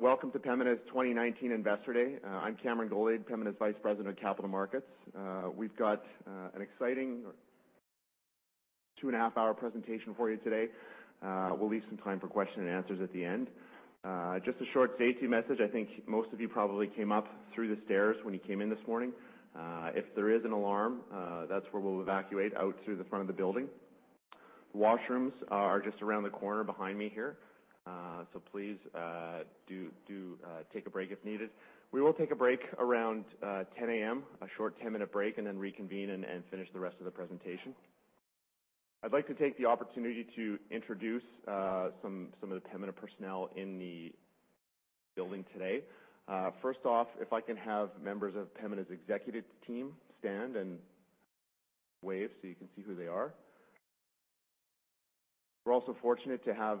Welcome to Pembina's 2019 Investor Day. I'm Cameron Goldade, Pembina's Vice President of Capital Markets. We've got an exciting two-and-a-half-hour presentation for you today. We'll leave some time for question and answers at the end. Just a short safety message. I think most of you probably came up through the stairs when you came in this morning. If there is an alarm, that's where we'll evacuate, out through the front of the building. Washrooms are just around the corner behind me here. Please, do take a break if needed. We will take a break around 10:00 A.M., a short 10-minute break, and then reconvene and finish the rest of the presentation. I'd like to take the opportunity to introduce some of the Pembina personnel in the building today. First off, if I can have members of Pembina's executive team stand and wave so you can see who they are. We're also fortunate to have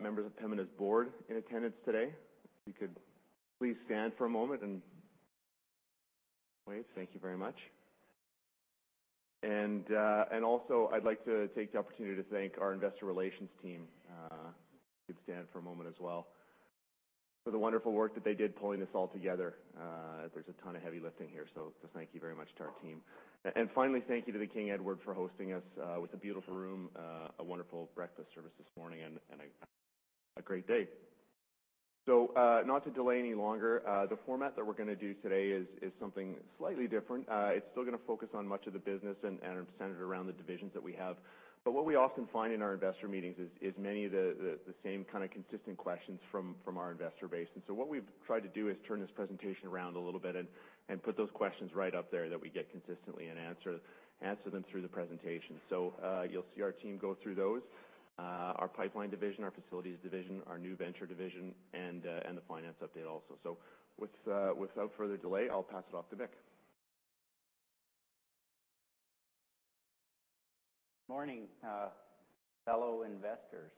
members of Pembina's board in attendance today. If you could please stand for a moment and wave. Thank you very much. Also, I'd like to take the opportunity to thank our investor relations team. If you could stand for a moment as well. For the wonderful work that they did pulling this all together. There's a ton of heavy lifting here, just thank you very much to our team. Finally, thank you to the King Edward for hosting us with a beautiful room, a wonderful breakfast service this morning, and a great day. Not to delay any longer, the format that we're going to do today is something slightly different. It's still going to focus on much of the business and are centered around the divisions that we have. What we often find in our investor meetings is many of the same kind of consistent questions from our investor base. What we've tried to do is turn this presentation around a little bit and put those questions right up there that we get consistently and answer them through the presentation. You'll see our team go through those, our Pipeline Division, our Facilities Division, our New Venture Division, and the finance update also. Without further delay, I'll pass it off to Mick. Morning, fellow investors.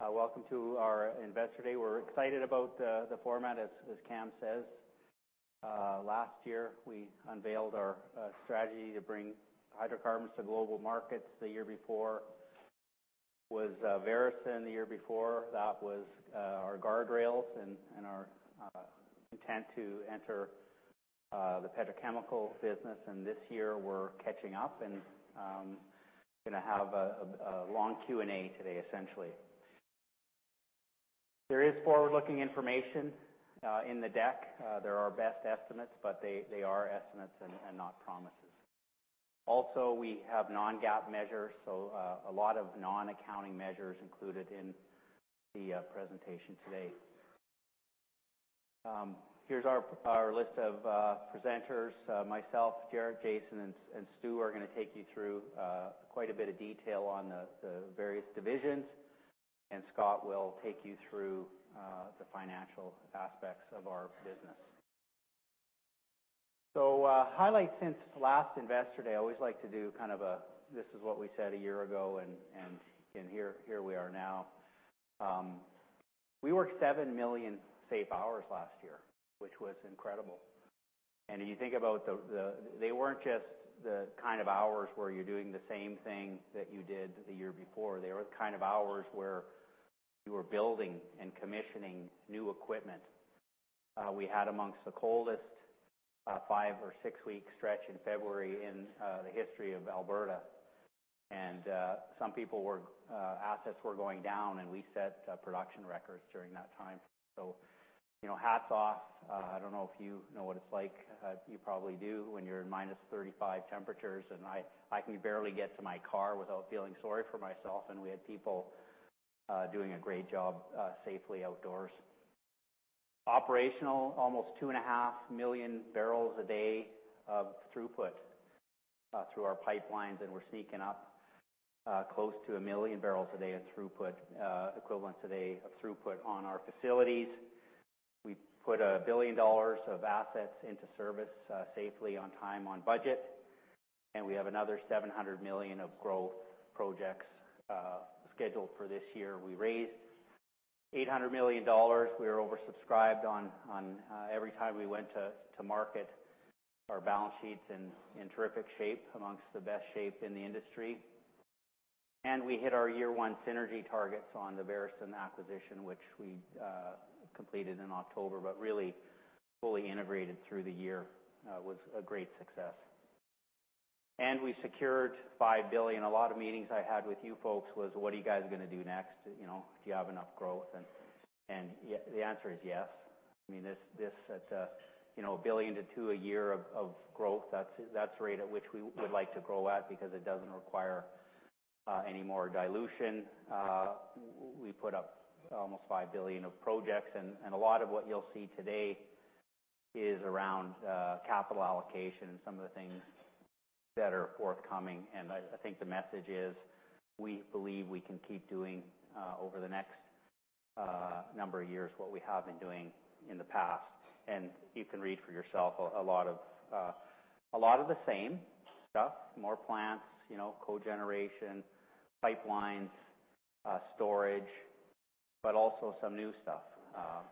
Welcome to our Investor Day. We're excited about the format, as Cam says. Last year, we unveiled our strategy to bring hydrocarbons to global markets. The year before was Veresen. The year before that was our guardrails and our intent to enter the petrochemical business. This year, we're catching up and going to have a long Q&A today, essentially. There is forward-looking information in the deck. They're our best estimates, but they are estimates and not promises. Also, we have non-GAAP measures, so a lot of non-accounting measures included in the presentation today. Here's our list of presenters. Myself, Jaret, Jason, and Stu are going to take you through quite a bit of detail on the various divisions, and Scott will take you through the financial aspects of our business. Highlights since last Investor Day. I always like to do a this is what we said a year ago. Here we are now. We worked 7 million safe hours last year, which was incredible. If you think about, they weren't just the kind of hours where you're doing the same thing that you did the year before. They were the kind of hours where you were building and commissioning new equipment. We had amongst the coldest 5 or 6-week stretch in February in the history of Alberta. Assets were going down, and we set production records during that time. Hats off. I don't know if you know what it's like, you probably do, when you're in minus 35 temperatures, and I can barely get to my car without feeling sorry for myself, and we had people doing a great job safely outdoors. Operational, almost two and a half million barrels a day of throughput through our pipelines, and we're sneaking up close to 1 million barrels a day of throughput equivalent today of throughput on our facilities. We put 1 billion dollars of assets into service safely, on time, on budget, and we have another 700 million of growth projects scheduled for this year. We raised 800 million dollars. We were oversubscribed every time we went to market. Our balance sheet's in terrific shape, amongst the best shape in the industry. We hit our year-one synergy targets on the Veresen acquisition, which we completed in October, but really fully integrated through the year, was a great success. We secured 5 billion. A lot of meetings I had with you folks was, "What are you guys going to do next? Do you have enough growth?" The answer is yes. This, at 1 billion to 2 billion a year of growth, that's the rate at which we would like to grow at because it doesn't require any more dilution. We put up almost 5 billion of projects, and a lot of what you'll see today is around capital allocation and some of the things that are forthcoming. I think the message is, we believe we can keep doing over the next number of years, what we have been doing in the past. You can read for yourself a lot of the same stuff, more plants, cogeneration, pipelines, storage, but also some new stuff.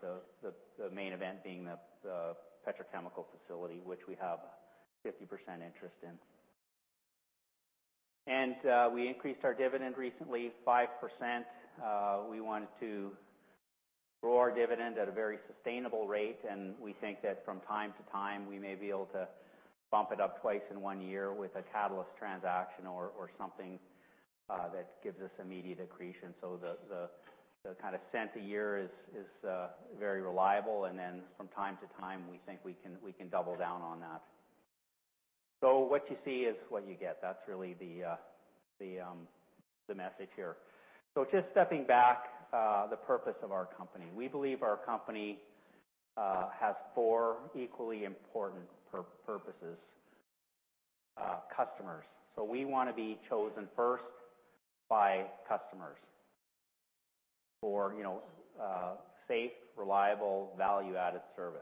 The main event being the petrochemical facility, which we have 50% interest in. We increased our dividend recently, 5%. We wanted to grow our dividend at a very sustainable rate, and we think that from time to time, we may be able to bump it up twice in one year with a catalyst transaction or something that gives us immediate accretion. The cent a year is very reliable, then from time to time, we think we can double down on that. What you see is what you get. That's really the message here. Just stepping back, the purpose of our company. We believe our company has four equally important purposes. Customers. We want to be chosen first by customers for safe, reliable, value-added service.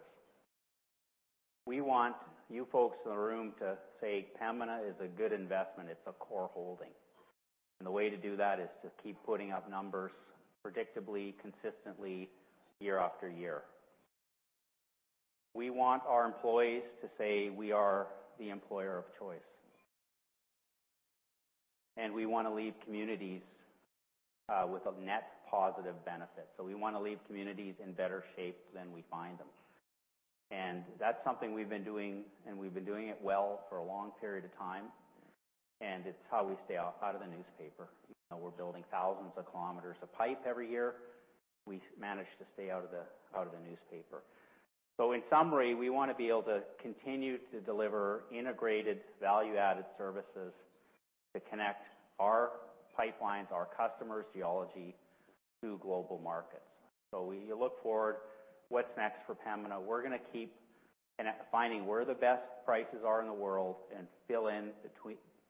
We want you folks in the room to say Pembina is a good investment, it's a core holding. The way to do that is to keep putting up numbers predictably, consistently, year after year. We want our employees to say we are the employer of choice. We want to leave communities with a net positive benefit. We want to leave communities in better shape than we find them. That's something we've been doing, and we've been doing it well for a long period of time. It's how we stay out of the newspaper. We're building thousands of kilometers of pipe every year. We manage to stay out of the newspaper. In summary, we want to be able to continue to deliver integrated value-added services that connect our pipelines, our customers' geology to global markets. We look forward, what's next for Pembina? We're going to keep finding where the best prices are in the world and fill in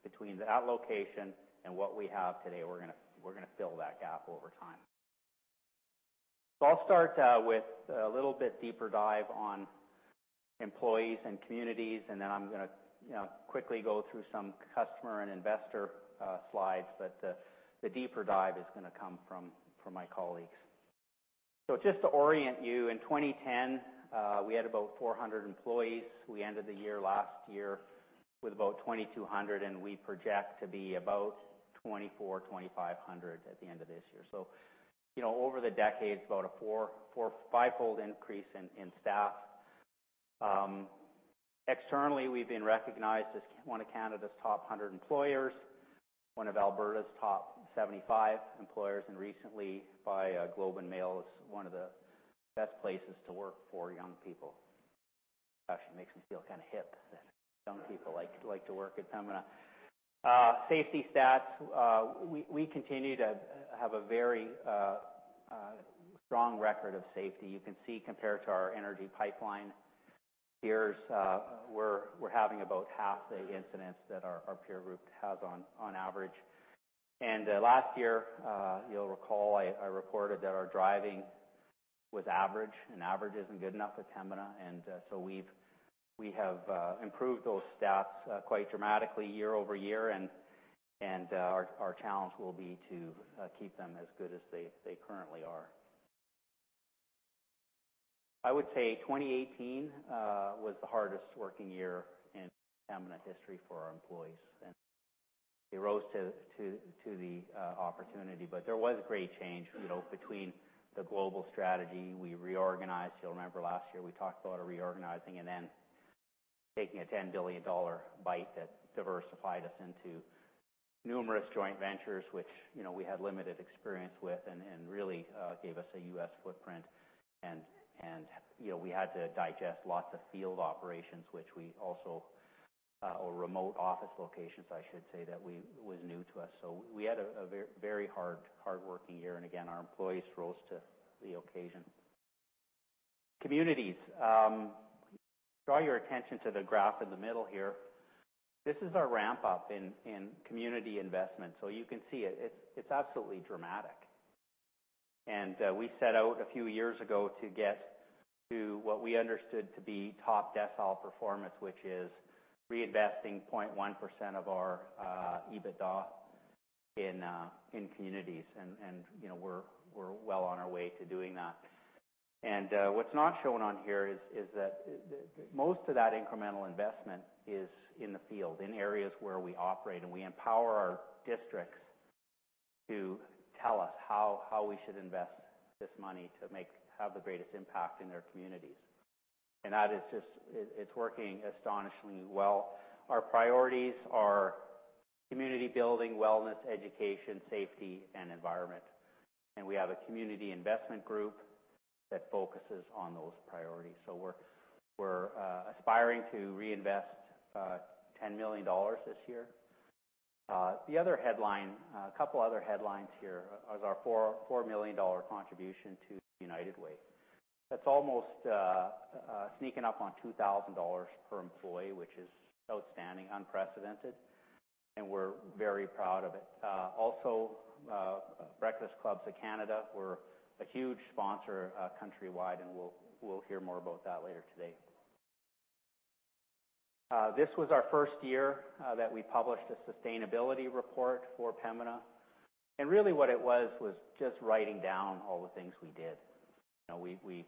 between that location and what we have today. We're going to fill that gap over time. I'll start with a little bit deeper dive on employees and communities, and then I'm going to quickly go through some customer and investor slides. The deeper dive is going to come from my colleagues. Just to orient you, in 2010, we had about 400 employees. We ended the year last year with about 2,200, and we project to be about 24, 2,500 at the end of this year. Over the decades, about a four or fivefold increase in staff. Externally, we've been recognized as one of Canada's top 100 employers, one of Alberta's top 75 employers, and recently by Globe and Mail as one of the best places to work for young people. Gosh, it makes me feel kind of hip that young people like to work at Pembina. Safety stats. We continue to have a very strong record of safety. You can see compared to our energy pipeline peers, we're having about half the incidents that our peer group has on average. Last year, you'll recall, I reported that our driving was average, and average isn't good enough at Pembina. We have improved those stats quite dramatically year-over-year, and our challenge will be to keep them as good as they currently are. I would say 2018 was the hardest working year in Pembina history for our employees, and they rose to the opportunity. There was great change between the global strategy. We reorganized. You'll remember last year, we talked about a reorganizing and then taking a 10 billion dollar bite that diversified us into numerous joint ventures, which we had limited experience with and really gave us a U.S. footprint. We had to digest lots of field operations or remote office locations, I should say, that was new to us. We had a very hard working year, and again, our employees rose to the occasion. Communities. Draw your attention to the graph in the middle here. This is our ramp-up in community investment. You can see it. It's absolutely dramatic. We set out a few years ago to get to what we understood to be top decile performance, which is reinvesting 0.1% of our EBITDA in communities, and we're well on our way to doing that. What's not shown on here is that most of that incremental investment is in the field, in areas where we operate, and we empower our districts to tell us how we should invest this money to have the greatest impact in their communities. It's working astonishingly well. Our priorities are community building, wellness, education, safety, and environment. We have a community investment group that focuses on those priorities. We're aspiring to reinvest 10 million dollars this year. A couple other headlines here is our 4 million dollar contribution to the United Way. That's almost sneaking up on 2,000 dollars per employee, which is outstanding, unprecedented, and we're very proud of it. Also, Breakfast Club of Canada. We're a huge sponsor countrywide, and we'll hear more about that later today. This was our first year that we published a sustainability report for Pembina. Really what it was just writing down all the things we did. We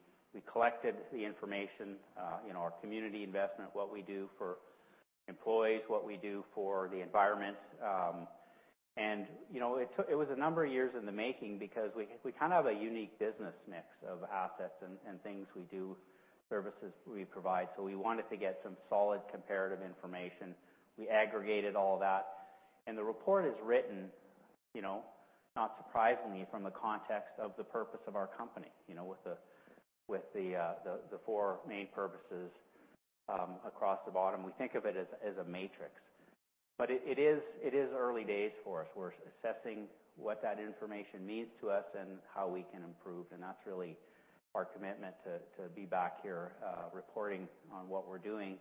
collected the information, our community investment, what we do for employees, what we do for the environment. It was a number of years in the making because we have a unique business mix of assets and things we do, services we provide. We wanted to get some solid comparative information. We aggregated all that. The report is written, not surprisingly, from the context of the purpose of our company, with the four main purposes across the bottom. We think of it as a matrix. It is early days for us. We're assessing what that information means to us and how we can improve, and that's really our commitment to be back here, reporting on what we're doing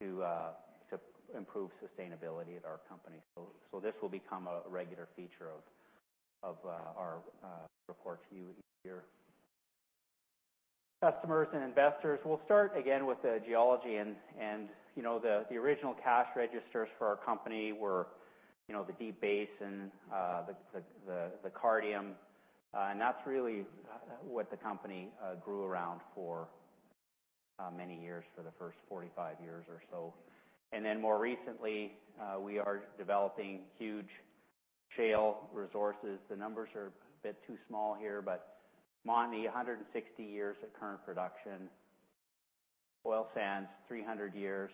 to improve sustainability at our company. This will become a regular feature of our report to you each year. Customers and investors. We'll start again with the geology and the original cash registers for our company were the Deep Basin, the Cardium. That's really what the company grew around for many years, for the first 45 years or so. More recently, we are developing huge shale resources. The numbers are a bit too small here, but Montney, 160 years at current production. Oil sands, 300 years.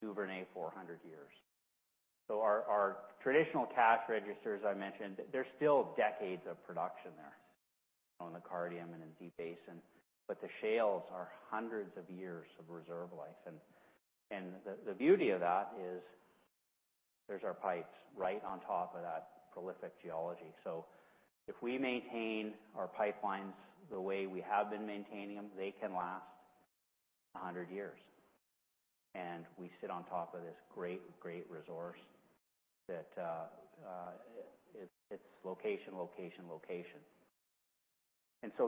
Duvernay, 400 years. Our traditional cash registers, I mentioned, there's still decades of production there on the Cardium and in Deep Basin. The shales are hundreds of years of reserve life. The beauty of that is there's our pipes right on top of that prolific geology. If we maintain our pipelines the way we have been maintaining them, they can last 100 years. We sit on top of this great resource that. It's location, location.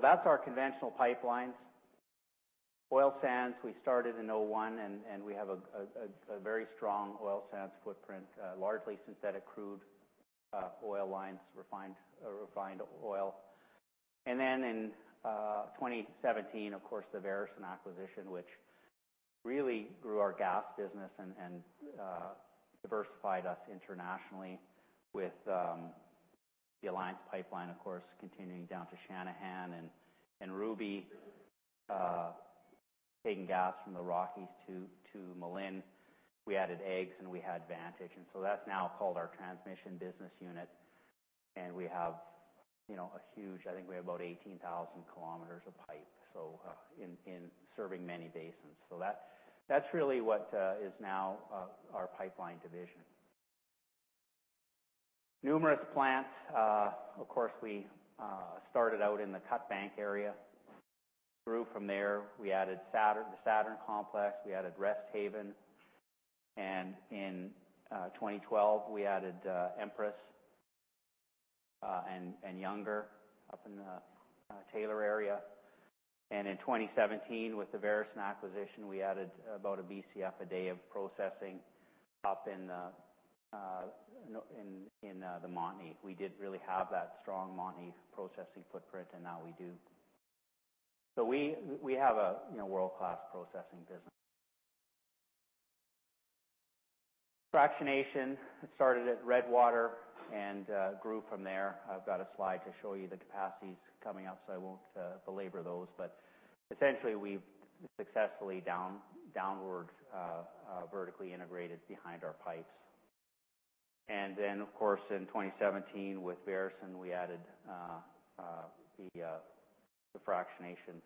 That's our conventional pipelines. Oil sands, we started in 2001, we have a very strong Oil sands footprint, largely synthetic crude oil lines, refined oil. In 2017, of course, the Veresen acquisition, which really grew our gas business and diversified us internationally with the Alliance Pipeline, of course, continuing down to Channahon and Ruby Pipeline, taking gas from the Rockies to Malin. We added AEGS and we had Vantage Pipeline. That's now called our transmission business unit, and we have a huge, I think we have about 18,000 km of pipe, serving many basins. That's really what is now our pipeline division. Numerous plants. Of course, we started out in the Cut Bank area, grew from there. We added the Saturn complex, we added Resthaven, and in 2012, we added Empress and Younger up in the Taylor area. In 2017, with the Veresen acquisition, we added about a Bcf a day of processing up in the Montney. We didn't really have that strong Montney processing footprint, and now we do. We have a world-class processing business. Fractionation, it started at Redwater and grew from there. I've got a slide to show you the capacities coming up, so I won't belabor those. Essentially, we've successfully downward vertically integrated behind our pipes. Of course, in 2017 with Veresen, we added the fractionation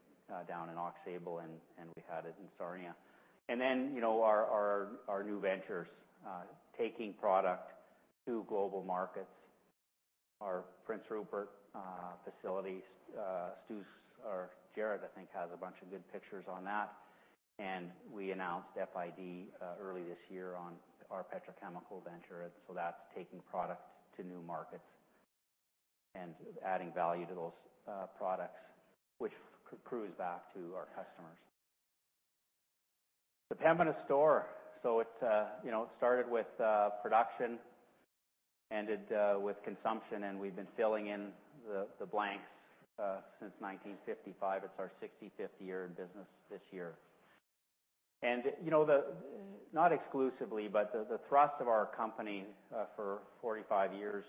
down in Aux Sable, and we had it in Sarnia. Our new ventures, taking product to global markets. Our Prince Rupert facility, Jaret, I think, has a bunch of good pictures on that. We announced FID early this year on our petrochemical venture, so that's taking product to new markets and adding value to those products, which accrues back to our customers. The Pembina Store. It started with production, ended with consumption, and we've been filling in the blanks since 1955. It's our 65th year in business this year. Not exclusively, but the thrust of our company for 45 years,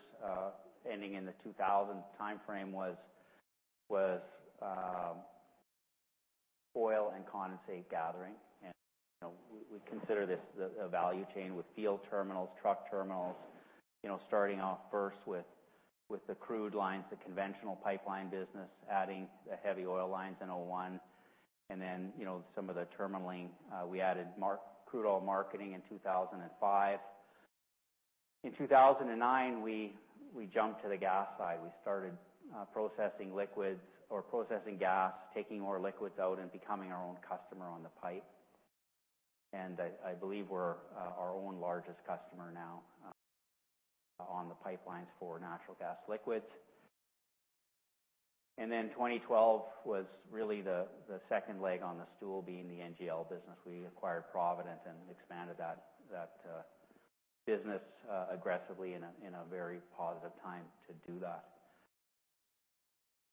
ending in the 2000 timeframe, was oil and condensate gathering. We consider this a value chain with field terminals, truck terminals, starting off first with the crude lines, the conventional pipeline business, adding the heavy oil lines in 2001. Some of the terminalling, we added crude oil marketing in 2005. In 2009, we jumped to the gas side. We started processing liquids or processing gas, taking more liquids out and becoming our own customer on the pipe. I believe we're our own largest customer now on the pipelines for natural gas liquids. 2012 was really the second leg on the stool, being the NGL business. We acquired Provident and expanded that business aggressively in a very positive time to do that.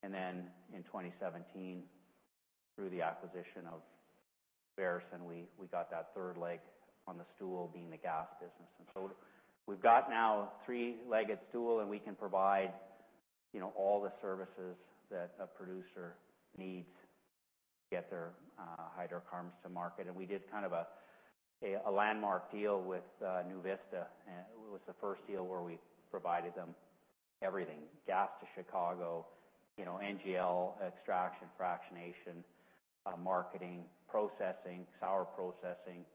In 2017, through the acquisition of Veresen, we got that third leg on the stool, being the gas business. We've got now a three-legged stool, and we can provide all the services that a producer needs to get their hydrocarbons to market. We did kind of a landmark deal with NuVista. It was the first deal where we provided them everything, gas to Chicago, NGL extraction, fractionation, marketing, processing, sour processing,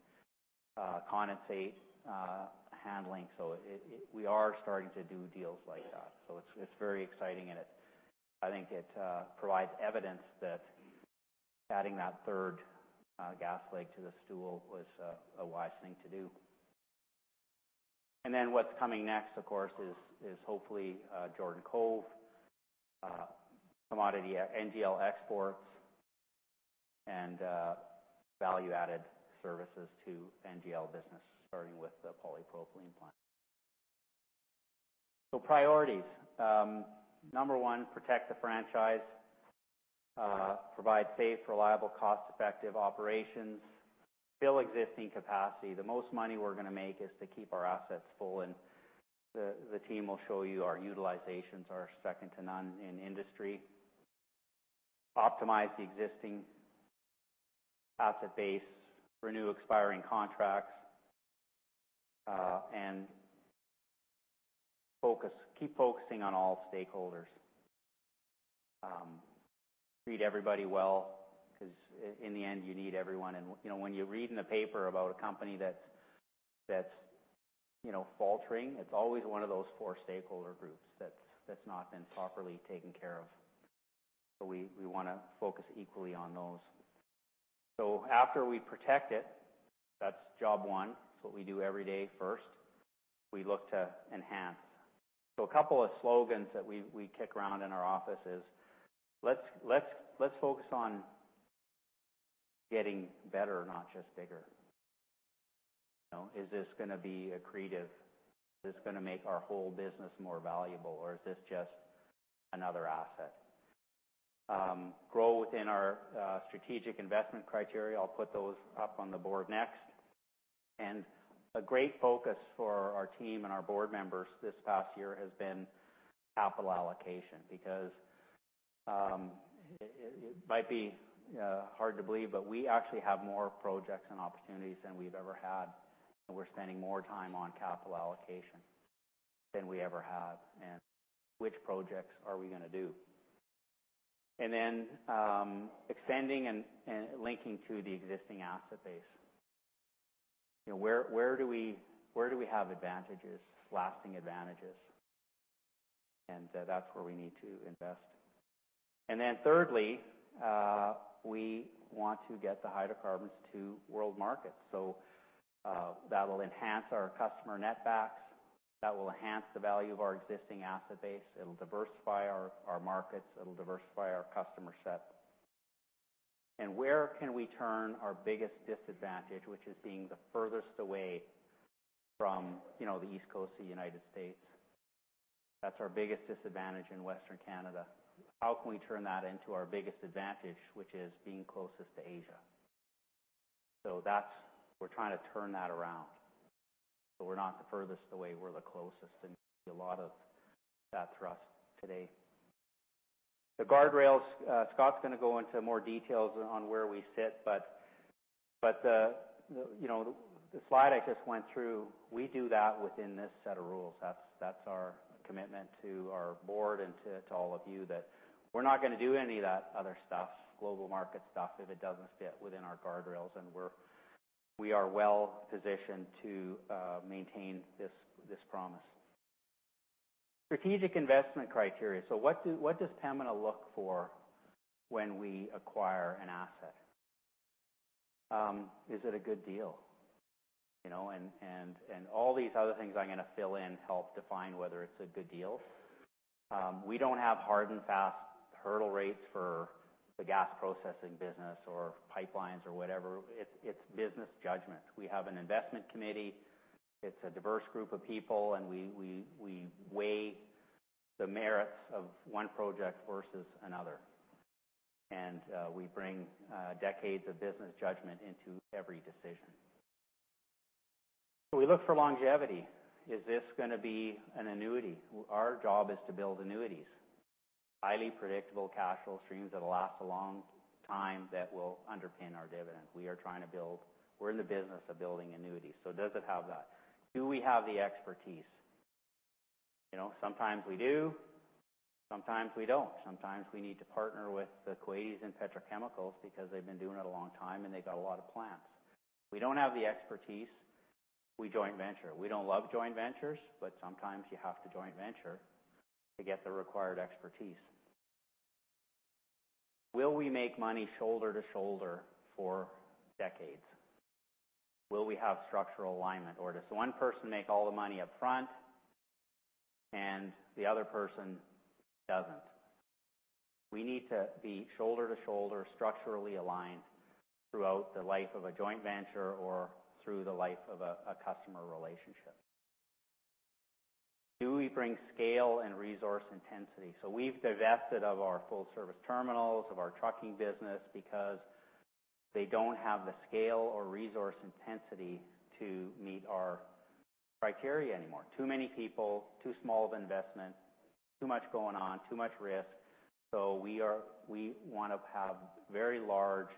condensate handling. We are starting to do deals like that. It's very exciting, and I think it provides evidence that adding that third gas leg to the stool was a wise thing to do. What's coming next, of course, is hopefully Jordan Cove, commodity NGL exports, and value-added services to NGL business, starting with the polypropylene plant. Priorities. Number 1, protect the franchise. Provide safe, reliable, cost-effective operations. Fill existing capacity. The most money we're going to make is to keep our assets full, and the team will show you our utilizations are second to none in the industry. Optimize the existing asset base, renew expiring contracts, keep focusing on all stakeholders. Treat everybody well, because in the end, you need everyone. When you read in the paper about a company that is faltering, it is always one of those four stakeholder groups that is not been properly taken care of. We want to focus equally on those. After we protect it, that is job one. It's what we do every day first. We look to enhance. A couple of slogans that we kick around in our office is, let's focus on getting better, not just bigger. Is this going to be accretive? Is this going to make our whole business more valuable, or is this just another asset? Grow within our strategic investment criteria. I'll put those up on the board next. A great focus for our team and our board members this past year has been capital allocation, because it might be hard to believe, but we actually have more projects and opportunities than we've ever had, and we're spending more time on capital allocation than we ever have, which projects are we going to do. Extending and linking to the existing asset base. Where do we have advantages, lasting advantages? That's where we need to invest. Thirdly, we want to get the hydrocarbons to world markets. That will enhance our customer netbacks. That will enhance the value of our existing asset base. It'll diversify our markets. It'll diversify our customer set. Where can we turn our biggest disadvantage, which is being the furthest away from the East Coast of the United States? That's our biggest disadvantage in Western Canada. How can we turn that into our biggest advantage, which is being closest to Asia? We're trying to turn that around. We're not the furthest away, we're the closest, a lot of that thrust today. The guardrails, Scott's going to go into more details on where we sit, but the slide I just went through, we do that within this set of rules. That's our commitment to our board and to all of you that we're not going to do any of that other stuff, global market stuff, if it doesn't fit within our guardrails, and we are well-positioned to maintain this promise. Strategic investment criteria. What does Pembina look for when we acquire an asset? Is it a good deal? All these other things I'm going to fill in help define whether it's a good deal. We don't have hard and fast hurdle rates for the gas processing business or pipelines or whatever. It's business judgment. It's a diverse group of people, and we weigh the merits of one project versus another. We bring decades of business judgment into every decision. We look for longevity. Is this going to be an annuity? Our job is to build annuities, highly predictable cash flow streams that'll last a long time that will underpin our dividend. We're in the business of building annuities. Does it have that? Do we have the expertise? Sometimes we do, sometimes we don't. Sometimes we need to partner with the Kuwaitis and petrochemicals because they've been doing it a long time and they've got a lot of plants. We don't have the expertise, we joint venture. We don't love joint ventures, sometimes you have to joint venture to get the required expertise. Will we make money shoulder to shoulder for decades? Will we have structural alignment or does one person make all the money up front and the other person doesn't? We need to be shoulder-to-shoulder structurally aligned throughout the life of a joint venture or through the life of a customer relationship. Do we bring scale and resource intensity? We've divested of our full-service terminals, of our trucking business, because they don't have the scale or resource intensity to meet our criteria anymore. Too many people, too small of investment, too much going on, too much risk. We want to have very large,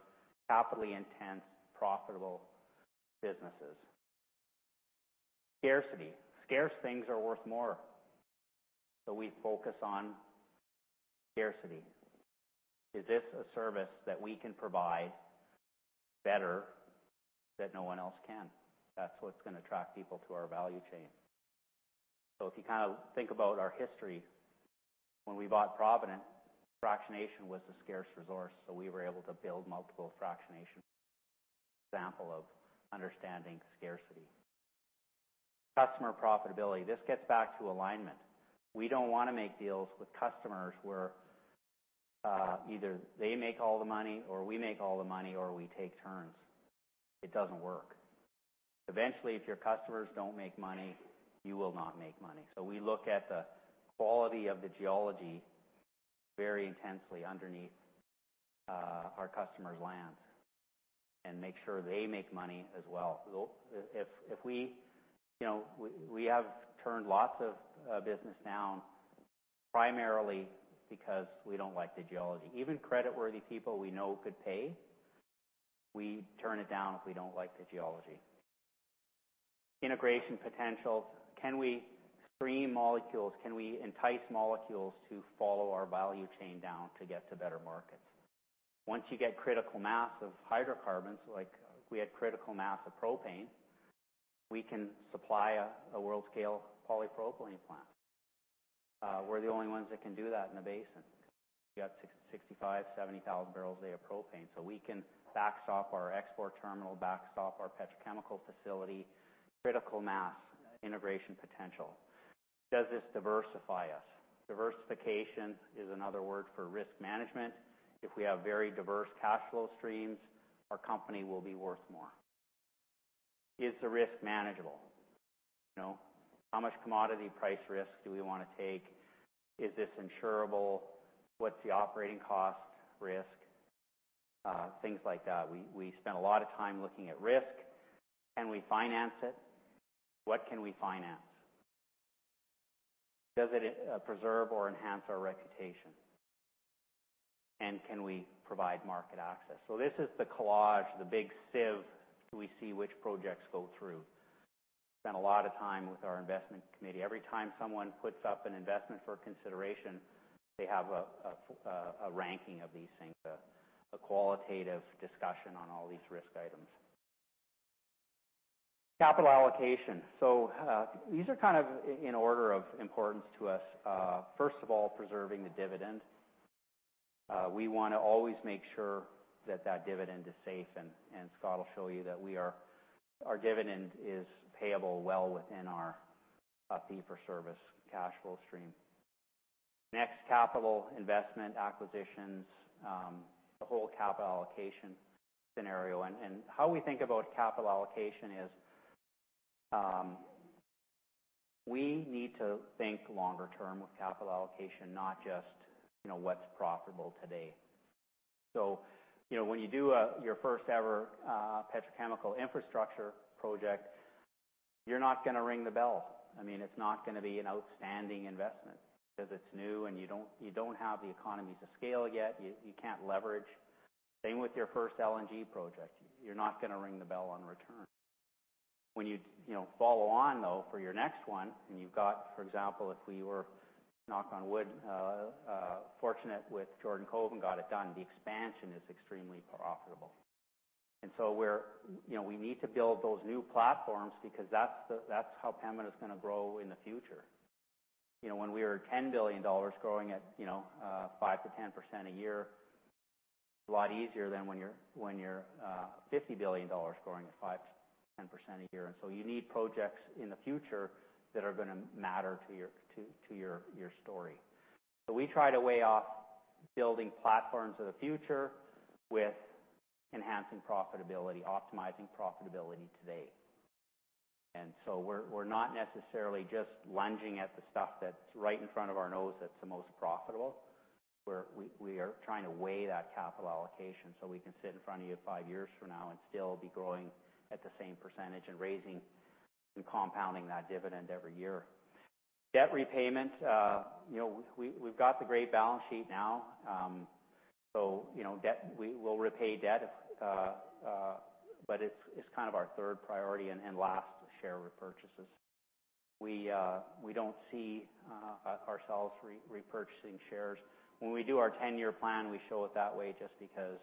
capitally intense, profitable businesses. Scarcity. Scarce things are worth more. We focus on scarcity. Is this a service that we can provide better that no one else can? That's what's going to attract people to our value chain. If you think about our history, when we bought Provident, fractionation was a scarce resource, we were able to build multiple fractionation. Example of understanding scarcity. Customer profitability. This gets back to alignment. We don't want to make deals with customers where either they make all the money or we make all the money, or we take turns. It doesn't work. Eventually, if your customers don't make money, you will not make money. We look at the quality of the geology very intensely underneath our customers' lands and make sure they make money as well. We have turned lots of business down, primarily because we don't like the geology. Even creditworthy people we know could pay, we turn it down if we don't like the geology. Integration potential. Can we stream molecules? Can we entice molecules to follow our value chain down to get to better markets? Once you get critical mass of hydrocarbons, like we had critical mass of propane, we can supply a world-scale polypropylene plant. We're the only ones that can do that in the basin. We got 65,000, 70,000 barrels a day of propane. We can backstop our export terminal, backstop our petrochemical facility, critical mass integration potential. Does this diversify us? Diversification is another word for risk management. If we have very diverse cash flow streams, our company will be worth more. Is the risk manageable? How much commodity price risk do we want to take? Is this insurable? What's the operating cost risk? Things like that. We spend a lot of time looking at risk. Can we finance it? What can we finance? Does it preserve or enhance our reputation? Can we provide market access? This is the collage, the big sieve. Do we see which projects go through? Spend a lot of time with our investment committee. Every time someone puts up an investment for consideration, they have a ranking of these things, a qualitative discussion on all these risk items. Capital allocation. These are in order of importance to us. First of all, preserving the dividend. We want to always make sure that that dividend is safe, and Scott will show you that our dividend is payable well within our fee for service cash flow stream. Next, capital investment acquisitions, the whole capital allocation scenario. How we think about capital allocation is, we need to think longer term with capital allocation, not just what's profitable today. When you do your first-ever petrochemical infrastructure project, you're not going to ring the bell. It's not going to be an outstanding investment because it's new, and you don't have the economies of scale yet. You can't leverage. Same with your first LNG project. You're not going to ring the bell on return. When you follow on, though, for your next one, and you've got For example, if we were, knock on wood, fortunate with Jordan Cove and got it done, the expansion is extremely profitable. We need to build those new platforms because that's how Pembina is going to grow in the future. When we were at 10 billion dollars, growing at 5%-10% a year, a lot easier than when you're 50 billion dollars, growing at 5%-10% a year. You need projects in the future that are going to matter to your story. We try to weigh off building platforms of the future with enhancing profitability, optimizing profitability today. We're not necessarily just lunging at the stuff that's right in front of our nose that's the most profitable. We are trying to weigh that capital allocation so we can sit in front of you 5 years from now and still be growing at the same percentage and raising and compounding that dividend every year. Debt repayment. We've got the great balance sheet now. We will repay debt, but it's our 3rd priority and last, share repurchases. We don't see ourselves repurchasing shares. When we do our 10-year plan, we show it that way just because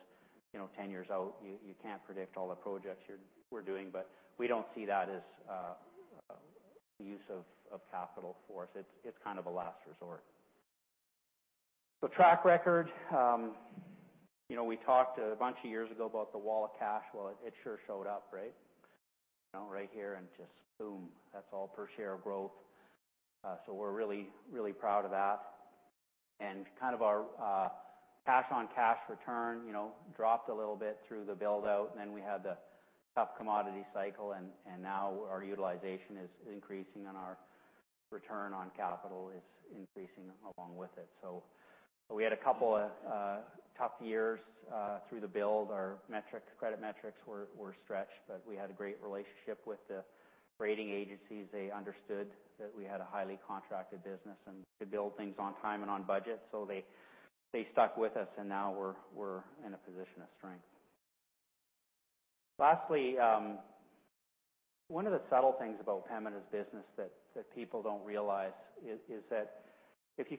10 years out, you can't predict all the projects we're doing, but we don't see that as a use of capital for us. It's kind of a last resort. So track record. We talked a bunch of years ago about the wall of cash. Well, it sure showed up, right? Right here and just boom, that's all per share growth. We're really, really proud of that. Our cash-on-cash return dropped a little bit through the build-out. We had the tough commodity cycle, and now our utilization is increasing, and our return on capital is increasing along with it. We had a couple of tough years through the build. Our credit metrics were stretched, but we had a great relationship with the rating agencies. They understood that we had a highly contracted business and could build things on time and on budget, so they stuck with us, and now we're in a position of strength. Lastly, one of the subtle things about Pembina's business that people don't realize is that if you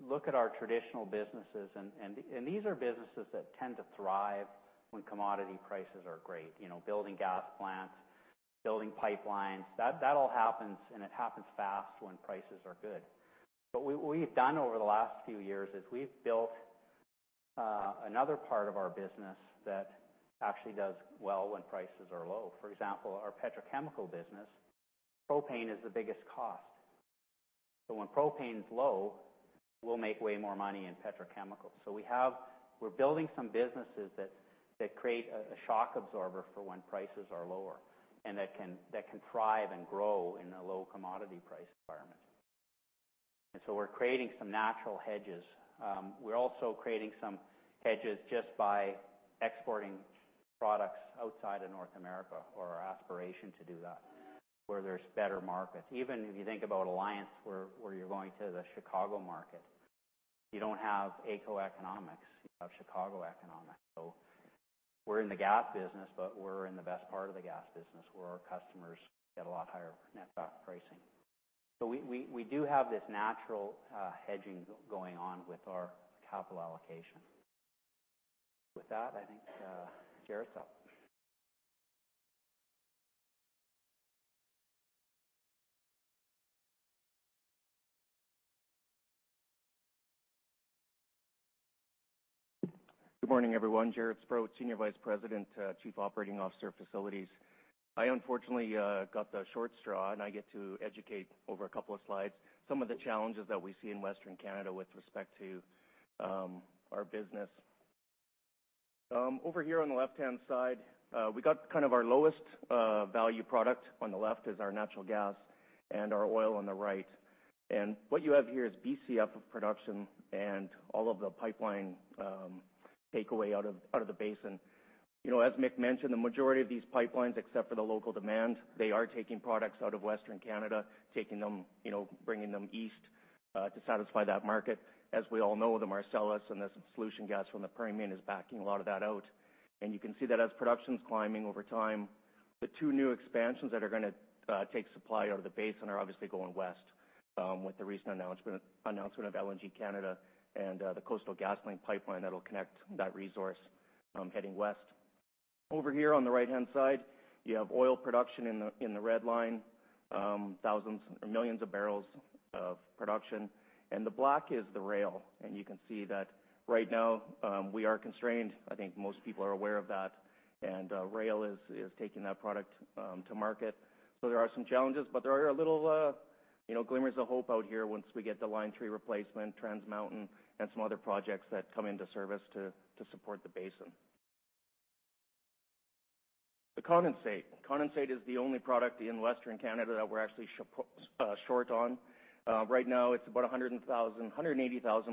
look at our traditional businesses, these are businesses that tend to thrive when commodity prices are great. Building gas plants, building pipelines, that all happens, and it happens fast when prices are good. What we've done over the last few years is we've built another part of our business that actually does well when prices are low. For example, our petrochemical business, propane is the biggest cost. When propane's low, we'll make way more money in petrochemicals. We're building some businesses that create a shock absorber for when prices are lower, and that can thrive and grow in a low commodity price environment. We're creating some natural hedges. We're also creating some hedges just by exporting products outside of North America or our aspiration to do that, where there's better markets. Even if you think about Alliance, where you're going to the Chicago market, you don't have AECO economics, you have Chicago economics. We're in the gas business, but we're in the best part of the gas business, where our customers get a lot higher net-back pricing. We do have this natural hedging going on with our capital allocation. I think Jaret's up. Good morning, everyone. Jaret Sprott, Senior Vice President & Chief Operating Officer, Facilities. I unfortunately got the short straw, and I get to educate over a couple of slides, some of the challenges that we see in Western Canada with respect to our business. Over here on the left-hand side, we got our lowest value product. On the left is our natural gas and our oil on the right. What you have here is Bcf of production and all of the pipeline takeaway out of the basin. As Mick mentioned, the majority of these pipelines, except for the local demand, they are taking products out of Western Canada, bringing them east to satisfy that market. As we all know, the Marcellus and the solution gas from the Permian is backing a lot of that out. You can see that as production's climbing over time, the two new expansions that are going to take supply out of the basin are obviously going west with the recent announcement of LNG Canada and the Coastal GasLink pipeline that'll connect that resource heading west. Over here on the right-hand side, you have oil production in the red line, millions of barrels of production, and the black is the rail, and you can see that right now we are constrained. I think most people are aware of that, and rail is taking that product to market. There are some challenges, but there are little glimmers of hope out here once we get the Line 3 replacement, Trans Mountain, and some other projects that come into service to support the basin. The condensate. Condensate is the only product in Western Canada that we're actually short on. Right now, it's about 180,000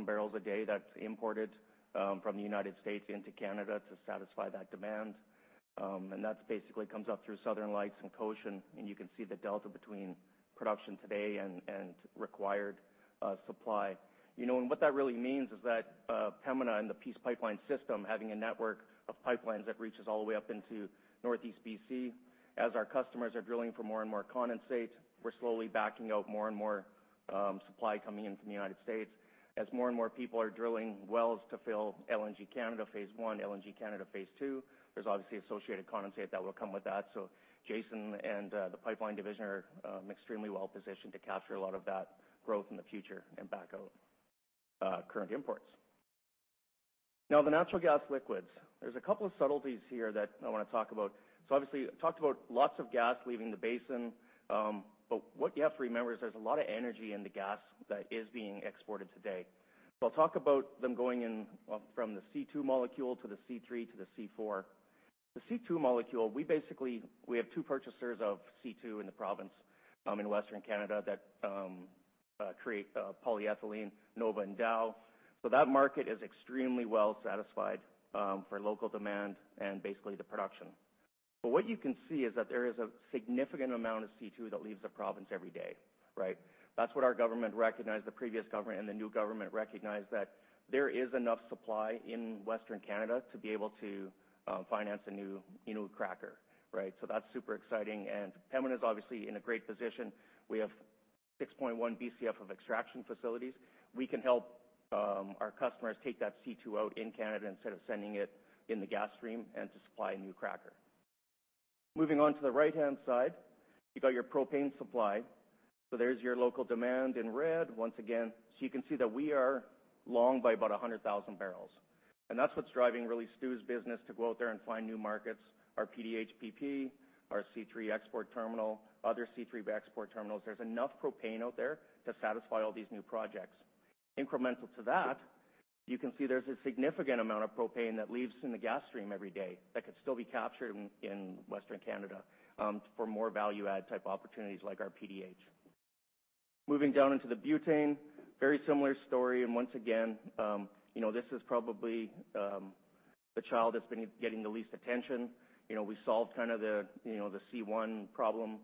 barrels a day that's imported from the United States into Canada to satisfy that demand. That basically comes up through Southern Lights and Cochin, and you can see the delta between production today and required supply. What that really means is that Pembina and the Peace Pipeline system, having a network of pipelines that reaches all the way up into Northeast B.C. As our customers are drilling for more and more condensate, we're slowly backing out more and more supply coming in from the United States. As more and more people are drilling wells to fill LNG Canada Phase 1, LNG Canada Phase 2, there's obviously associated condensate that will come with that. Jason and the pipeline division are extremely well-positioned to capture a lot of that growth in the future and back out current imports. The natural gas liquids. There's a couple of subtleties here that I want to talk about. Obviously, talked about lots of gas leaving the basin, what you have to remember is there's a lot of energy in the gas that is being exported today. I'll talk about them going in from the C2 molecule to the C3 to the C4. The C2 molecule, we have two purchasers of C2 in the province in Western Canada that create polyethylene, NOVA Chemicals and Dow. That market is extremely well-satisfied for local demand and basically the production. What you can see is that there is a significant amount of C2 that leaves the province every day. Right? That's what our government recognized, the previous government and the new government recognized that there is enough supply in Western Canada to be able to finance a new cracker, right? That's super exciting, and Pembina's obviously in a great position. We have 6.1 Bcf of extraction facilities. We can help our customers take that C2 out in Canada instead of sending it in the gas stream and to supply a new cracker. Moving on to the right-hand side, you've got your propane supply. There's your local demand in red once again. You can see that we are long by about 100,000 barrels. That's what's driving really Stu's business to go out there and find new markets, our PDH/PP, our C3 export terminal, other C3 export terminals. There's enough propane out there to satisfy all these new projects. Incremental to that, you can see there's a significant amount of propane that leaves in the gas stream every day that could still be captured in Western Canada for more value-add type opportunities like our PDH. Moving down into the butane, very similar story, and once again, this is probably the child that's been getting the least attention. We solved the C1 problem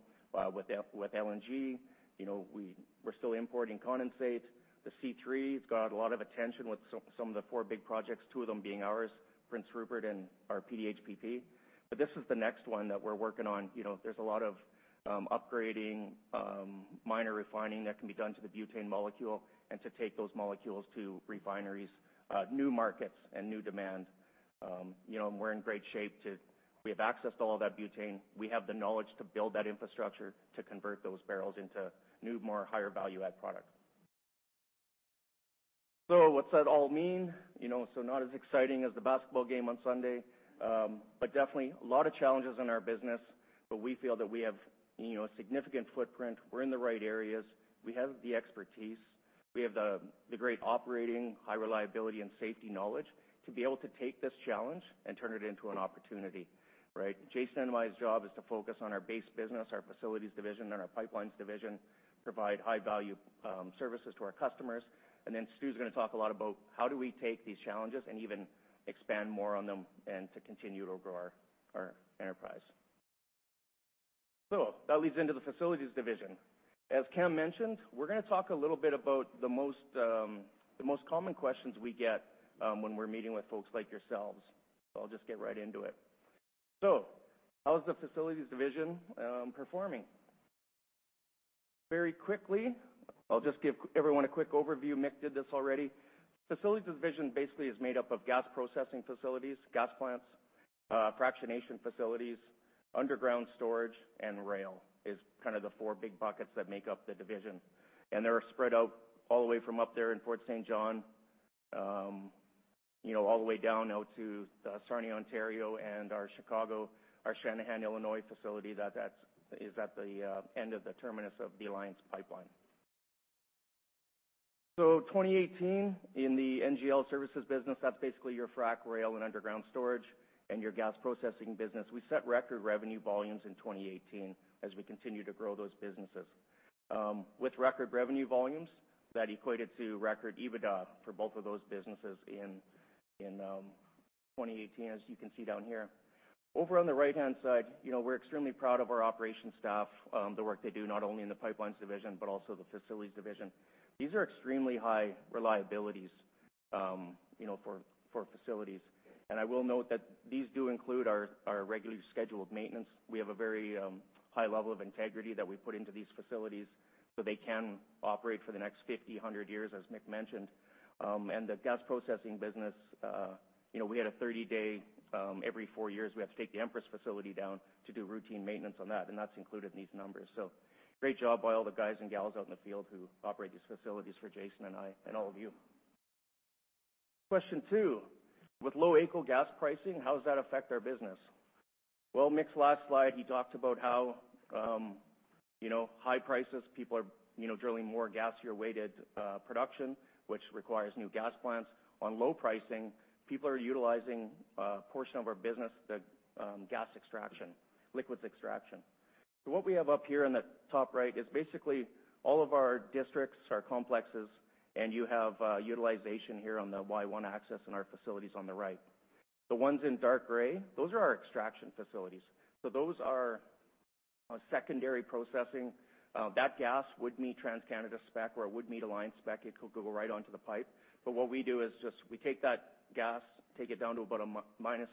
with LNG. We're still importing condensate. The C3 has got a lot of attention with some of the four big projects, two of them being ours, Prince Rupert and our PDH/PP. This is the next one that we're working on. There's a lot of upgrading, minor refining that can be done to the butane molecule and to take those molecules to refineries, new markets, and new demand. We're in great shape. We have access to all that butane. We have the knowledge to build that infrastructure to convert those barrels into new, more higher value-add product. What's that all mean? Not as exciting as the basketball game on Sunday, but definitely a lot of challenges in our business, but we feel that we have a significant footprint. We're in the right areas. We have the expertise. We have the great operating, high reliability, and safety knowledge to be able to take this challenge and turn it into an opportunity. Right? Jason and my job is to focus on our base business, our facilities division, and our pipelines division, provide high-value services to our customers. Stu's going to talk a lot about how do we take these challenges and even expand more on them and to continue to grow our enterprise. That leads into the facilities division. As Cam mentioned, we're going to talk a little bit about the most common questions we get when we're meeting with folks like yourselves. I'll just get right into it. How is the Facilities division performing? Very quickly, I'll just give everyone a quick overview. Mick did this already. Facilities division basically is made up of gas processing facilities, gas plants, fractionation facilities, underground storage, and rail is kind of the 4 big buckets that make up the division. They are spread out all the way from up there in Fort St. John all the way down now to Sarnia, Ontario, and our Chicago, our Channahon, Illinois, facility that is at the end of the terminus of the Alliance Pipeline. 2018 in the NGL services business, that's basically your frack rail and underground storage and your gas processing business. We set record revenue volumes in 2018 as we continue to grow those businesses. With record revenue volumes, that equated to record EBITDA for both of those businesses in 2018, as you can see down here. Over on the right-hand side, we're extremely proud of our operations staff, the work they do not only in the Pipelines division, but also the Facilities division. These are extremely high reliabilities for facilities. I will note that these do include our regularly scheduled maintenance. We have a very high level of integrity that we put into these facilities so they can operate for the next 50, 100 years, as Mick mentioned. The gas processing business, we had a 30-day, every four years, we have to take the Empress facility down to do routine maintenance on that, and that's included in these numbers. Great job by all the guys and gals out in the field who operate these facilities for Jason and I and all of you. Question two, with low AECO gas pricing, how does that affect our business? Mick's last slide, he talked about how high prices, people are drilling more gasier-weighted production, which requires new gas plants. On low pricing, people are utilizing a portion of our business, the gas extraction, liquids extraction. What we have up here in the top right is basically all of our districts, our complexes, and you have utilization here on the Y1 axis and our facilities on the right. The ones in dark gray, those are our extraction facilities. Those are secondary processing. That gas would meet TransCanada spec or would meet Alliance spec. It could go right onto the pipe. What we do is just we take that gas, take it down to about -110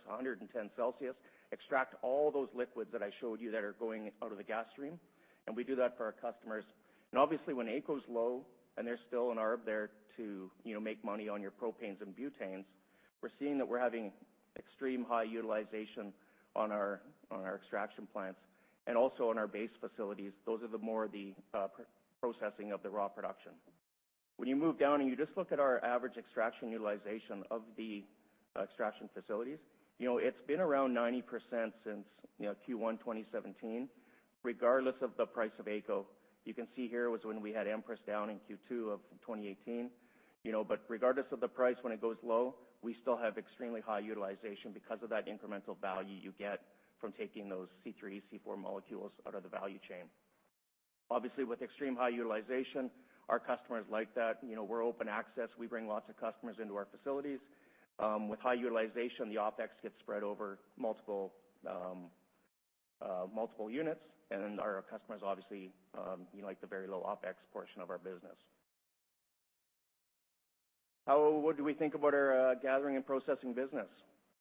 Celsius, extract all those liquids that I showed you that are going out of the gas stream, and we do that for our customers. Obviously, when AECO's low and there's still an arb there to make money on your propanes and butanes, we're seeing that we're having extreme high utilization on our extraction plants and also on our base facilities. Those are the more the processing of the raw production. When you move down and you just look at our average extraction utilization of the extraction facilities, it's been around 90% since Q1 2017, regardless of the price of AECO. You can see here was when we had Empress down in Q2 of 2018. Regardless of the price, when it goes low, we still have extremely high utilization because of that incremental value you get from taking those C3, C4 molecules out of the value chain. Obviously, with extreme high utilization, our customers like that. We're open access. We bring lots of customers into our facilities. With high utilization, the OpEx gets spread over multiple units, and our customers obviously like the very low OpEx portion of our business. What do we think about our gathering and processing business?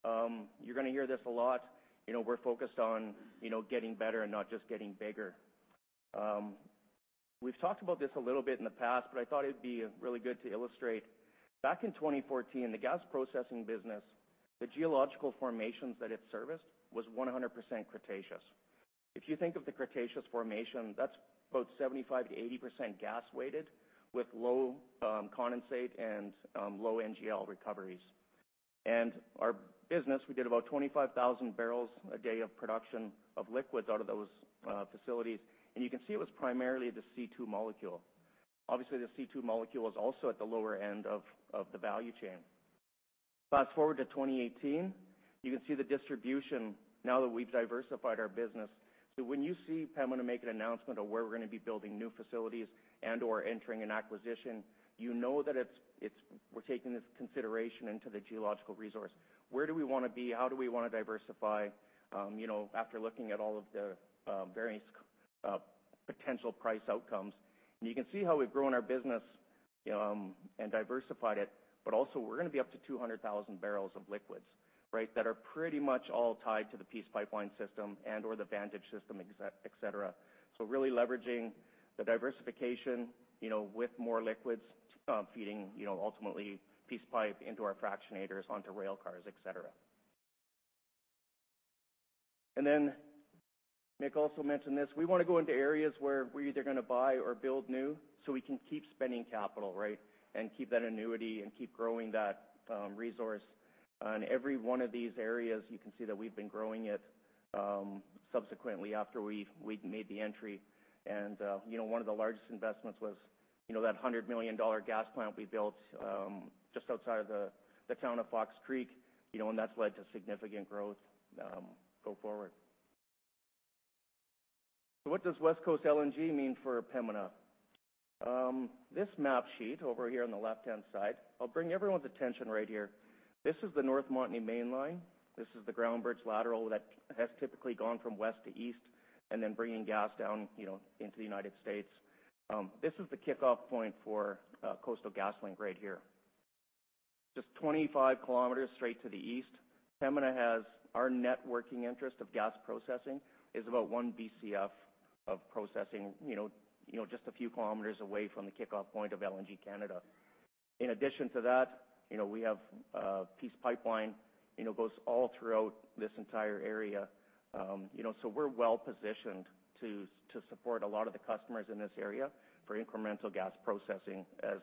You're going to hear this a lot. We're focused on getting better and not just getting bigger. We've talked about this a little bit in the past, but I thought it'd be really good to illustrate. Back in 2014, the gas processing business, the geological formations that it serviced was 100% Cretaceous. If you think of the Cretaceous formation, that's about 75%-80% gas weighted with low condensate and low NGL recoveries. Our business, we did about 25,000 barrels a day of production of liquids out of those facilities, and you can see it was primarily the C2 molecule. Obviously, the C2 molecule was also at the lower end of the value chain. Fast-forward to 2018, you can see the distribution now that we've diversified our business. When you see Pembina make an announcement of where we're going to be building new facilities and/or entering an acquisition, you know that we're taking this consideration into the geological resource. Where do we want to be? How do we want to diversify? After looking at all of the various potential price outcomes. You can see how we've grown our business and diversified it, but also we're going to be up to 200,000 barrels of liquids that are pretty much all tied to the Peace Pipeline system and/or the Vantage system, et cetera. Really leveraging the diversification with more liquids feeding ultimately Peace Pipe into our fractionators onto rail cars, et cetera. Mick also mentioned this, we want to go into areas where we're either going to buy or build new so we can keep spending capital and keep that annuity and keep growing that resource. On every one of these areas, you can see that we've been growing it subsequently after we'd made the entry. One of the largest investments was that 100 million dollar gas plant we built just outside of the town of Fox Creek, and that's led to significant growth go forward. What does West Coast LNG mean for Pembina? This map sheet over here on the left-hand side, I'll bring everyone's attention right here. This is the North Montney Mainline. This is the Groundbirch lateral that has typically gone from west to east and then bringing gas down into the U.S. This is the kickoff point for Coastal GasLink right here. Just 25 kilometers straight to the east, Pembina has our net working interest of gas processing is about 1 BCF of processing just a few kilometers away from the kickoff point of LNG Canada. In addition to that, we have Peace Pipeline, goes all throughout this entire area. We're well-positioned to support a lot of the customers in this area for incremental gas processing as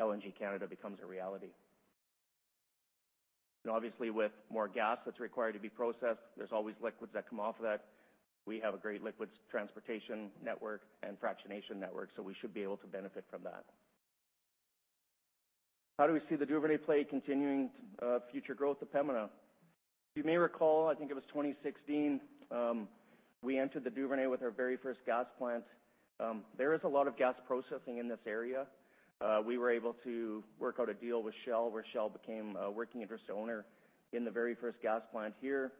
LNG Canada becomes a reality. Obviously, with more gas that's required to be processed, there's always liquids that come off of that. We have a great liquids transportation network and fractionation network, so we should be able to benefit from that. How do we see the Duvernay Play continuing future growth of Pembina? You may recall, I think it was 2016, we entered the Duvernay with our very first gas plant. There is a lot of gas processing in this area. We were able to work out a deal with Shell, where Shell became a working interest owner in the very first gas plant here.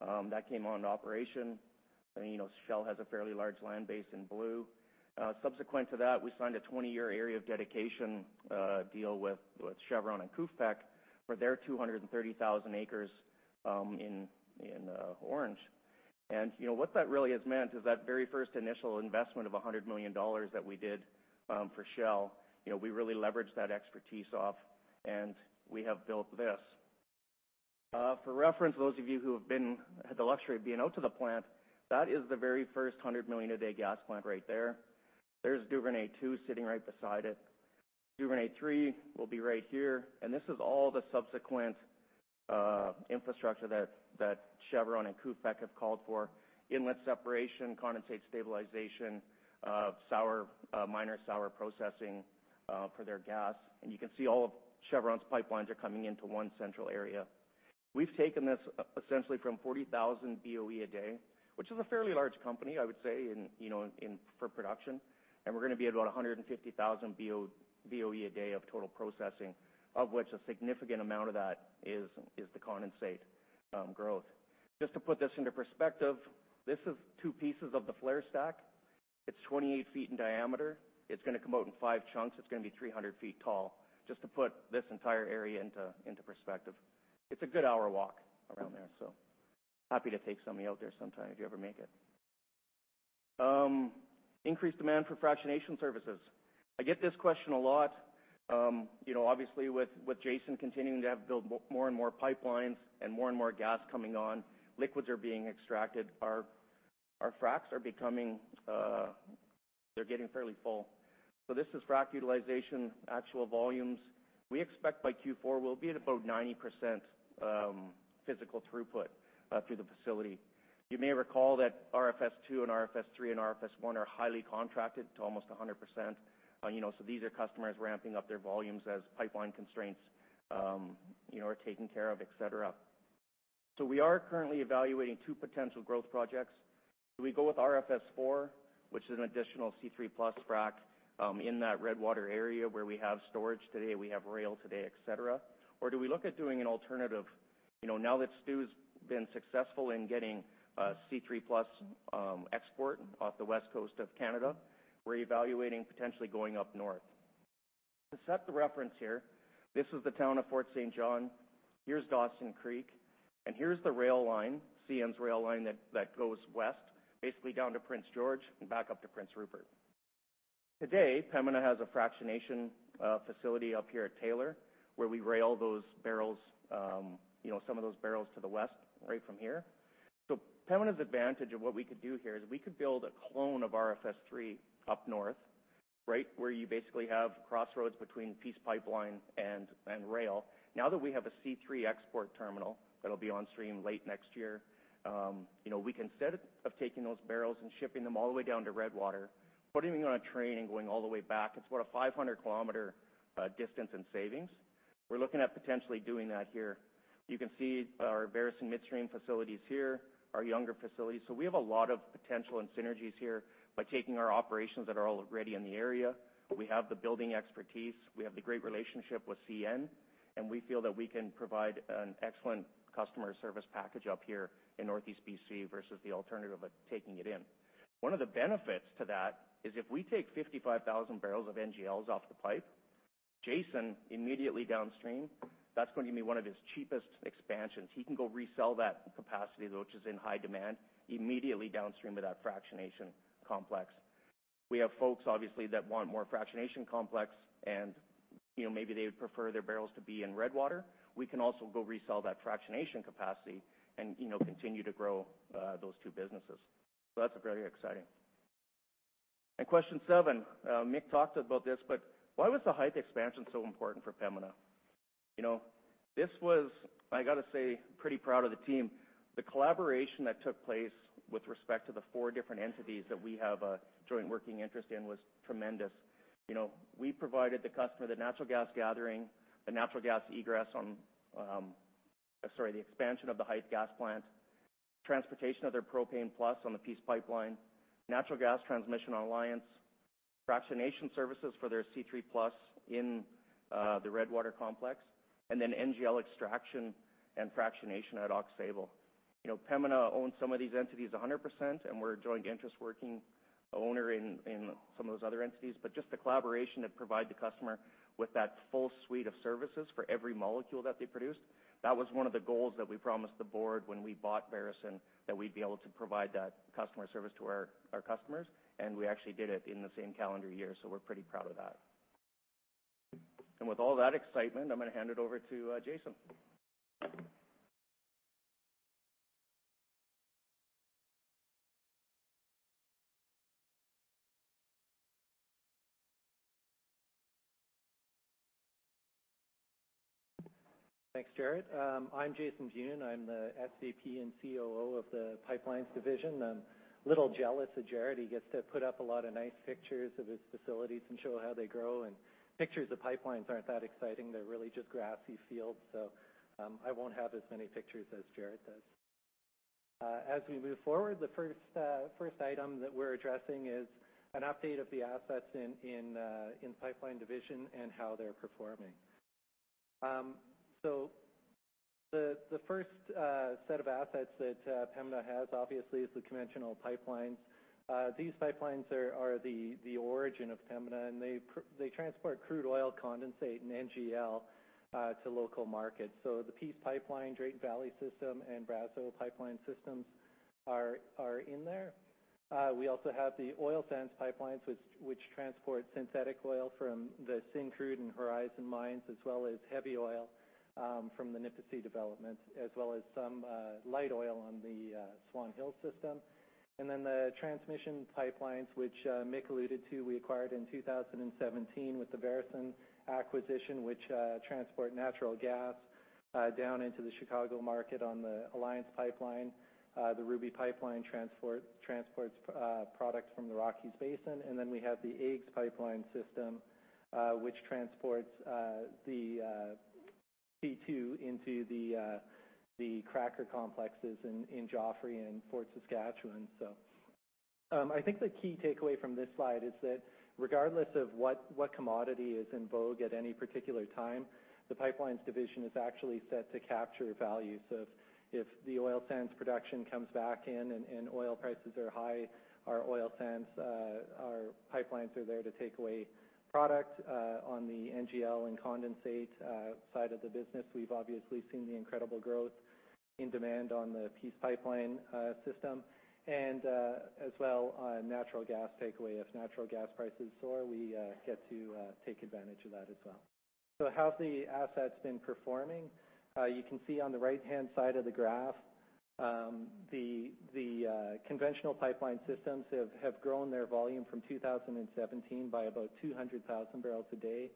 That came on to operation. Shell has a fairly large land base in blue. Subsequent to that, we signed a 20-year area of dedication deal with Chevron and KUFPEC for their 230,000 acres in orange. What that really has meant is that very first initial investment of 100 million dollars that we did for Shell, we really leveraged that expertise off and we have built this. For reference, those of you who have had the luxury of being out to the plant, that is the very first 100 million a day gas plant right there. There's Duvernay 2 sitting right beside it. Duvernay 3 will be right here, and this is all the subsequent infrastructure that Chevron and KUFPEC have called for. Inlet separation, condensate stabilization, minor sour processing for their gas. You can see all of Chevron's pipelines are coming into one central area. We've taken this essentially from 40,000 BOE a day, which is a fairly large company, I would say, for production, and we're going to be at about 150,000 BOE a day of total processing, of which a significant amount of that is the condensate growth. Just to put this into perspective, this is two pieces of the flare stack. It's 28 feet in diameter. It's going to come out in five chunks. It's going to be 300 feet tall. Just to put this entire area into perspective. It's a good hour walk around there, so happy to take somebody out there sometime if you ever make it. Increased demand for fractionation services. I get this question a lot. Obviously with Jason continuing to build more and more pipelines and more and more gas coming on, liquids are being extracted. Our fracs are becoming fairly full. This is frac utilization, actual volumes. We expect by Q4, we'll be at about 90% physical throughput through the facility. You may recall that RFS 2 and RFS 3 and RFS 1 are highly contracted to almost 100%. These are customers ramping up their volumes as pipeline constraints are taken care of, et cetera. We are currently evaluating two potential growth projects. Do we go with RFS 4, which is an additional C3+ frac in that Redwater area where we have storage today, we have rail today, et cetera, or do we look at doing an alternative? Now that Stu's been successful in getting C3+ export off the West Coast of Canada, we're evaluating potentially going up north. To set the reference here, this is the town of Fort St. John, here's Dawson Creek, and here's the rail line, CN's rail line that goes west, basically down to Prince George and back up to Prince Rupert. Today, Pembina has a fractionation facility up here at Taylor, where we rail some of those barrels to the west right from here. Pembina's advantage of what we could do here is we could build a clone of RFS III up north, right where you basically have crossroads between Peace Pipeline and rail. Now that we have a C3 export terminal that'll be on stream late next year, instead of taking those barrels and shipping them all the way down to Redwater, putting them on a train and going all the way back, it's about a 500-kilometer distance in savings. We're looking at potentially doing that here. You can see our Veresen Midstream facilities here, our Younger facilities. We have a lot of potential and synergies here by taking our operations that are already in the area. We have the building expertise, we have the great relationship with CN, and we feel that we can provide an excellent customer service package up here in Northeast B.C. versus the alternative of taking it in. One of the benefits to that is if we take 55,000 barrels of NGLs off the pipe, Jason, immediately downstream, that's going to be one of his cheapest expansions. He can go resell that capacity, which is in high demand, immediately downstream of that fractionation complex. We have folks, obviously, that want more fractionation complex and maybe they would prefer their barrels to be in Redwater. We can also go resell that fractionation capacity and continue to grow those two businesses. That's very exciting. Question seven, Mick talked about this, but why was the Hythe expansion so important for Pembina? This was, I got to say, pretty proud of the team. The collaboration that took place with respect to the four different entities that we have a joint working interest in was tremendous. We provided the customer the natural gas gathering, the natural gas egress on the expansion of the Hythe gas plant, transportation of their propane plus on the Peace Pipeline, natural gas transmission alliance, fractionation services for their C3+ in the Redwater complex, and then NGL extraction and fractionation at Aux Sable. Pembina owns some of these entities 100%, and we're a joint interest working owner in some of those other entities. Just the collaboration to provide the customer with that full suite of services for every molecule that they produced, that was one of the goals that we promised the board when we bought Veresen, that we'd be able to provide that customer service to our customers, and we actually did it in the same calendar year, we're pretty proud of that. With all that excitement, I'm going to hand it over to Jason. Thanks, Jaret. I'm Jason Wiun. I'm the SVP and COO of the Pipelines division. I'm a little jealous of Jaret. He gets to put up a lot of nice pictures of his facilities and show how they grow, and pictures of pipelines aren't that exciting. They're really just grassy fields. I won't have as many pictures as Jaret does. As we move forward, the first item that we're addressing is an update of the assets in Pipelines division and how they're performing. The first set of assets that Pembina has, obviously, is the conventional pipelines. These pipelines are the origin of Pembina, and they transport crude oil condensate and NGL to local markets. The Peace Pipeline, Drayton Valley system, and Brazeau Pipeline systems are in there. We also have the oil sands pipelines, which transport synthetic oil from the Syncrude and Horizon mines, as well as heavy oil from the Nipisi development, as well as some light oil on the Swan Hills system. The transmission pipelines, which Mick alluded to, we acquired in 2017 with the Veresen acquisition, which transport natural gas down into the Chicago market on the Alliance Pipeline. The Ruby Pipeline transports products from the Rockies Basin. We have the AEGS Pipeline system, which transports the C2 into the cracker complexes in Joffre and Fort Saskatchewan. I think the key takeaway from this slide is that regardless of what commodity is in vogue at any particular time, the Pipelines division is actually set to capture value. If the oil sands production comes back in and oil prices are high, our oil sands, our pipelines are there to take away product. On the NGL and condensate side of the business, we've obviously seen the incredible growth in demand on the Peace Pipeline system, as well on natural gas takeaway. If natural gas prices soar, we get to take advantage of that as well. How have the assets been performing? You can see on the right-hand side of the graph, the conventional pipeline systems have grown their volume from 2017 by about 200,000 barrels a day.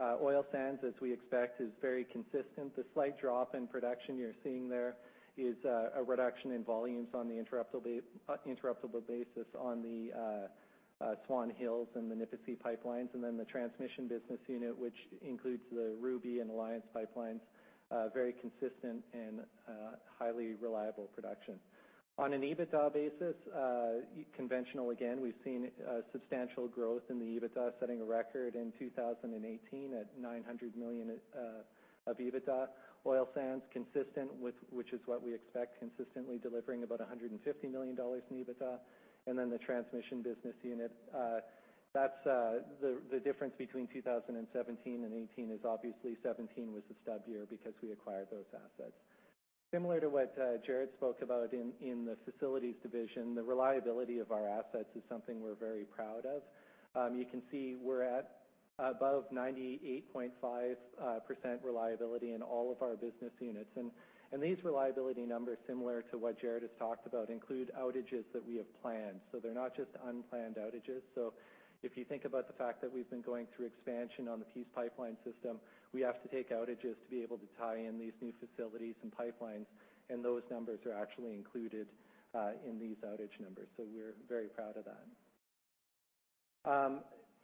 Oil sands, as we expect, is very consistent. The slight drop in production you're seeing there is a reduction in volumes on the interruptible basis on the Swan Hills and the Nipisi pipelines. The transmission business unit, which includes the Ruby and Alliance pipelines, very consistent and highly reliable production. On an EBITDA basis, conventional, again, we've seen substantial growth in the EBITDA, setting a record in 2018 at 900 million of EBITDA. Oil Sands, consistent with, which is what we expect, consistently delivering about 150 million dollars in EBITDA. The transmission business unit, the difference between 2017 and 2018 is obviously 2017 was a stub year because we acquired those assets. Similar to what Jaret spoke about in the facilities division, the reliability of our assets is something we're very proud of. You can see we're at above 98.5% reliability in all of our business units. These reliability numbers, similar to what Jaret Sprott has talked about, include outages that we have planned. They're not just unplanned outages. If you think about the fact that we've been going through expansion on the Peace Pipeline system, we have to take outages to be able to tie in these new facilities and pipelines, and those numbers are actually included in these outage numbers. We're very proud of that.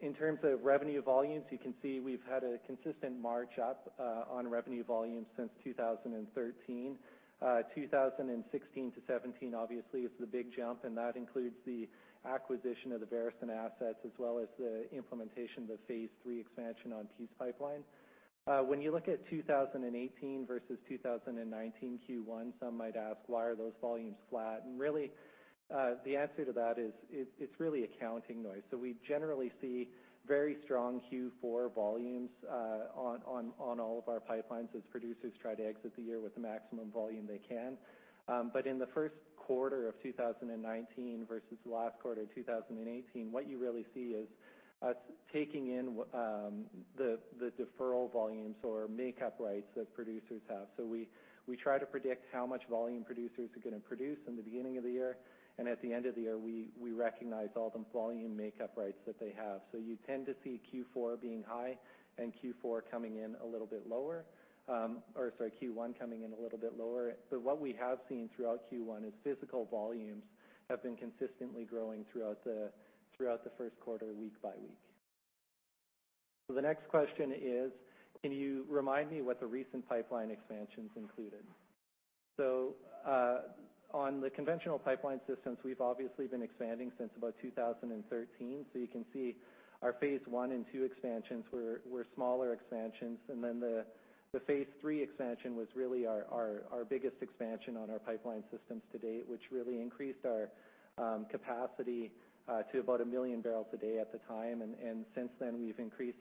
In terms of revenue volumes, you can see we've had a consistent march up on revenue volumes since 2013. 2016 to 2017, obviously, is the big jump, and that includes the acquisition of the Veresen assets as well as the implementation of the Phase III expansion on Peace Pipeline. When you look at 2018 versus 2019 Q1, some might ask, why are those volumes flat? Really, the answer to that is it's really accounting noise. We generally see very strong Q4 volumes on all of our pipelines as producers try to exit the year with the maximum volume they can. In the first quarter of 2019 versus last quarter 2018, what you really see is us taking in the deferral volumes or makeup rights that producers have. We try to predict how much volume producers are going to produce in the beginning of the year, and at the end of the year, we recognize all the volume makeup rights that they have. You tend to see Q4 being high and Q4 coming in a little bit lower, or, sorry, Q1 coming in a little bit lower. What we have seen throughout Q1 is physical volumes have been consistently growing throughout the first quarter, week by week. The next question is: Can you remind me what the recent pipeline expansions included? On the conventional pipeline systems, we've obviously been expanding since about 2013. You can see our Phase 1 and 2 expansions were smaller expansions, and then the Phase 3 expansion was really our biggest expansion on our pipeline systems to date, which really increased our capacity to about 1 million barrels a day at the time. Since then, we've increased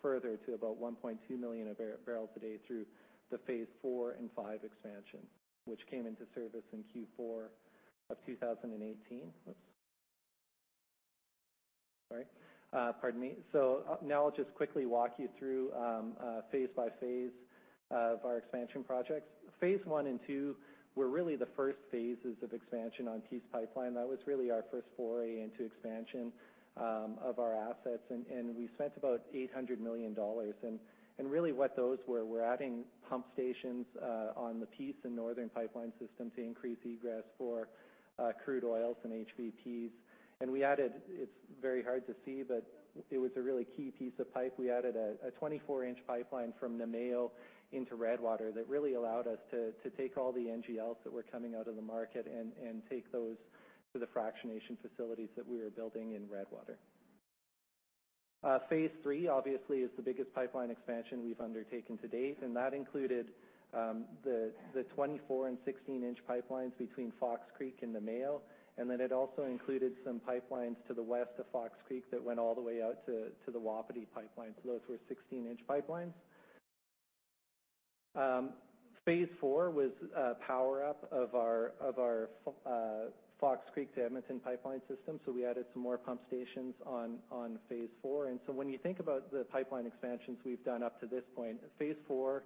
further to about 1.2 million barrels a day through the Phase 4 and 5 expansion, which came into service in Q4 of 2018. Oops. Sorry. Pardon me. Now I'll just quickly walk you through phase by phase of our expansion projects. Phase 1 and 2 were really the first phases of expansion on Peace Pipeline. That was really our first foray into expansion of our assets, and we spent about 800 million dollars. Really what those were, we're adding pump stations on the Peace and Northern Pipeline system to increase egress for crude oils and HVPs. We added, it's very hard to see, but it was a really key piece of pipe. We added a 24-inch pipeline from Namayo into Redwater that really allowed us to take all the NGLs that were coming out of the market and take those to the fractionation facilities that we were building in Redwater. Phase 3, obviously, is the biggest pipeline expansion we've undertaken to date, and that included the 24- and 16-inch pipelines between Fox Creek and Namayo, and then it also included some pipelines to the west of Fox Creek that went all the way out to the Wapiti pipeline. Those were 16-inch pipelines. Phase 4 was a power-up of our Fox Creek to Edmonton pipeline system. We added some more pump stations on Phase 4. When you think about the pipeline expansions we've done up to this point, Phase 4,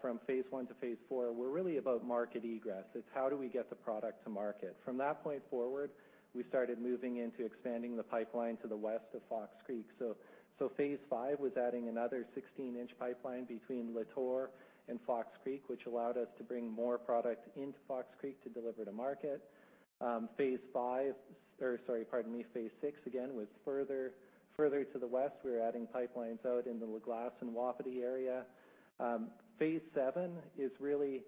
from Phase 1 to Phase 4, were really about market egress. It's how do we get the product to market? From that point forward, we started moving into expanding the pipeline to the west of Fox Creek. Phase 5 was adding another 16-inch pipeline between Latour and Fox Creek, which allowed us to bring more product into Fox Creek to deliver to market. Phase 5, or sorry, pardon me, Phase 6, again, was further to the west. We were adding pipelines out into La Glace and Wapiti area. Phase 7 is really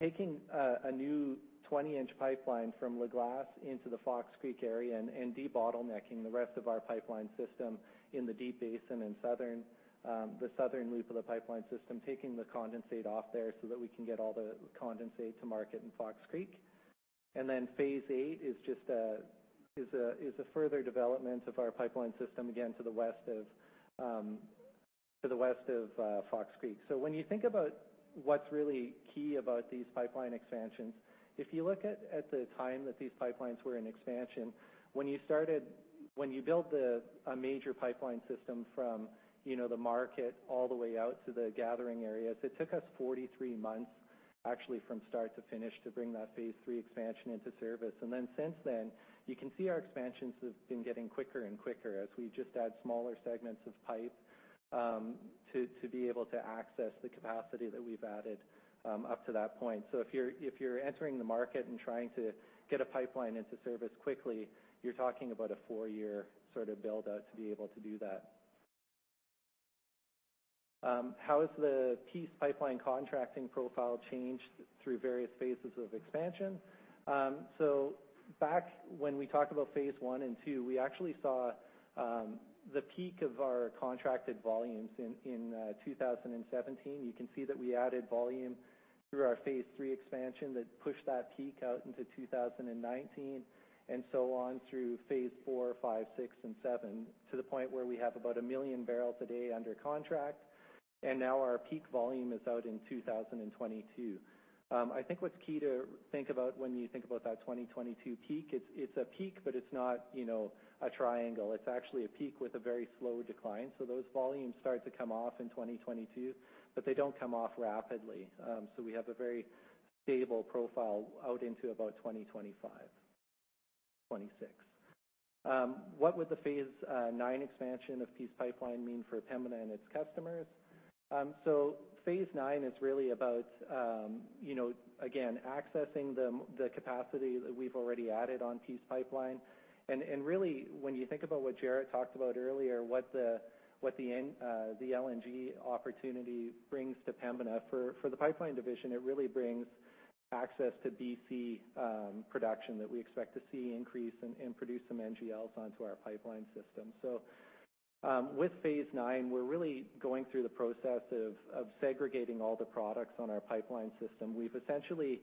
taking a new 20-inch pipeline from La Glace into the Fox Creek area and de-bottlenecking the rest of our pipeline system in the Deep Basin in the southern loop of the pipeline system, taking the condensate off there so that we can get all the condensate to market in Fox Creek. Phase 8 is a further development of our pipeline system, again, to the west of Fox Creek. When you think about what's really key about these pipeline expansions, if you look at the time that these pipelines were in expansion, when you build a major pipeline system from the market all the way out to the gathering areas, it took us 43 months, actually, from start to finish to bring that Phase 3 expansion into service. Since then, you can see our expansions have been getting quicker and quicker as we just add smaller segments of pipe to be able to access the capacity that we've added up to that point. If you're entering the market and trying to get a pipeline into service quickly, you're talking about a four-year build out to be able to do that. How has the Peace Pipeline contracting profile changed through various phases of expansion? Back when we talk about Phase 1 and 2, we actually saw the peak of our contracted volumes in 2017. You can see that we added volume through our Phase 3 expansion that pushed that peak out into 2019 and so on through Phase 4, 5, 6, and 7, to the point where we have about 1 million barrels a day under contract. Our peak volume is out in 2022. I think what's key to think about when you think about that 2022 peak, it's a peak, but it's not a triangle. It's actually a peak with a very slow decline. Those volumes start to come off in 2022, but they don't come off rapidly. We have a very stable profile out into about 2025, 2026. What would the Phase IX expansion of Peace Pipeline mean for Pembina and its customers? Phase IX is really about, again, accessing the capacity that we've already added on Peace Pipeline, and really when you think about what Jarret talked about earlier, what the LNG opportunity brings to Pembina. For the pipeline division, it really brings access to B.C. production that we expect to see increase and produce some NGLs onto our pipeline system. With Phase IX, we're really going through the process of segregating all the products on our pipeline system. We've essentially,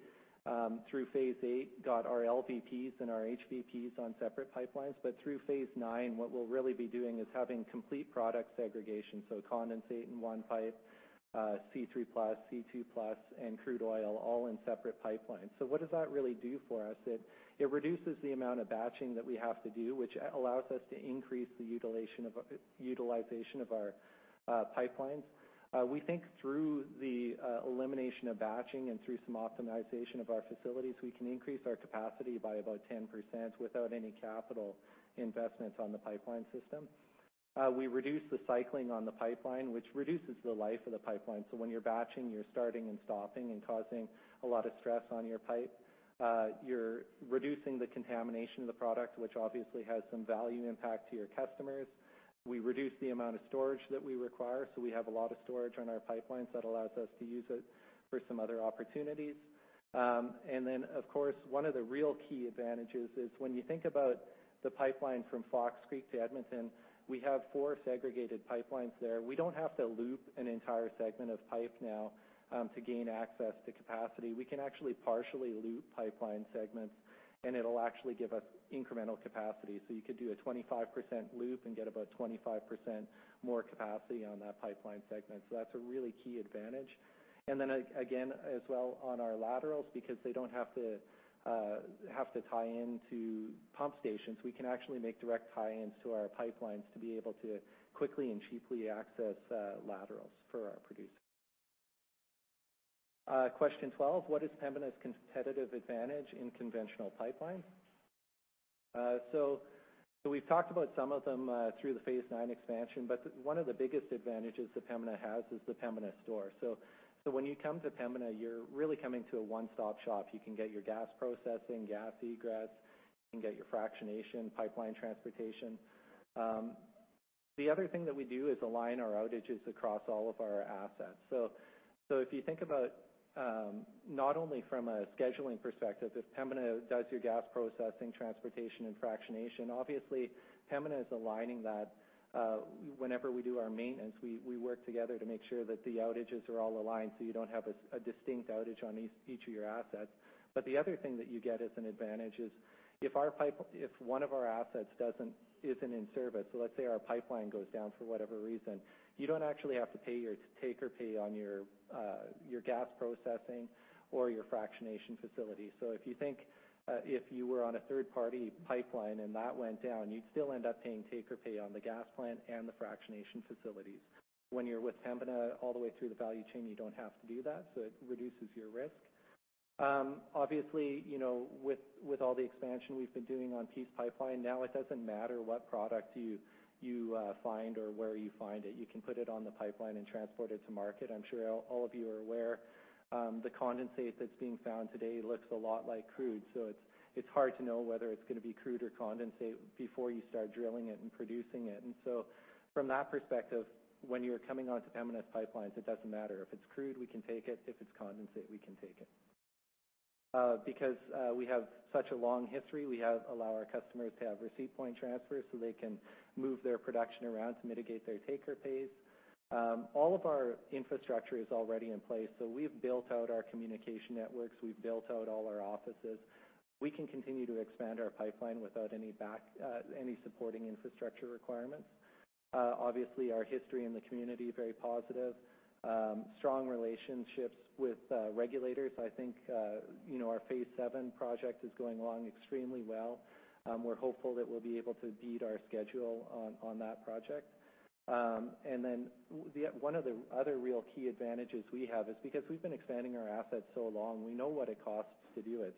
through Phase VIII, got our LVPs and our HVPs on separate pipelines. Through Phase IX, what we'll really be doing is having complete product segregation, so condensate in one pipe, C3+, C2+ and crude oil all in separate pipelines. What does that really do for us? It reduces the amount of batching that we have to do, which allows us to increase the utilization of our pipelines. We think through the elimination of batching and through some optimization of our facilities, we can increase our capacity by about 10% without any capital investments on the pipeline system. We reduce the cycling on the pipeline, which reduces the life of the pipeline. When you're batching, you're starting and stopping and causing a lot of stress on your pipe. You're reducing the contamination of the product, which obviously has some value impact to your customers. We reduce the amount of storage that we require. We have a lot of storage on our pipelines that allows us to use it for some other opportunities. Of course, one of the real key advantages is when you think about the pipeline from Fox Creek to Edmonton, we have four segregated pipelines there. We don't have to loop an entire segment of pipe now, to gain access to capacity. We can actually partially loop pipeline segments, and it'll actually give us incremental capacity. You could do a 25% loop and get about 25% more capacity on that pipeline segment. That's a really key advantage. Again, as well on our laterals, because they don't have to tie into pump stations, we can actually make direct tie-ins to our pipelines to be able to quickly and cheaply access laterals for our producers. Question 12: What is Pembina's competitive advantage in conventional pipelines? We've talked about some of them through the Phase IX expansion, but one of the biggest advantages that Pembina has is the Pembina Store. When you come to Pembina, you're really coming to a one-stop-shop. You can get your gas processing, gas egress. You can get your fractionation, pipeline transportation. The other thing that we do is align our outages across all of our assets. If you think about, not only from a scheduling perspective, if Pembina does your gas processing, transportation, and fractionation, obviously Pembina is aligning that. Whenever we do our maintenance, we work together to make sure that the outages are all aligned, so you don't have a distinct outage on each of your assets. The other thing that you get as an advantage is, if one of our assets isn't in service, let's say our pipeline goes down for whatever reason, you don't actually have to pay your take or pay on your gas processing or your fractionation facility. If you think, if you were on a third-party pipeline and that went down, you'd still end up paying take or pay on the gas plant and the fractionation facilities. When you're with Pembina all the way through the value chain, you don't have to do that, so it reduces your risk. With all the expansion we've been doing on Peace Pipeline, now it doesn't matter what product you find or where you find it, you can put it on the pipeline and transport it to market. I'm sure all of you are aware, the condensate that's being found today looks a lot like crude, it's hard to know whether it's going to be crude or condensate before you start drilling it and producing it. From that perspective, when you're coming onto Pembina's pipelines, it doesn't matter. If it's crude, we can take it. If it's condensate, we can take it. We have such a long history, we allow our customers to have receipt point transfers they can move their production around to mitigate their take or pays. All of our infrastructure is already in place. We've built out our communication networks, we've built out all our offices. We can continue to expand our pipeline without any supporting infrastructure requirements. Our history in the community, very positive. Strong relationships with regulators. I think our Phase VII project is going along extremely well. We're hopeful that we'll be able to beat our schedule on that project. One of the other real key advantages we have is we've been expanding our assets so long, we know what it costs to do it.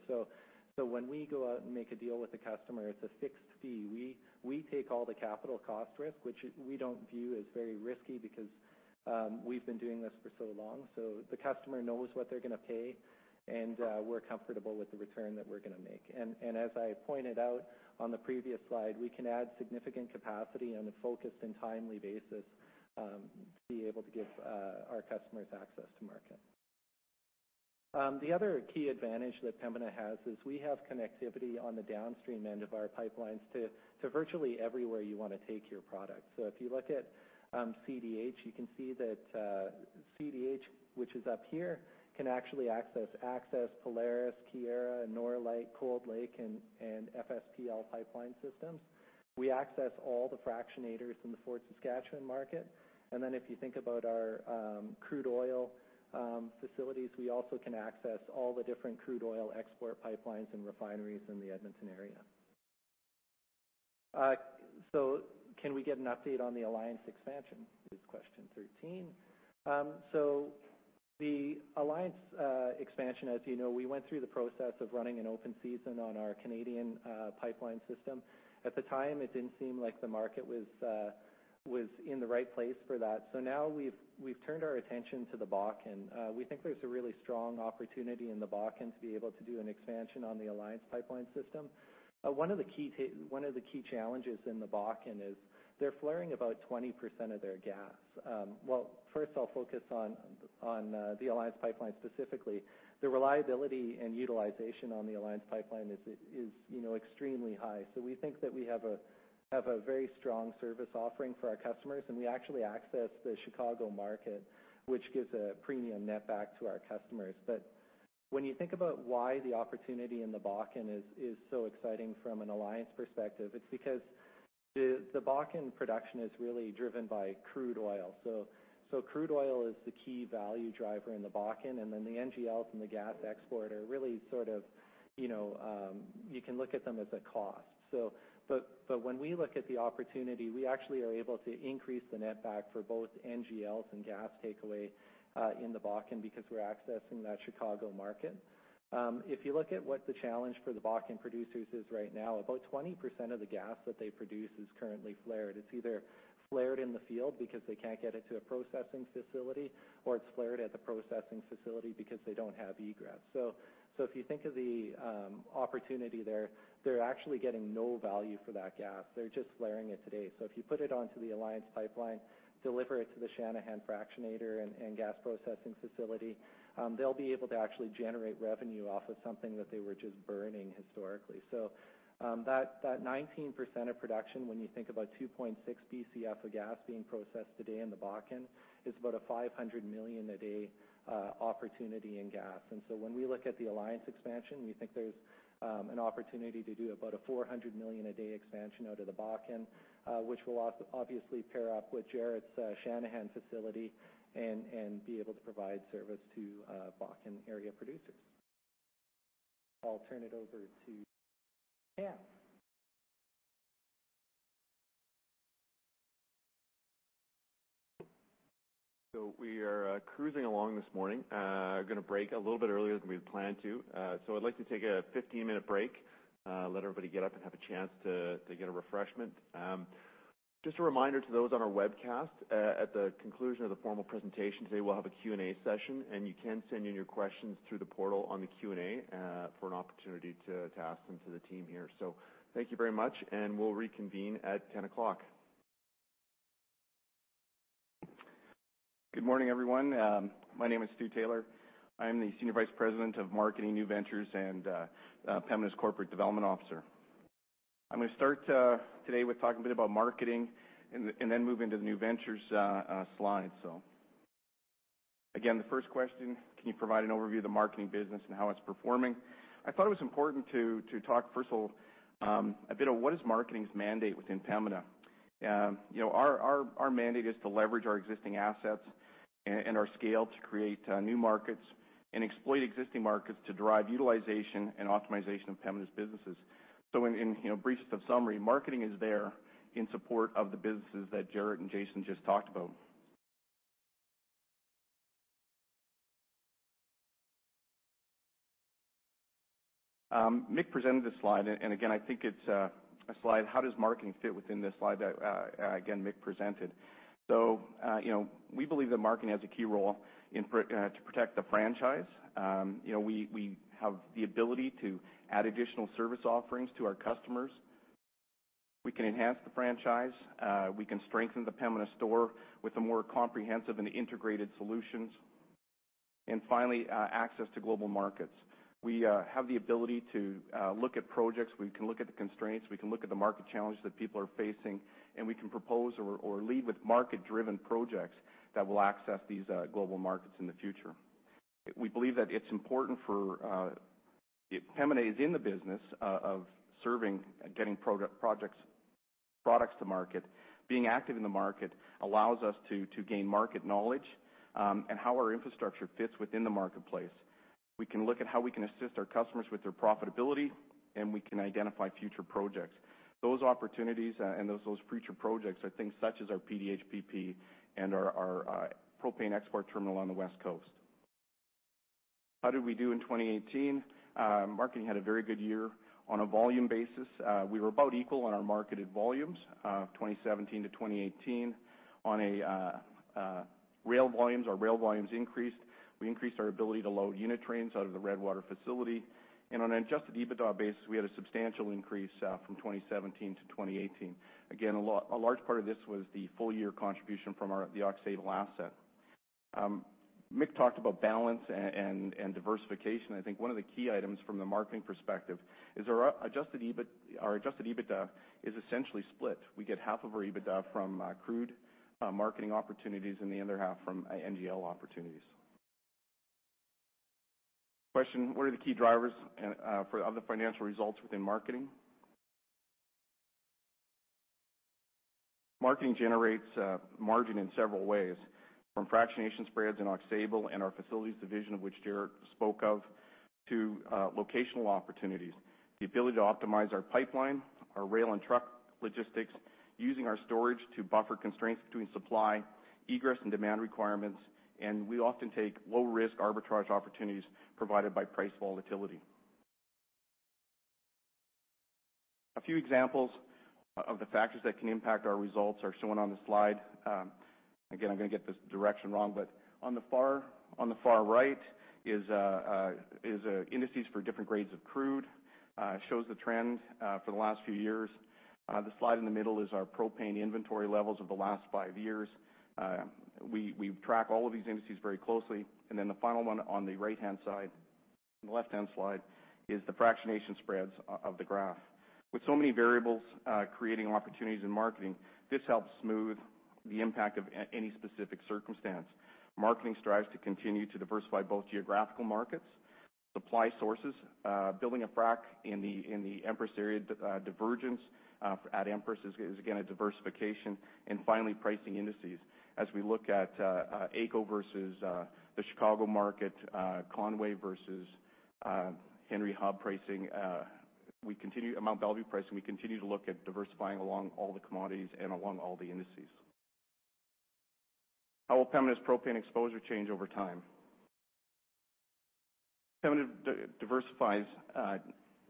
When we go out and make a deal with a customer, it's a fixed fee. We take all the capital cost risk, which we don't view as very risky we've been doing this for so long. The customer knows what they're going to pay, we're comfortable with the return that we're going to make. As I pointed out on the previous slide, we can add significant capacity on a focused and timely basis, to be able to give our customers access to market. The other key advantage that Pembina has is we have connectivity on the downstream end of our pipelines to virtually everywhere you want to take your product. If you look at CDH, you can see CDH, which is up here, can actually access Access, Polaris, Keyera, Norlite, Cold Lake, and FSPL pipeline systems. We access all the fractionators in the Fort Saskatchewan market. If you think about our crude oil facilities, we also can access all the different crude oil export pipelines and refineries in the Edmonton area. Can we get an update on the Alliance expansion? Is question 13. The Alliance expansion, as you know, we went through the process of running an open season on our Canadian pipeline system. At the time, it didn't seem like the market was in the right place for that. Now we've turned our attention to the Bakken. We think there's a really strong opportunity in the Bakken to be able to do an expansion on the Alliance pipeline system. One of the key challenges in the Bakken is they're flaring about 20% of their gas. Well, first I'll focus on the Alliance pipeline specifically. The reliability and utilization on the Alliance pipeline is extremely high. We think that we have a very strong service offering for our customers, we actually access the Chicago market, which gives a premium net back to our customers. When you think about why the opportunity in the Bakken is so exciting from an Alliance perspective, it is because the Bakken production is really driven by crude oil. Crude oil is the key value driver in the Bakken, and then the NGLs and the gas export are really sort of You can look at them as a cost. When we look at the opportunity, we actually are able to increase the net back for both NGLs and gas takeaway in the Bakken because we are accessing that Chicago market. If you look at what the challenge for the Bakken producers is right now, about 20% of the gas that they produce is currently flared. It is either flared in the field because they cannot get it to a processing facility, or it is flared at the processing facility because they do not have egress. If you think of the opportunity there, they are actually getting no value for that gas. They are just flaring it today. If you put it onto the Alliance Pipeline, deliver it to the Channahon fractionator and gas processing facility, they will be able to actually generate revenue off of something that they were just burning historically. That 19% of production, when you think about 2.6 Bcf of gas being processed today in the Bakken, is about a 500 million a day opportunity in gas. When we look at the Alliance expansion, we think there is an opportunity to do about a 400 million a day expansion out of the Bakken, which will obviously pair up with Jaret's Channahon facility and be able to provide service to Bakken area producers. I will turn it over to Cameron. We are cruising along this morning. We are going to break a little bit earlier than we had planned to. I would like to take a 15-minute break, let everybody get up and have a chance to get a refreshment. Just a reminder to those on our webcast, at the conclusion of the formal presentation today, we will have a Q&A session, and you can send in your questions through the portal on the Q&A for an opportunity to ask them to the team here. Thank you very much, and we will reconvene at 10:00 A.M. Good morning, everyone. My name is Stu Taylor. I am the Senior Vice President of Marketing, New Ventures, and Pembina's Corporate Development Officer. I am going to start today with talking a bit about marketing and then move into the new ventures slides. Again, the first question, can you provide an overview of the marketing business and how it is performing? I thought it was important to talk first a bit of what is marketing's mandate within Pembina. Our mandate is to leverage our existing assets and our scale to create new markets and exploit existing markets to drive utilization and optimization of Pembina's businesses. In brief of summary, marketing is there in support of the businesses that Jaret and Jason just talked about. Mick presented this slide, and again, I think it is a slide, how does marketing fit within this slide that, again, Mick presented. We believe that marketing has a key role to protect the franchise. We have the ability to add additional service offerings to our customers. We can enhance the franchise. We can strengthen the Pembina Store with a more comprehensive and integrated solutions. Finally, access to global markets. We have the ability to look at projects. We can look at the constraints. We can look at the market challenges that people are facing, and we can propose or lead with market-driven projects that will access these global markets in the future. We believe that it's important for If Pembina is in the business of serving, getting products to market, being active in the market allows us to gain market knowledge and how our infrastructure fits within the marketplace. We can look at how we can assist our customers with their profitability, and we can identify future projects. Those opportunities and those future projects are things such as our PDHPP and our propane export terminal on the West Coast. How did we do in 2018? Marketing had a very good year. On a volume basis, we were about equal on our marketed volumes, 2017 to 2018. On rail volumes, our rail volumes increased. We increased our ability to load unit trains out of the Redwater facility. On an adjusted EBITDA basis, we had a substantial increase from 2017 to 2018. Again, a large part of this was the full-year contribution from the Aux Sable asset. Mick talked about balance and diversification. I think one of the key items from the marketing perspective is our adjusted EBITDA is essentially split. We get half of our EBITDA from crude marketing opportunities and the other half from NGL opportunities. Question, what are the key drivers for the financial results within marketing? Marketing generates margin in several ways, from fractionation spreads in Aux Sable and our facilities division, which Jaret spoke of, to locational opportunities. The ability to optimize our pipeline, our rail and truck logistics, using our storage to buffer constraints between supply, egress, and demand requirements. We often take low-risk arbitrage opportunities provided by price volatility. A few examples of the factors that can impact our results are shown on the slide. Again, I'm going to get this direction wrong, but on the far right is indices for different grades of crude. It shows the trend for the last few years. The slide in the middle is our propane inventory levels of the last five years. We track all of these indices very closely. Then the final one on the left-hand slide, is the fractionation spreads of the graph. With so many variables creating opportunities in marketing, this helps smooth the impact of any specific circumstance. Marketing strives to continue to diversify both geographical markets, supply sources, building a frac in the Empress area, divergence at Empress is again, a diversification, and finally, pricing indices. As we look at AECO versus the Chicago market, Conway versus Henry Hub pricing, Mont Belvieu pricing, we continue to look at diversifying along all the commodities and along all the indices. How will Pembina's propane exposure change over time? Pembina diversifies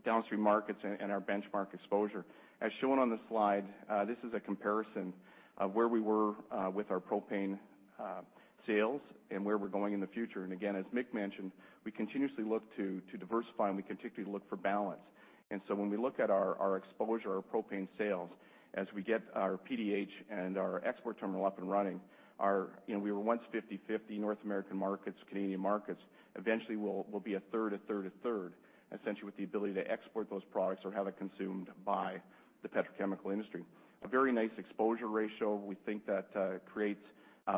downstream markets and our benchmark exposure. As shown on the slide, this is a comparison of where we were with our propane sales and where we're going in the future. Again, as Mick mentioned, we continuously look to diversify, and we continually look for balance. When we look at our exposure, our propane sales, as we get our PDH and our export terminal up and running, we were once 50/50 North American markets, Canadian markets, eventually will be 1/3, 1/3, 1/3, essentially with the ability to export those products or have it consumed by the petrochemical industry. A very nice exposure ratio. We think that creates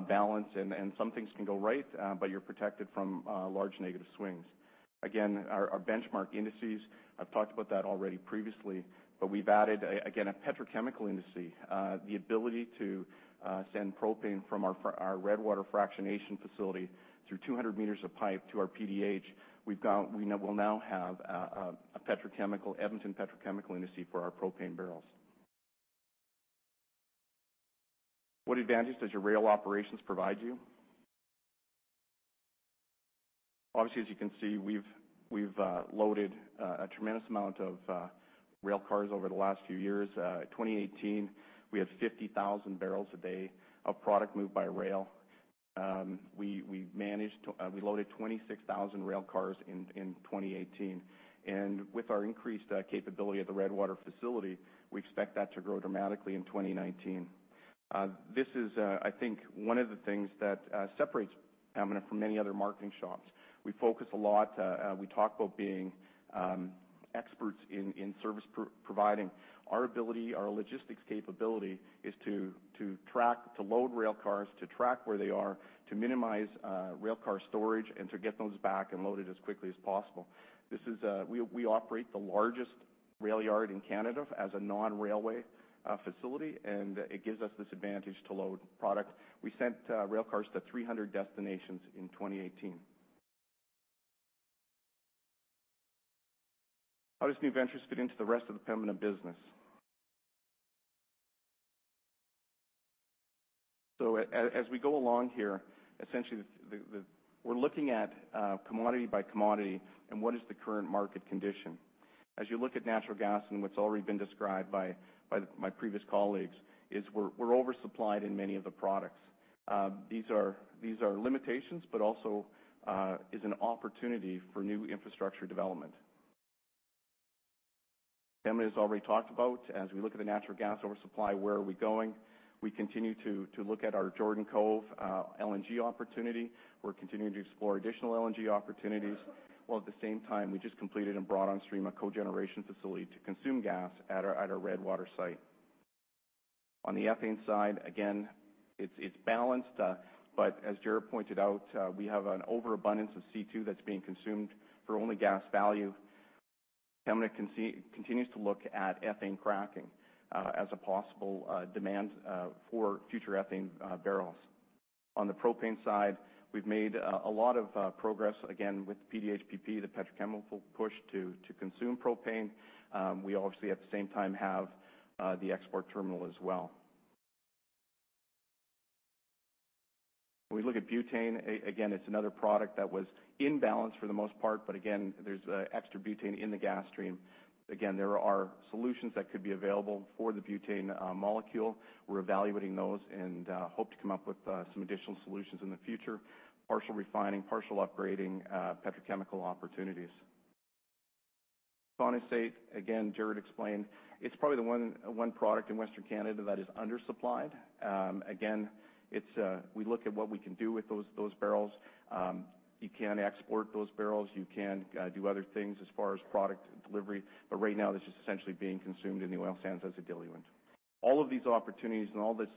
balance and some things can go right, but you're protected from large negative swings. Our benchmark indices, I've talked about that already previously, but we've added a petrochemical industry. The ability to send propane from our Redwater fractionation facility through 200 meters of pipe to our PDH. We will now have an Edmonton petrochemical industry for our propane barrels. What advantage does your rail operations provide you? Obviously, as you can see, we've loaded a tremendous amount of rail cars over the last few years. In 2018, we have 50,000 barrels a day of product moved by rail. We loaded 26,000 rail cars in 2018. With our increased capability at the Redwater facility, we expect that to grow dramatically in 2019. This is, I think, one of the things that separates Pembina from many other marketing shops. We focus a lot. We talk about being experts in service providing. Our logistics capability is to load rail cars, to track where they are, to minimize rail car storage, and to get those back and loaded as quickly as possible. We operate the largest rail yard in Canada as a non-railway facility. It gives us this advantage to load product. We sent rail cars to 300 destinations in 2018. How does new ventures fit into the rest of the Pembina business? As we go along here, essentially, we're looking at commodity by commodity and what is the current market condition. As you look at natural gas and what's already been described by my previous colleagues, we're oversupplied in many of the products. These are limitations, also an opportunity for new infrastructure development. Pembina has already talked about, as we look at the natural gas oversupply, where are we going? We continue to look at our Jordan Cove LNG opportunity. We're continuing to explore additional LNG opportunities, while at the same time we just completed and brought on stream a cogeneration facility to consume gas at our Redwater site. On the ethane side, it's balanced, but as Jaret pointed out, we have an overabundance of C2 that's being consumed for only gas value. Pembina continues to look at ethane cracking as a possible demand for future ethane barrels. On the propane side, we've made a lot of progress with PDHPP, the petrochemical push to consume propane. We obviously, at the same time, have the export terminal as well. When we look at butane, it's another product that was in balance for the most part, but there's extra butane in the gas stream. There are solutions that could be available for the butane molecule. We're evaluating those and hope to come up with some additional solutions in the future. Partial refining, partial upgrading, petrochemical opportunities. Condensate, Jaret explained, it's probably the one product in Western Canada that is undersupplied. We look at what we can do with those barrels. You can export those barrels, you can do other things as far as product delivery. Right now, this is essentially being consumed in the oil sands as a diluent. All of these opportunities and all this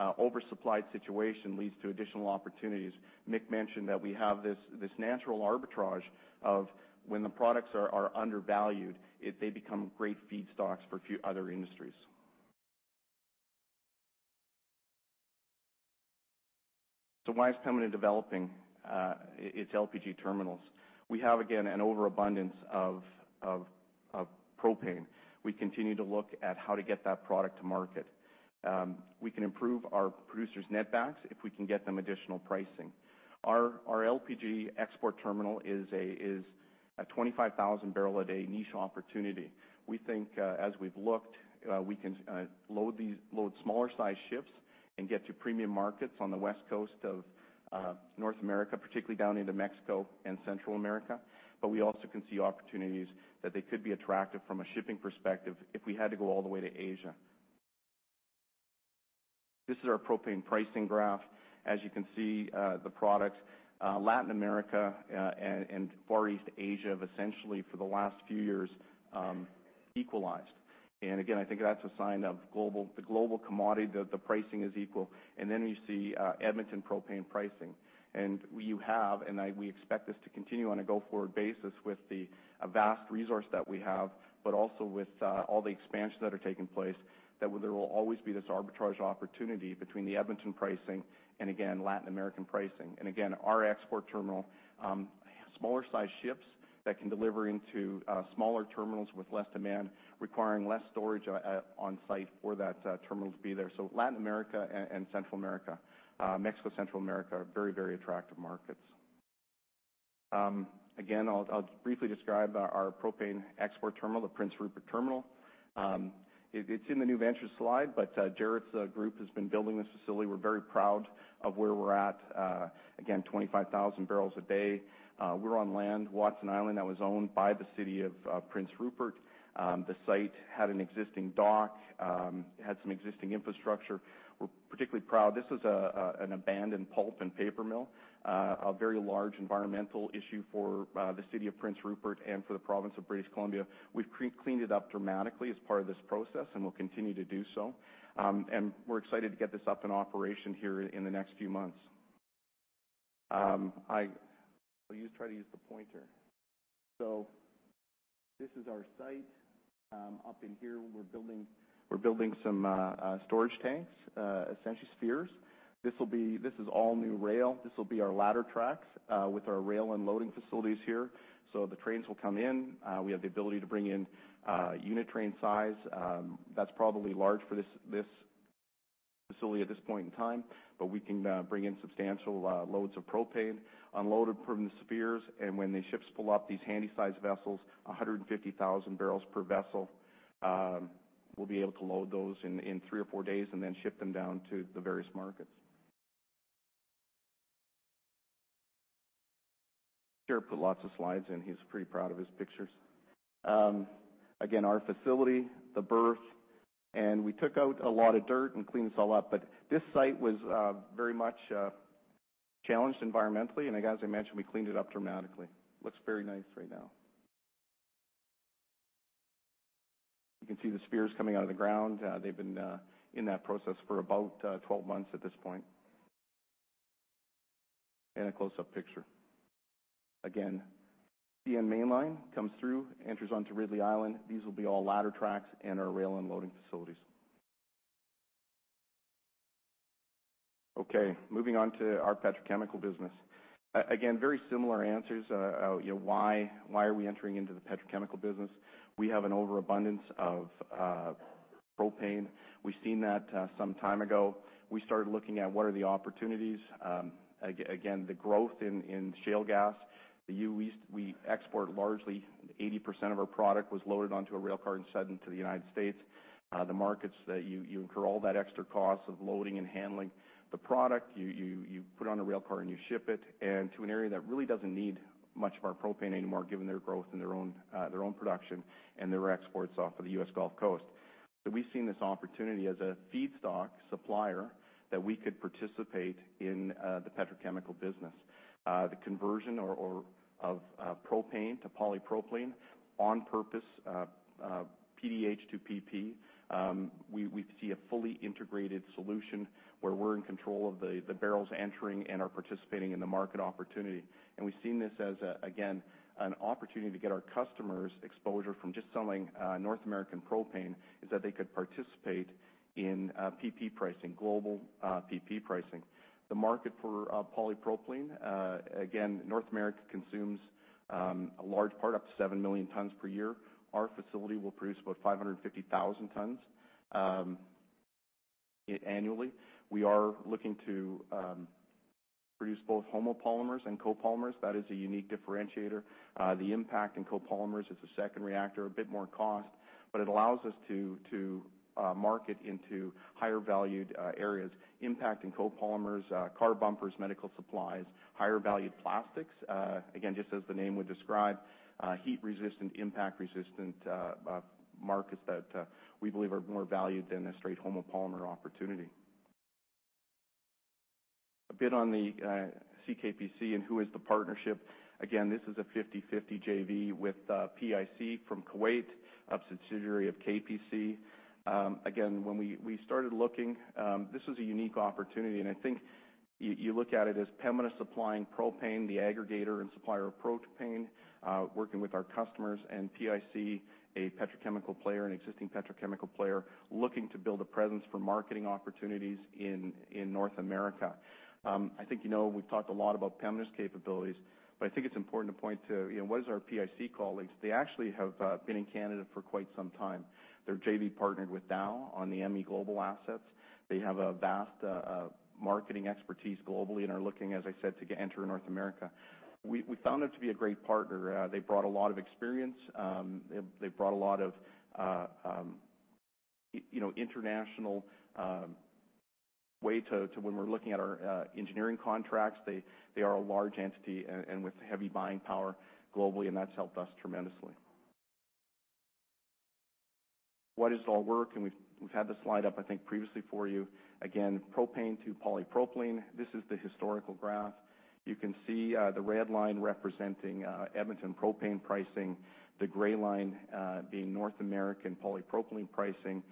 oversupplied situation leads to additional opportunities. Mick mentioned that we have this natural arbitrage of when the products are undervalued, they become great feedstocks for a few other industries. Why is Pembina developing its LPG terminals? We have, again, an overabundance of propane. We continue to look at how to get that product to market. We can improve our producers' net backs if we can get them additional pricing. Our LPG export terminal is a 25,000-barrel-a-day niche opportunity. We think, as we have looked, we can load smaller-sized ships and get to premium markets on the West Coast of North America, particularly down into Mexico and Central America. We also can see opportunities that they could be attractive from a shipping perspective if we had to go all the way to Asia. This is our propane pricing graph. As you can see, the products, Latin America, and Far East Asia, have essentially, for the last few years, equalized. Again, I think that is a sign of the global commodity, that the pricing is equal. Then you see Edmonton propane pricing. You have, and we expect this to continue on a go-forward basis with the vast resource that we have, but also with all the expansions that are taking place, that there will always be this arbitrage opportunity between the Edmonton pricing and, again, Latin American pricing. Again, our export terminal, smaller-sized ships that can deliver into smaller terminals with less demand, requiring less storage on site for that terminal to be there. Latin America and Central America. Mexico, Central America, are very attractive markets. Again, I will briefly describe our propane export terminal, the Prince Rupert Terminal. It is in the new ventures slide, but Jaret's group has been building this facility. We are very proud of where we are at. Again, 25,000 barrels a day. We are on land, Watson Island, that was owned by the city of Prince Rupert. The site had an existing dock, had some existing infrastructure. We are particularly proud. This was an abandoned pulp and paper mill, a very large environmental issue for the city of Prince Rupert and for the province of British Columbia. We have cleaned it up dramatically as part of this process, and we will continue to do so. We are excited to get this up and operation here in the next few months. I will try to use the pointer. This is our site. Up in here, we are building some storage tanks, essentially spheres. This is all new rail. This will be our ladder tracks with our rail unloading facilities here. The trains will come in. We have the ability to bring in unit train size. That is probably large for this facility at this point in time, but we can bring in substantial loads of propane, unload it from the spheres, and when the ships pull up, these handy-sized vessels, 150,000 barrels per vessel, we will be able to load those in three or four days and then ship them down to the various markets. Jaret put lots of slides in. He is pretty proud of his pictures. Again, our facility, the berth. We took out a lot of dirt and cleaned this all up. This site was very much challenged environmentally, and as I mentioned, we cleaned it up dramatically. Looks very nice right now. You can see the spheres coming out of the ground. They've been in that process for about 12 months at this point. A close-up picture. Again, CN mainline comes through, enters onto Ridley Island. These will be all ladder tracks and our rail unloading facilities. Moving on to our petrochemical business. Again, very similar answers. Why are we entering into the petrochemical business? We have an overabundance of propane. We've seen that some time ago. We started looking at what are the opportunities. Again, the growth in shale gas. We export largely 80% of our product was loaded onto a rail car and sent into the U.S. The markets that you incur all that extra cost of loading and handling the product, you put on a rail car, and you ship it, to an area that really doesn't need much of our propane anymore, given their growth and their own production and their exports off of the U.S. Gulf Coast. We've seen this opportunity as a feedstock supplier that we could participate in the petrochemical business. The conversion of propane to polypropylene, on-purpose PDH to PP. We see a fully integrated solution where we're in control of the barrels entering and are participating in the market opportunity. We've seen this as, again, an opportunity to get our customers exposure from just selling North American propane is that they could participate in global PP pricing. The market for polypropylene, again, North America consumes a large part, up to 7 million tons per year. Our facility will produce about 550,000 tons annually. We are looking to produce both homopolymers and copolymers. That is a unique differentiator. The impact in copolymers is a second reactor, a bit more cost, but it allows us to market into higher valued areas, impact and copolymers, car bumpers, medical supplies, higher valued plastics. Again, just as the name would describe, heat resistant, impact resistant markets that we believe are more valued than a straight homopolymer opportunity. A bit on the CKPC and who is the partnership. Again, this is a 50/50 JV with PIC from Kuwait, a subsidiary of KPC. Again, when we started looking, this was a unique opportunity, and I think you look at it as Pembina supplying propane, the aggregator and supplier of propane, working with our customers and PIC, an existing petrochemical player, looking to build a presence for marketing opportunities in North America. I think you know we've talked a lot about Pembina's capabilities, but I think it's important to point to, what is our PIC colleagues? They actually have been in Canada for quite some time. They're JV partnered with Dow on the MEGlobal assets. They have a vast marketing expertise globally and are looking, as I said, to enter North America. We found them to be a great partner. They brought a lot of experience. They brought a lot of international weight to when we're looking at our engineering contracts. They are a large entity with heavy buying power globally, and that's helped us tremendously. What is all work? We've had this slide up, I think, previously for you. Again, propane to polypropylene. This is the historical graph. You can see the red line representing Edmonton propane pricing, the gray line being North American polypropylene pricing,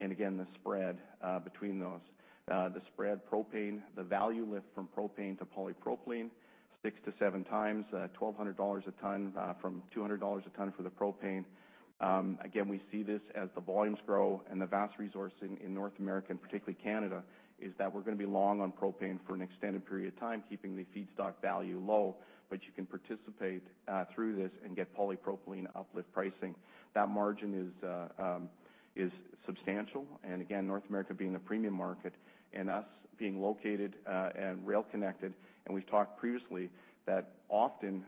and again, the spread between those. The spread propane, the value lift from propane to polypropylene, six to seven times, at 1,200 dollars a ton from 200 dollars a ton for the propane. Again, we see this as the volumes grow and the vast resource in North America, and particularly Canada, is that we're going to be long on propane for an extended period of time, keeping the feedstock value low, but you can participate through this and get polypropylene uplift pricing. That margin is substantial, and again, North America being the premium market and us being located and rail connected, and we've talked previously that often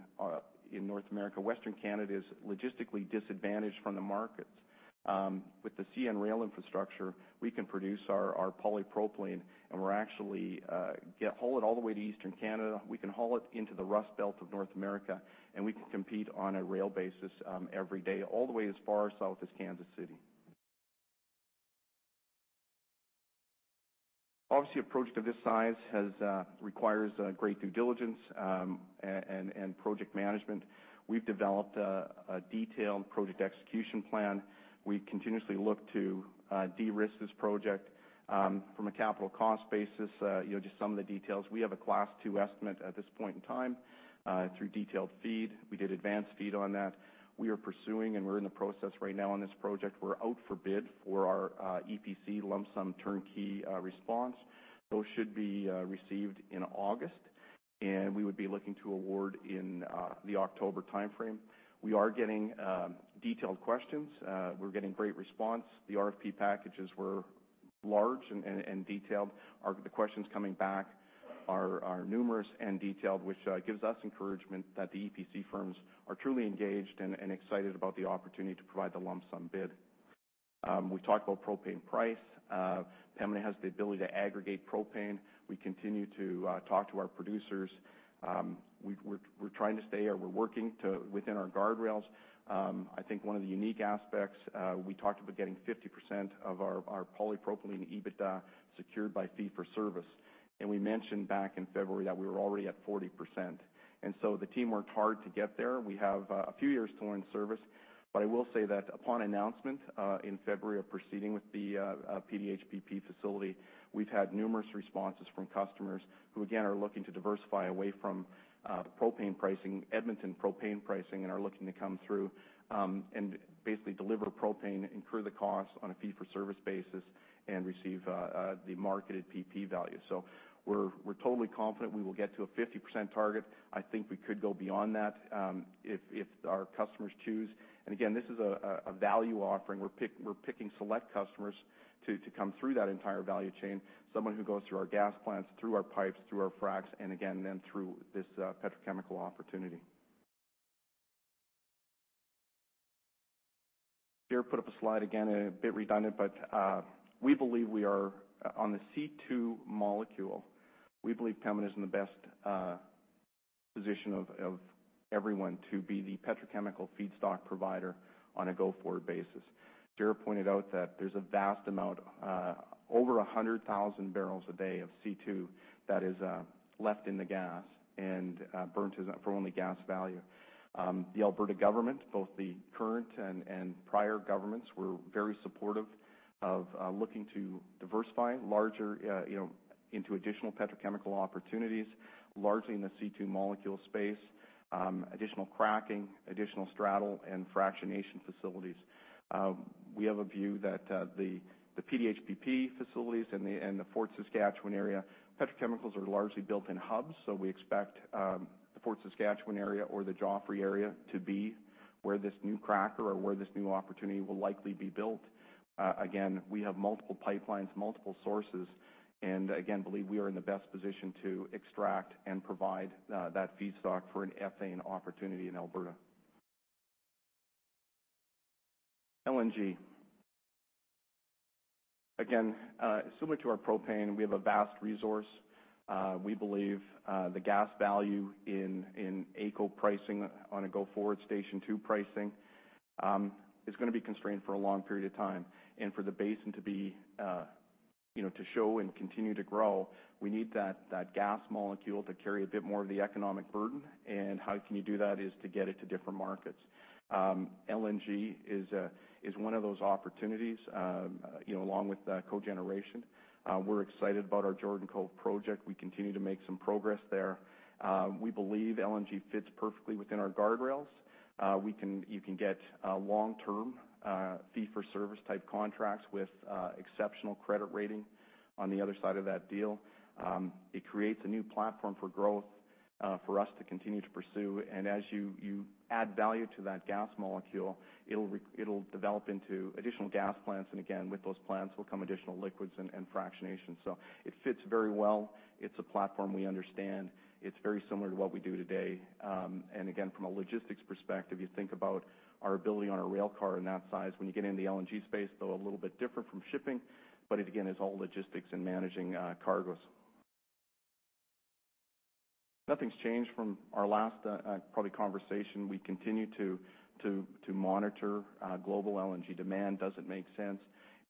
in North America, Western Canada is logistically disadvantaged from the markets. With the CN rail infrastructure, we can produce our polypropylene, and we actually haul it all the way to Eastern Canada. We can haul it into the Rust Belt of North America, and we can compete on a rail basis every day, all the way as far south as Kansas City. Obviously, an approach to this size requires great due diligence and project management. We've developed a detailed project execution plan. We continuously look to de-risk this project. From a capital cost basis, just some of the details. We have a Class 2 estimate at this point in time through detailed FEED. We did advanced FEED on that. We are pursuing, and we're in the process right now on this project. We're out for bid for our EPC lump sum turnkey response. Those should be received in August, and we would be looking to award in the October timeframe. We are getting detailed questions. We're getting great response. The RFP packages were large and detailed. The questions coming back are numerous and detailed, which gives us encouragement that the EPC firms are truly engaged and excited about the opportunity to provide the lump sum bid. We talked about propane price. Pembina has the ability to aggregate propane. We continue to talk to our producers. We're working within our guardrails. I think one of the unique aspects, we talked about getting 50% of our polypropylene EBITDA secured by fee for service. We mentioned back in February that we were already at 40%. The team worked hard to get there. We have a few years to learn service. I will say that upon announcement in February of proceeding with the PDHPP facility, we've had numerous responses from customers who, again, are looking to diversify away from propane pricing, Edmonton propane pricing, and are looking to come through, and basically deliver propane, incur the cost on a fee for service basis, and receive the marketed PP value. We're totally confident we will get to a 50% target. I think we could go beyond that if our customers choose. Again, this is a value offering. We're picking select customers to come through that entire value chain. Someone who goes through our gas plants, through our pipes, through our fracs, and again, then through this petrochemical opportunity. Here, put up a slide again, a bit redundant, but we believe we are on the C2 molecule. We believe Pembina is in the best position of everyone to be the petrochemical feedstock provider on a go-forward basis. Jaret pointed out that there's a vast amount, over 100,000 barrels a day of C2 that is left in the gas and burnt for only gas value. The Alberta government, both the current and prior governments, were very supportive of looking to diversify larger into additional petrochemical opportunities, largely in the C2 molecule space, additional cracking, additional straddle and fractionation facilities. We have a view that the PDHPP facilities and the Fort Saskatchewan area, petrochemicals are largely built in hubs, so we expect the Fort Saskatchewan area or the Joffre area to be where this new cracker or where this new opportunity will likely be built. Again, we have multiple pipelines, multiple sources, and again, believe we are in the best position to extract and provide that feedstock for an ethane opportunity in Alberta. LNG. Again, similar to our propane, we have a vast resource. We believe the gas value in AECO pricing on a go-forward Station 2 pricing, is going to be constrained for a long period of time. For the basin to show and continue to grow, we need that gas molecule to carry a bit more of the economic burden. How can you do that, is to get it to different markets. LNG is one of those opportunities, along with cogeneration. We're excited about our Jordan Cove project. We continue to make some progress there. We believe LNG fits perfectly within our guardrails. You can get long-term, fee-for-service type contracts with exceptional credit rating on the other side of that deal. It creates a new platform for growth for us to continue to pursue. As you add value to that gas molecule, it'll develop into additional gas plants. Again, with those plants will come additional liquids and fractionation. It fits very well. It's a platform we understand. It's very similar to what we do today. Again, from a logistics perspective, you think about our ability on a rail car in that size. When you get into the LNG space, though a little bit different from shipping, but it again, is all logistics and managing cargoes. Nothing's changed from our last conversation. We continue to monitor global LNG demand. Does it make sense?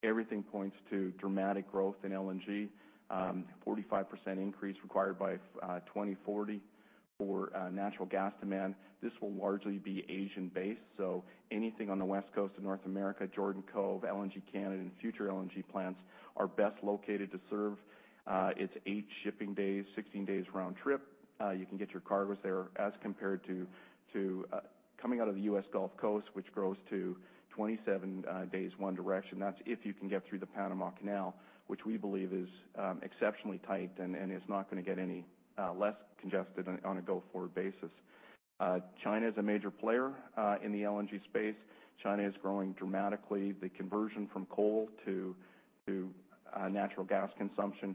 Everything points to dramatic growth in LNG, 45% increase required by 2040 for natural gas demand. This will largely be Asian-based. Anything on the West Coast of North America, Jordan Cove, LNG Canada, and future LNG plants are best located to serve. It's eight shipping days, 16 days round trip. You can get your cargoes there as compared to coming out of the U.S. Gulf Coast, which grows to 27 days one direction. That's if you can get through the Panama Canal, which we believe is exceptionally tight and is not going to get any less congested on a go-forward basis. China is a major player in the LNG space. China is growing dramatically. The conversion from coal to natural gas consumption,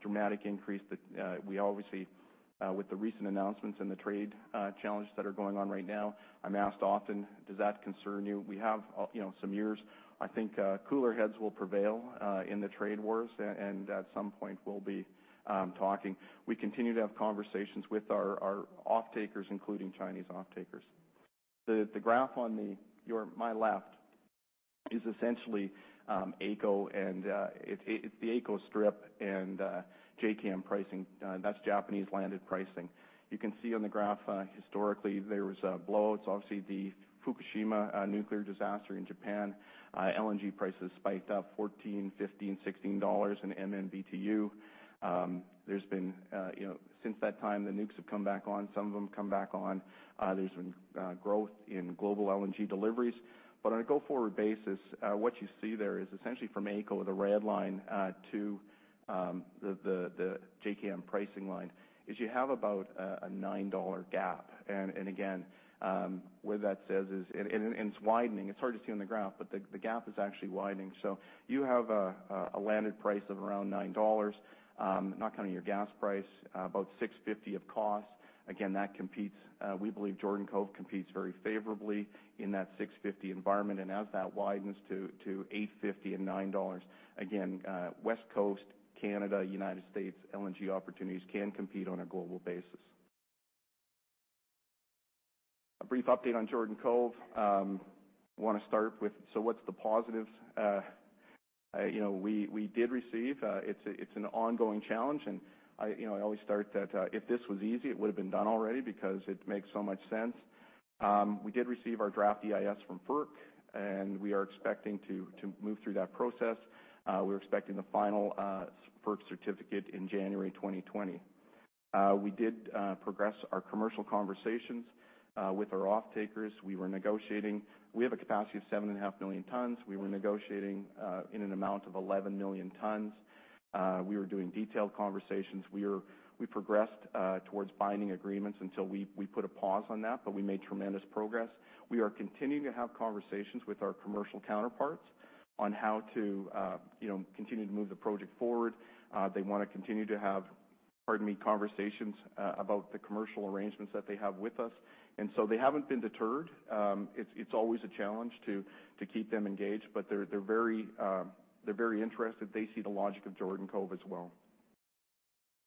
dramatic increase that we all receive with the recent announcements and the trade challenges that are going on right now. I'm asked often, "Does that concern you?" We have some years. I think cooler heads will prevail in the trade wars, and at some point, we'll be talking. We continue to have conversations with our off-takers, including Chinese off-takers. The graph on my left is essentially AECO and it's the AECO strip and JKM pricing. That's Japanese landed pricing. You can see on the graph, historically, there was blowouts. Obviously, the Fukushima nuclear disaster in Japan, LNG prices spiked up 14, 15, 16 dollars an MMBtu. Since that time, the nukes have come back on, some of them come back on. There's been growth in global LNG deliveries. On a go-forward basis, what you see there is essentially from AECO, the red line to the JKM pricing line, is you have about a 9 dollar gap. Again, what that says is it's widening. It's hard to see on the graph, but the gap is actually widening. You have a landed price of around 9 dollars, not counting your gas price, about 6.50 of cost. Again, we believe Jordan Cove competes very favorably in that 6.50 environment. As that widens to 8.50 and 9 dollars, again, West Coast, Canada, U.S., LNG opportunities can compete on a global basis. A brief update on Jordan Cove. Want to start with, what's the positives? We did receive It's an ongoing challenge, and I always start that if this was easy, it would've been done already because it makes so much sense. We did receive our draft EIS from FERC, and we are expecting to move through that process. We're expecting the final FERC certificate in January 2020. We did progress our commercial conversations with our off-takers. We were negotiating. We have a capacity of seven and a half million tons. We were negotiating in an amount of 11 million tons. We were doing detailed conversations. We progressed towards binding agreements until we put a pause on that, but we made tremendous progress. We are continuing to have conversations with our commercial counterparts on how to continue to move the project forward. They want to continue to have, pardon me, conversations about the commercial arrangements that they have with us. They haven't been deterred. It's always a challenge to keep them engaged, but they're very interested. They see the logic of Jordan Cove as well.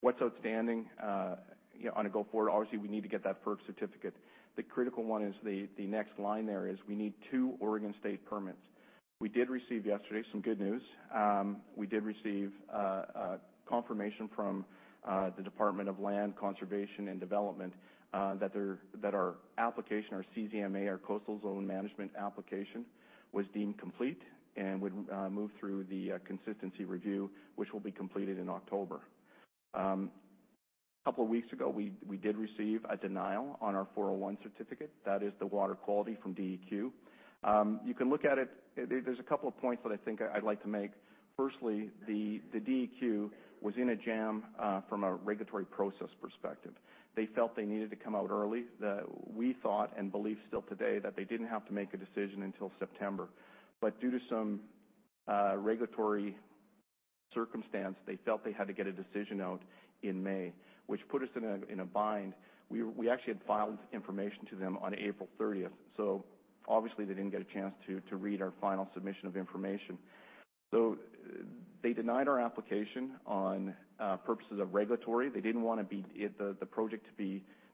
What's outstanding on a go forward? Obviously, we need to get that FERC certificate. The critical one is the next line there, is we need two Oregon State permits. We did receive yesterday some good news. We did receive confirmation from the Department of Land Conservation and Development that our application, our CZMA, our Coastal Zone Management Application, was deemed complete and would move through the consistency review, which will be completed in October. A couple of weeks ago, we did receive a denial on our 401 certificate. That is the water quality from DEQ. You can look at it. There's a couple of points that I'd like to make. Firstly, the DEQ was in a jam from a regulatory process perspective. They felt they needed to come out early. We thought and believe still today that they didn't have to make a decision until September. Due to some regulatory circumstance, they felt they had to get a decision out in May, which put us in a bind. We actually had filed information to them on April 30th, obviously they didn't get a chance to read our final submission of information. They denied our application on purposes of regulatory. They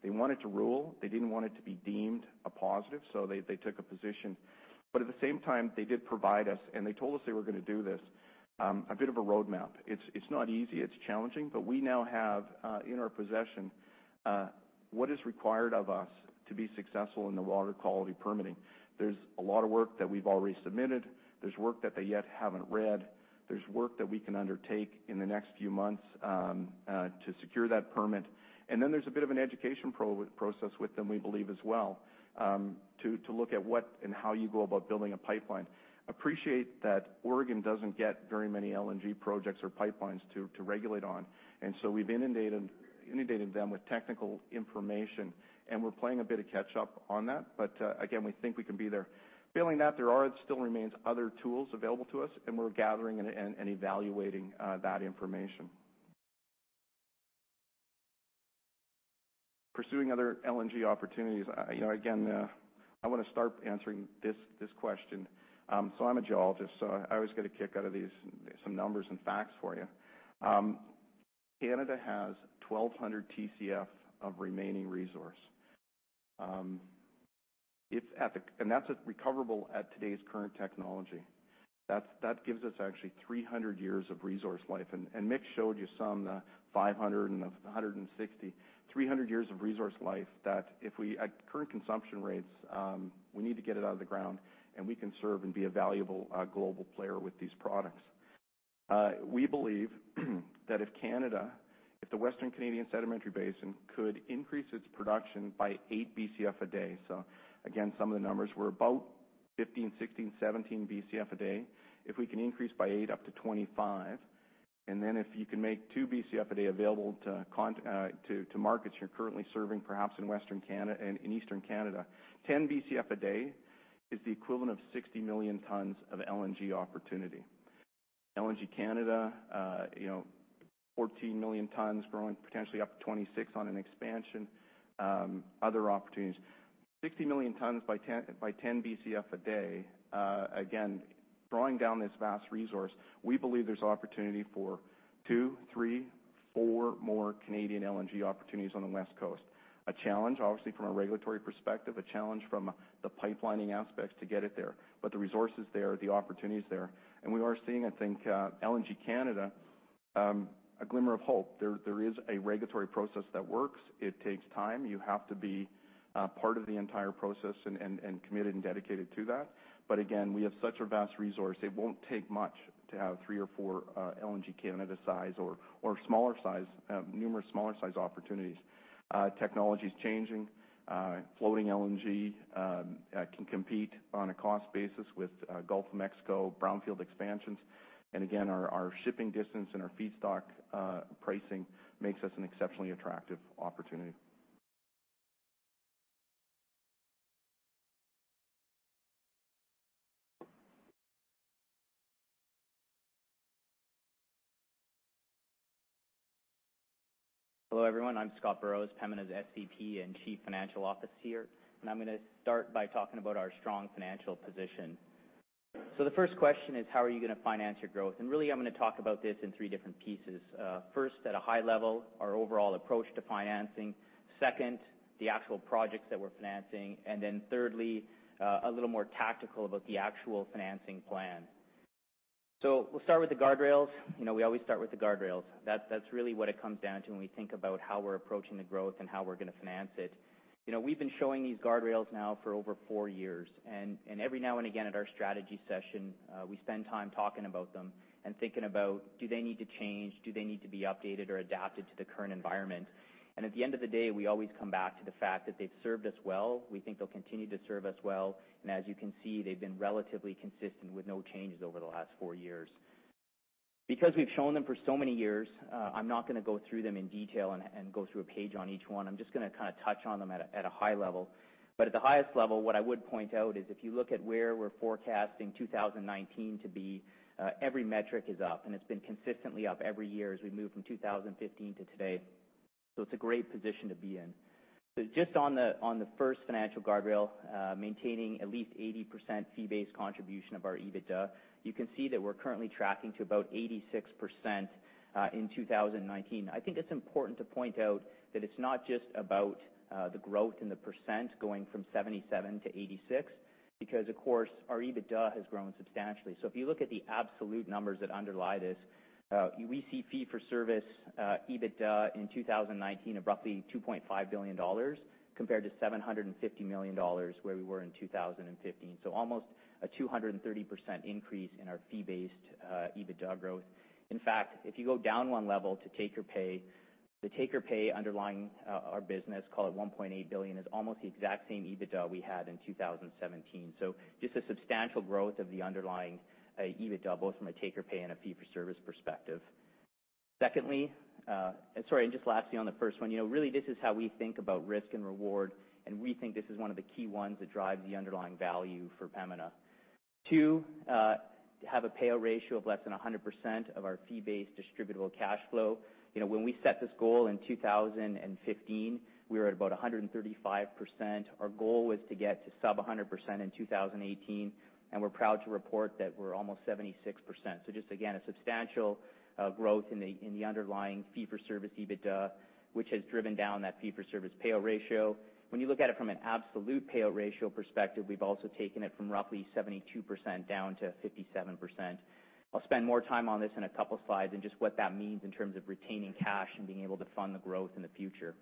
wanted to rule. They didn't want it to be deemed a positive, so they took a position. At the same time, they did provide us, and they told us they were going to do this, a bit of a roadmap. It's not easy, it's challenging, but we now have, in our possession, what is required of us to be successful in the water quality permitting. There's a lot of work that we've already submitted. There's work that they yet haven't read. There's work that we can undertake in the next few months to secure that permit. There's a bit of an education process with them, we believe, as well, to look at what and how you go about building a pipeline. Appreciate that Oregon doesn't get very many LNG projects or pipelines to regulate on, we've inundated them with technical information, and we're playing a bit of catch up on that. Again, we think we can be there. Failing that, there still remains other tools available to us, and we're gathering and evaluating that information. Pursuing other LNG opportunities. Again, I want to start answering this question. I'm a geologist, I always get a kick out of these, some numbers and facts for you. Canada has 1,200 TCF of remaining resource, and that's at recoverable at today's current technology. That gives us actually 300 years of resource life. Mick showed you some, the 500 and 160. 300 years of resource life that at current consumption rates, we need to get it out of the ground, and we can serve and be a valuable global player with these products. We believe that if Canada, if the Western Canadian Sedimentary Basin, could increase its production by eight BCF a day, again, some of the numbers were about 15, 16, 17 BCF a day. If we can increase by eight up to 25, then if you can make two BCF a day available to markets you're currently serving, perhaps in Eastern Canada, 10 BCF a day is the equivalent of 60 million tons of LNG opportunity. LNG Canada, 14 million tons growing potentially up to 26 on an expansion. Other opportunities. 60 million tons by 10 BCF a day. Again, drawing down this vast resource, we believe there's opportunity for two, three, four more Canadian LNG opportunities on the West Coast. A challenge, obviously, from a regulatory perspective, a challenge from the pipelining aspects to get it there. The resource is there, the opportunity is there. We are seeing, I think, LNG Canada, a glimmer of hope. There is a regulatory process that works. It takes time. You have to be part of the entire process and committed and dedicated to that. Again, we have such a vast resource, it won't take much to have three or four LNG Canada size or numerous smaller size opportunities. Technology's changing. Floating LNG can compete on a cost basis with Gulf of Mexico brownfield expansions. Again, our shipping distance and our feedstock pricing makes us an exceptionally attractive opportunity. Hello, everyone. I'm Scott Burrows, Pembina's SVP and Chief Financial Officer. I'm going to start by talking about our strong financial position. The first question is: How are you going to finance your growth? Really, I'm going to talk about this in three different pieces. First, at a high level, our overall approach to financing. Second, the actual projects that we're financing. Thirdly, a little more tactical about the actual financing plan. We'll start with the guardrails. We always start with the guardrails. That's really what it comes down to when we think about how we're approaching the growth and how we're going to finance it. We've been showing these guardrails now for over four years, and every now and again at our strategy session, we spend time talking about them and thinking about, do they need to change? Do they need to be updated or adapted to the current environment? At the end of the day, we always come back to the fact that they've served us well. We think they'll continue to serve us well. As you can see, they've been relatively consistent with no changes over the last four years. We've shown them for so many years, I'm not going to go through them in detail and go through a page on each one. I'm just going to touch on them at a high level. At the highest level, what I would point out is if you look at where we're forecasting 2019 to be, every metric is up, and it's been consistently up every year as we move from 2015 to today. It's a great position to be in. Just on the first financial guardrail, maintaining at least 80% fee-based contribution of our EBITDA, you can see that we're currently tracking to about 86% in 2019. I think it's important to point out that it's not just about the growth in the percent going from 77% to 86% because, of course, our EBITDA has grown substantially. If you look at the absolute numbers that underlie this, we see fee for service EBITDA in 2019 of roughly 2.5 billion dollars compared to 750 million dollars where we were in 2015. Almost a 230% increase in our fee-based EBITDA growth. In fact, if you go down one level to take or pay, the take or pay underlying our business, call it 1.8 billion, is almost the exact same EBITDA we had in 2017. Just a substantial growth of the underlying EBITDA, both from a take or pay and a fee for service perspective. Secondly, sorry, just lastly on the first one, really, this is how we think about risk and reward, and we think this is one of the key ones that drives the underlying value for Pembina. Two. Have a payout ratio of less than 100% of our fee-based distributable cash flow. When we set this goal in 2015, we were at about 135%. Our goal was to get to sub-100% in 2018, and we're proud to report that we're almost 76%. Just again, a substantial growth in the underlying fee-for-service EBITDA, which has driven down that fee-for-service payout ratio. When you look at it from an absolute payout ratio perspective, we've also taken it from roughly 72% down to 57%. I'll spend more time on this in a couple slides and just what that means in terms of retaining cash and being able to fund the growth in the future.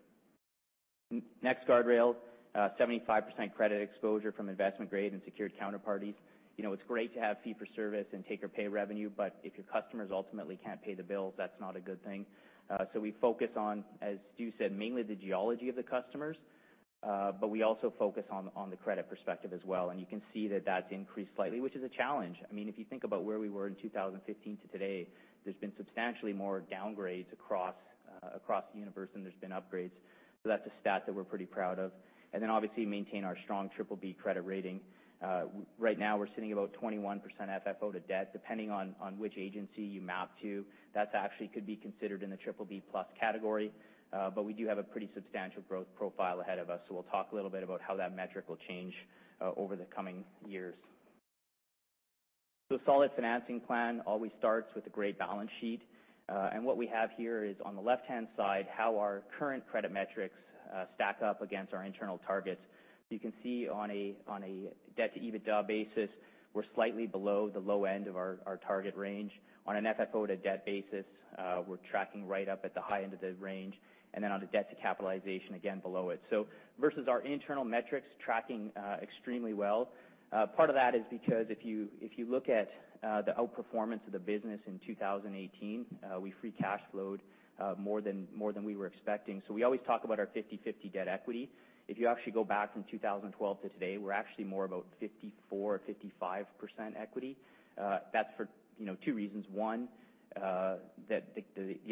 Next guardrail, 75% credit exposure from investment-grade and secured counterparties. It's great to have fee-for-service and take-or-pay revenue, but if your customers ultimately can't pay the bills, that's not a good thing. We focus on, as Stu said, mainly the geology of the customers, but we also focus on the credit perspective as well. You can see that that's increased slightly, which is a challenge. If you think about where we were in 2015 to today, there's been substantially more downgrades across the universe than there's been upgrades. That's a stat that we're pretty proud of. Then obviously maintain our strong BBB credit rating. Right now, we're sitting about 21% FFO to debt. Depending on which agency you map to, that actually could be considered in the BBB+ category. We do have a pretty substantial growth profile ahead of us, so we'll talk a little bit about how that metric will change over the coming years. A solid financing plan always starts with a great balance sheet. What we have here is on the left-hand side, how our current credit metrics stack up against our internal targets. You can see on a debt-to-EBITDA basis, we're slightly below the low end of our target range. On an FFO-to-debt basis, we're tracking right up at the high end of the range. Then on the debt to capitalization, again below it. Versus our internal metrics, tracking extremely well. Part of that is because if you look at the outperformance of the business in 2018, we free cash flowed more than we were expecting. We always talk about our 50/50 debt equity. If you actually go back from 2012 to today, we're actually more about 54% or 55% equity. That's for two reasons. One, the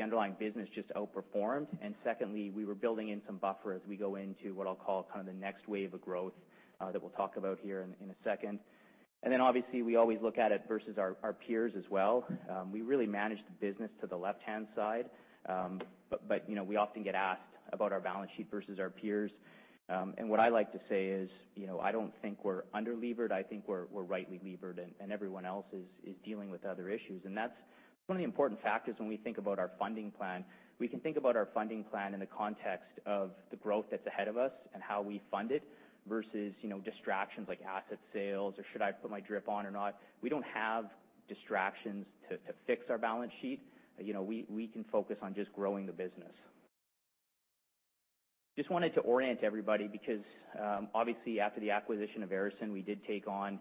underlying business just outperformed. Secondly, we were building in some buffer as we go into what I'll call the next wave of growth that we'll talk about here in a second. Then obviously, we always look at it versus our peers as well. We really manage the business to the left-hand side. We often get asked about our balance sheet versus our peers. What I like to say is, I don't think we're under-levered. I think we're rightly levered and everyone else is dealing with other issues. That's one of the important factors when we think about our funding plan. We can think about our funding plan in the context of the growth that's ahead of us and how we fund it versus distractions like asset sales or should I put my DRIP on or not. We don't have distractions to fix our balance sheet. We can focus on just growing the business. Just wanted to orient everybody because, obviously after the acquisition of Veresen, we did take on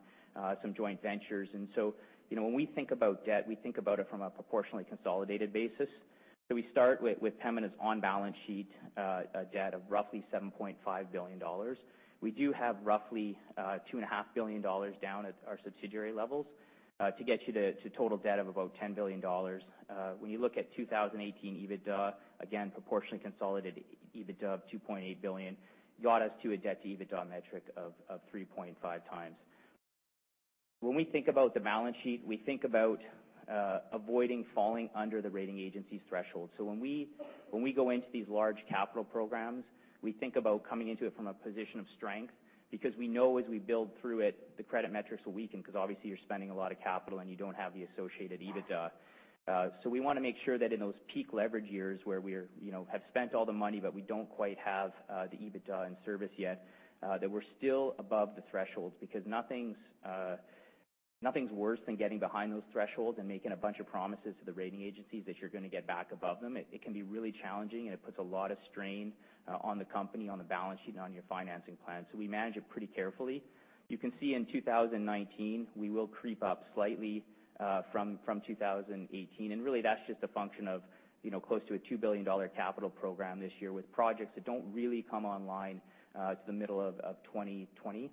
some joint ventures. When we think about debt, we think about it from a proportionally consolidated basis. We start with Pembina's on-balance sheet debt of roughly 7.5 billion dollars. We do have roughly 2.5 billion dollars down at our subsidiary levels to get you to total debt of about 10 billion dollars. When you look at 2018 EBITDA, again, proportionally consolidated EBITDA of 2.8 billion got us to a debt-to-EBITDA metric of 3.5 times. When we think about the balance sheet, we think about avoiding falling under the rating agencies' threshold. When we go into these large capital programs, we think about coming into it from a position of strength because we know as we build through it, the credit metrics will weaken because obviously you're spending a lot of capital and you don't have the associated EBITDA. We want to make sure that in those peak leverage years where we have spent all the money, but we don't quite have the EBITDA in service yet, that we're still above the thresholds because nothing's worse than getting behind those thresholds and making a bunch of promises to the rating agencies that you're going to get back above them. It can be really challenging. It puts a lot of strain on the company, on the balance sheet, and on your financing plan. We manage it pretty carefully. You can see in 2019, we will creep up slightly from 2018. Really that's just a function of close to a 2 billion dollar capital program this year with projects that don't really come online to the middle of 2020.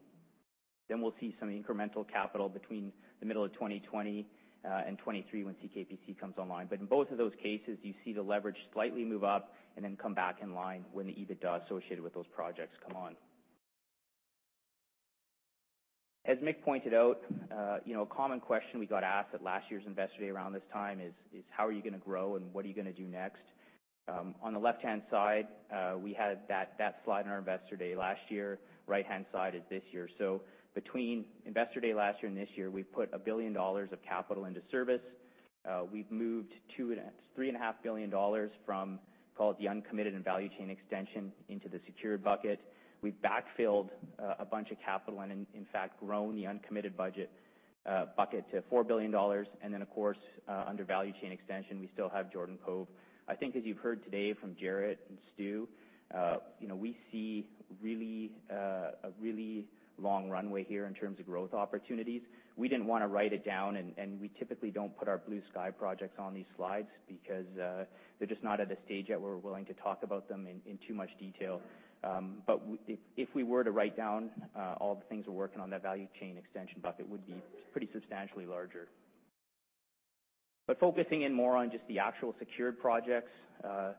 We'll see some incremental capital between the middle of 2020 and 2023 when CKPC comes online. In both of those cases, you see the leverage slightly move up and then come back in line when the EBITDA associated with those projects come on. As Mick pointed out, a common question we got asked at last year's Investor Day around this time is how are you going to grow and what are you going to do next? On the left-hand side, we had that slide in our Investor Day last year. Right-hand side is this year. Between Investor Day last year and this year, we've put 1 billion dollars of capital into service. We've moved 3.5 billion dollars from, call it the uncommitted and value chain extension into the secured bucket. We backfilled a bunch of capital and in fact, grown the uncommitted budget bucket to 4 billion dollars. Of course, under value chain extension, we still have Jordan Cove. I think as you've heard today from Jarret and Stu, we see a really long runway here in terms of growth opportunities. We didn't want to write it down. We typically don't put our blue sky projects on these slides because they're just not at a stage yet where we're willing to talk about them in too much detail. If we were to write down all the things we're working on, that value chain extension bucket would be pretty substantially larger. Focusing in more on just the actual secured projects, as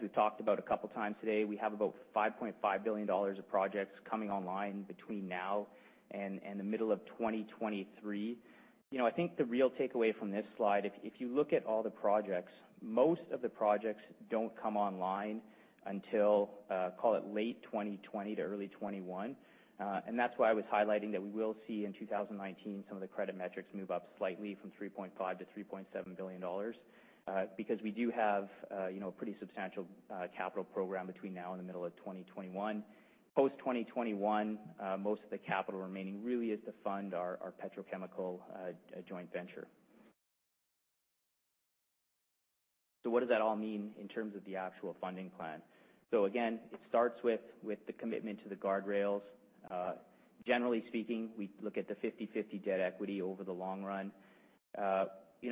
we've talked about a couple times today, we have about 5.5 billion dollars of projects coming online between now and the middle of 2023. I think the real takeaway from this slide, if you look at all the projects, most of the projects don't come online until, call it, late 2020 to early 2021. That's why I was highlighting that we will see in 2019 some of the credit metrics move up slightly from 3.5 billion-3.7 billion dollars, because we do have a pretty substantial capital program between now and the middle of 2021. Post 2021, most of the capital remaining really is to fund our petrochemical joint venture. What does that all mean in terms of the actual funding plan? Again, it starts with the commitment to the guardrails. Generally speaking, we look at the 50/50 debt equity over the long run.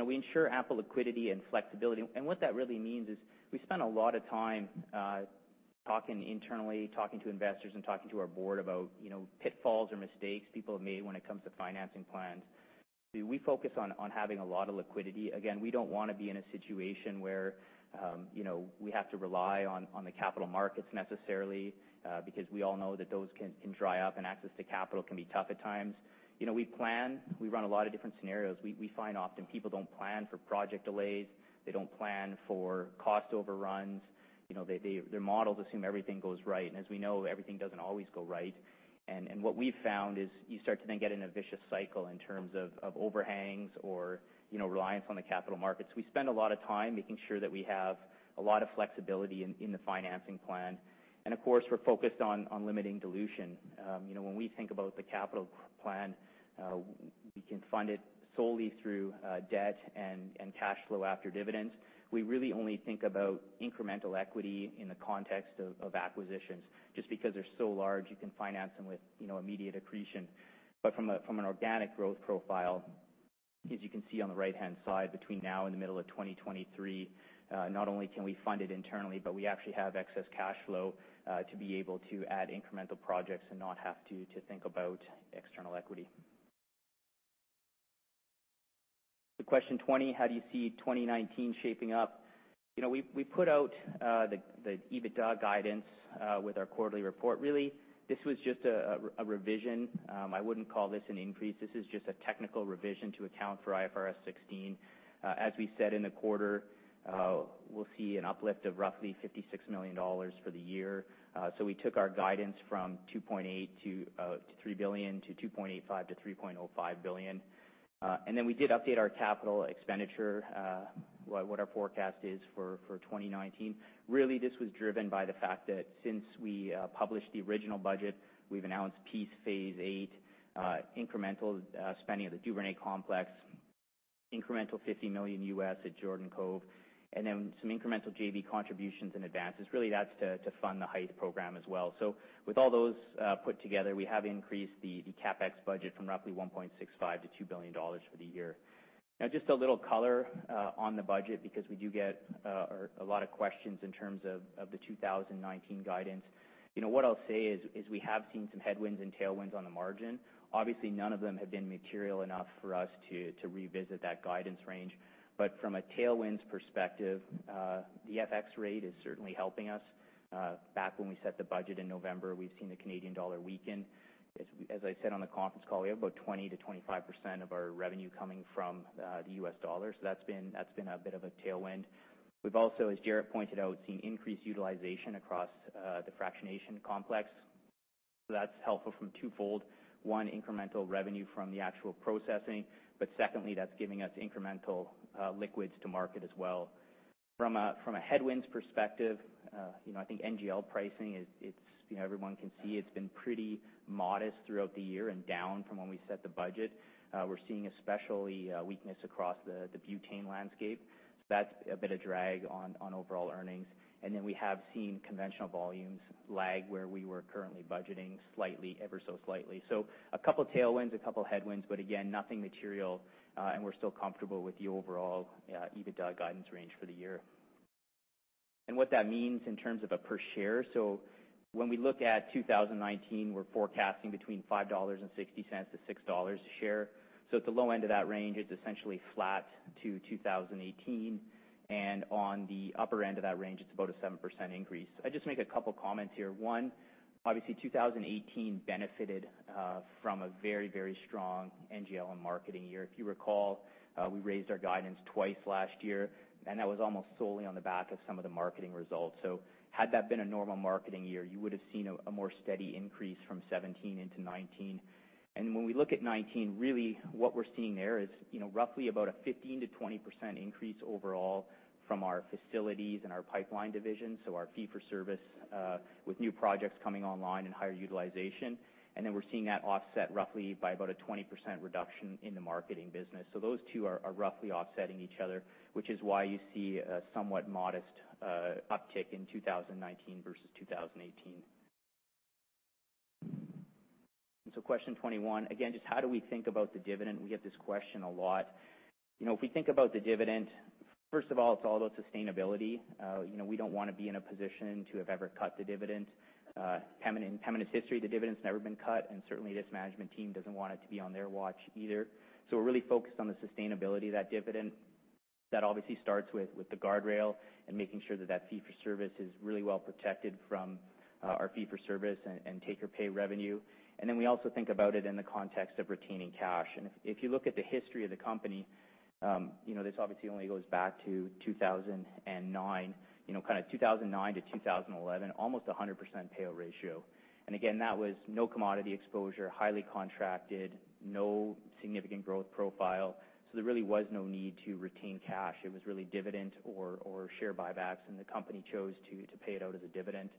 We ensure ample liquidity and flexibility, and what that really means is we spend a lot of time talking internally, talking to investors and talking to our board about pitfalls or mistakes people have made when it comes to financing plans. We focus on having a lot of liquidity. Again, we don't want to be in a situation where we have to rely on the capital markets necessarily, because we all know that those can dry up, and access to capital can be tough at times. We plan. We run a lot of different scenarios. We find often people don't plan for project delays. They don't plan for cost overruns. Their models assume everything goes right, and as we know, everything doesn't always go right. What we've found is you start to then get in a vicious cycle in terms of overhangs or reliance on the capital markets. We spend a lot of time making sure that we have a lot of flexibility in the financing plan. Of course, we're focused on limiting dilution. When we think about the capital plan, we can fund it solely through debt and cash flow after dividends. We really only think about incremental equity in the context of acquisitions, just because they're so large, you can finance them with immediate accretion. From an organic growth profile, as you can see on the right-hand side, between now and the middle of 2023, not only can we fund it internally, but we actually have excess cash flow to be able to add incremental projects and not have to think about external equity. Question 20, how do you see 2019 shaping up? We put out the EBITDA guidance with our quarterly report. Really, this was just a revision. I wouldn't call this an increase. This is just a technical revision to account for IFRS 16. As we said in the quarter, we'll see an uplift of roughly 56 million dollars for the year. We took our guidance from 2.8 billion-3 billion to 2.85 billion-3.05 billion. Then we did update our capital expenditure, what our forecast is for 2019. Really, this was driven by the fact that since we published the original budget, we've announced Peace Phase 8, incremental spending of the Duvernay Complex, incremental 50 million at Jordan Cove, and then some incremental JV contributions in advance, as really that's to fund the Hythe program as well. With all those put together, we have increased the CapEx budget from roughly 1.65 billion-2 billion dollars for the year. Just a little color on the budget, because we do get a lot of questions in terms of the 2019 guidance. What I'll say is we have seen some headwinds and tailwinds on the margin. Obviously, none of them have been material enough for us to revisit that guidance range. From a tailwinds perspective, the FX rate is certainly helping us. Back when we set the budget in November, we've seen the Canadian dollar weaken. As I said on the conference call, we have about 20%-25% of our revenue coming from the U.S. dollar. That's been a bit of a tailwind. We've also, as Jaret pointed out, seen increased utilization across the fractionation complex. That's helpful from twofold. One, incremental revenue from the actual processing, but secondly, that's giving us incremental liquids to market as well. From a headwinds perspective, I think NGL pricing, everyone can see it's been pretty modest throughout the year and down from when we set the budget. We're seeing especially weakness across the butane landscape. That's a bit of drag on overall earnings. We have seen conventional volumes lag where we were currently budgeting slightly, ever so slightly. A couple of tailwinds, a couple of headwinds, but again, nothing material, and we're still comfortable with the overall EBITDA guidance range for the year and what that means in terms of a per share. When we look at 2019, we're forecasting between 5.60-6 dollars a share. At the low end of that range, it's essentially flat to 2018. On the upper end of that range, it's about a 7% increase. I'll just make a couple of comments here. One, obviously 2018 benefited from a very, very strong NGL and marketing year. If you recall, we raised our guidance twice last year, and that was almost solely on the back of some of the marketing results. Had that been a normal marketing year, you would have seen a more steady increase from 2017 into 2019. When we look at 2019, really what we're seeing there is roughly about a 15%-20% increase overall from our facilities and our pipeline division, so our fee for service, with new projects coming online and higher utilization. We're seeing that offset roughly by about a 20% reduction in the marketing business. Those two are roughly offsetting each other, which is why you see a somewhat modest uptick in 2019 versus 2018. Question 21, again, just how do we think about the dividend? We get this question a lot. If we think about the dividend. First of all, it's all about sustainability. We don't want to be in a position to have ever cut the dividend. Pembina's history, the dividend's never been cut, and certainly this management team doesn't want it to be on their watch either. We're really focused on the sustainability of that dividend. That obviously starts with the guardrail and making sure that that fee for service is really well protected from our fee for service and take or pay revenue. We also think about it in the context of retaining cash. If you look at the history of the company, this obviously only goes back to 2009, kind of 2009-2011, almost 100% payout ratio. Again, that was no commodity exposure, highly contracted, no significant growth profile. There really was no need to retain cash. It was really dividend or share buybacks, and the company chose to pay it out as a dividend.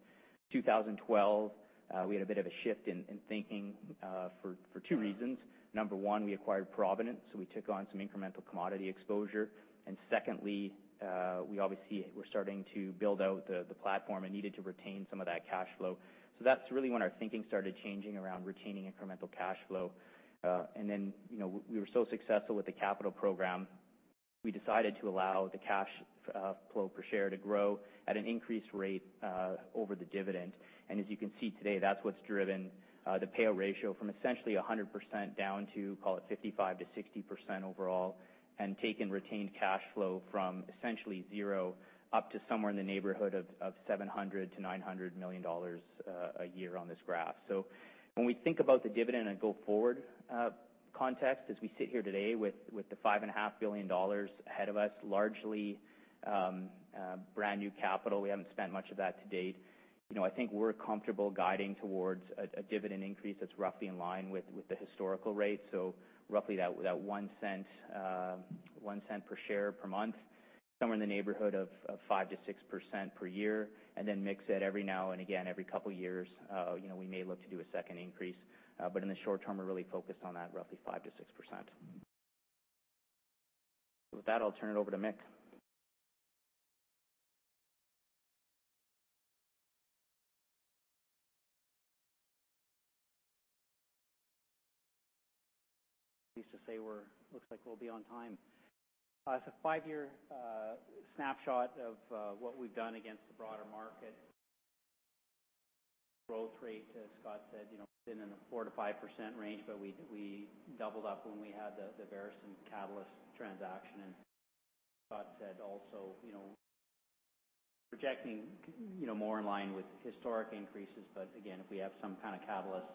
2012, we had a bit of a shift in thinking for two reasons. Number 1, we acquired Provident, so we took on some incremental commodity exposure. Secondly, we obviously were starting to build out the platform and needed to retain some of that cash flow. That's really when our thinking started changing around retaining incremental cash flow. Then, we were so successful with the capital program, we decided to allow the cash flow per share to grow at an increased rate over the dividend. As you can see today, that's what's driven the payout ratio from essentially 100% down to, call it 55%-60% overall, and taken retained cash flow from essentially zero up to somewhere in the neighborhood of 700 million-900 million dollars a year on this graph. When we think about the dividend in a go-forward context, as we sit here today with the 5.5 billion dollars ahead of us, largely brand-new capital, we haven't spent much of that to date. I think we're comfortable guiding towards a dividend increase that's roughly in line with the historical rate. Roughly that 0.01 per share per month, somewhere in the neighborhood of 5%-6% per year. Then mix it every now and again, every couple of years, we may look to do a second increase. In the short term, we're really focused on that roughly 5%-6%. With that, I'll turn it over to Mick. At least to say, looks like we'll be on time. It's a five-year snapshot of what we've done against the broader market. Growth rate, as Scott said, been in the 4%-5% range, but we doubled up when we had the Veresen catalyst transaction. Scott said also, projecting more in line with historic increases, but again, if we have some kind of catalyst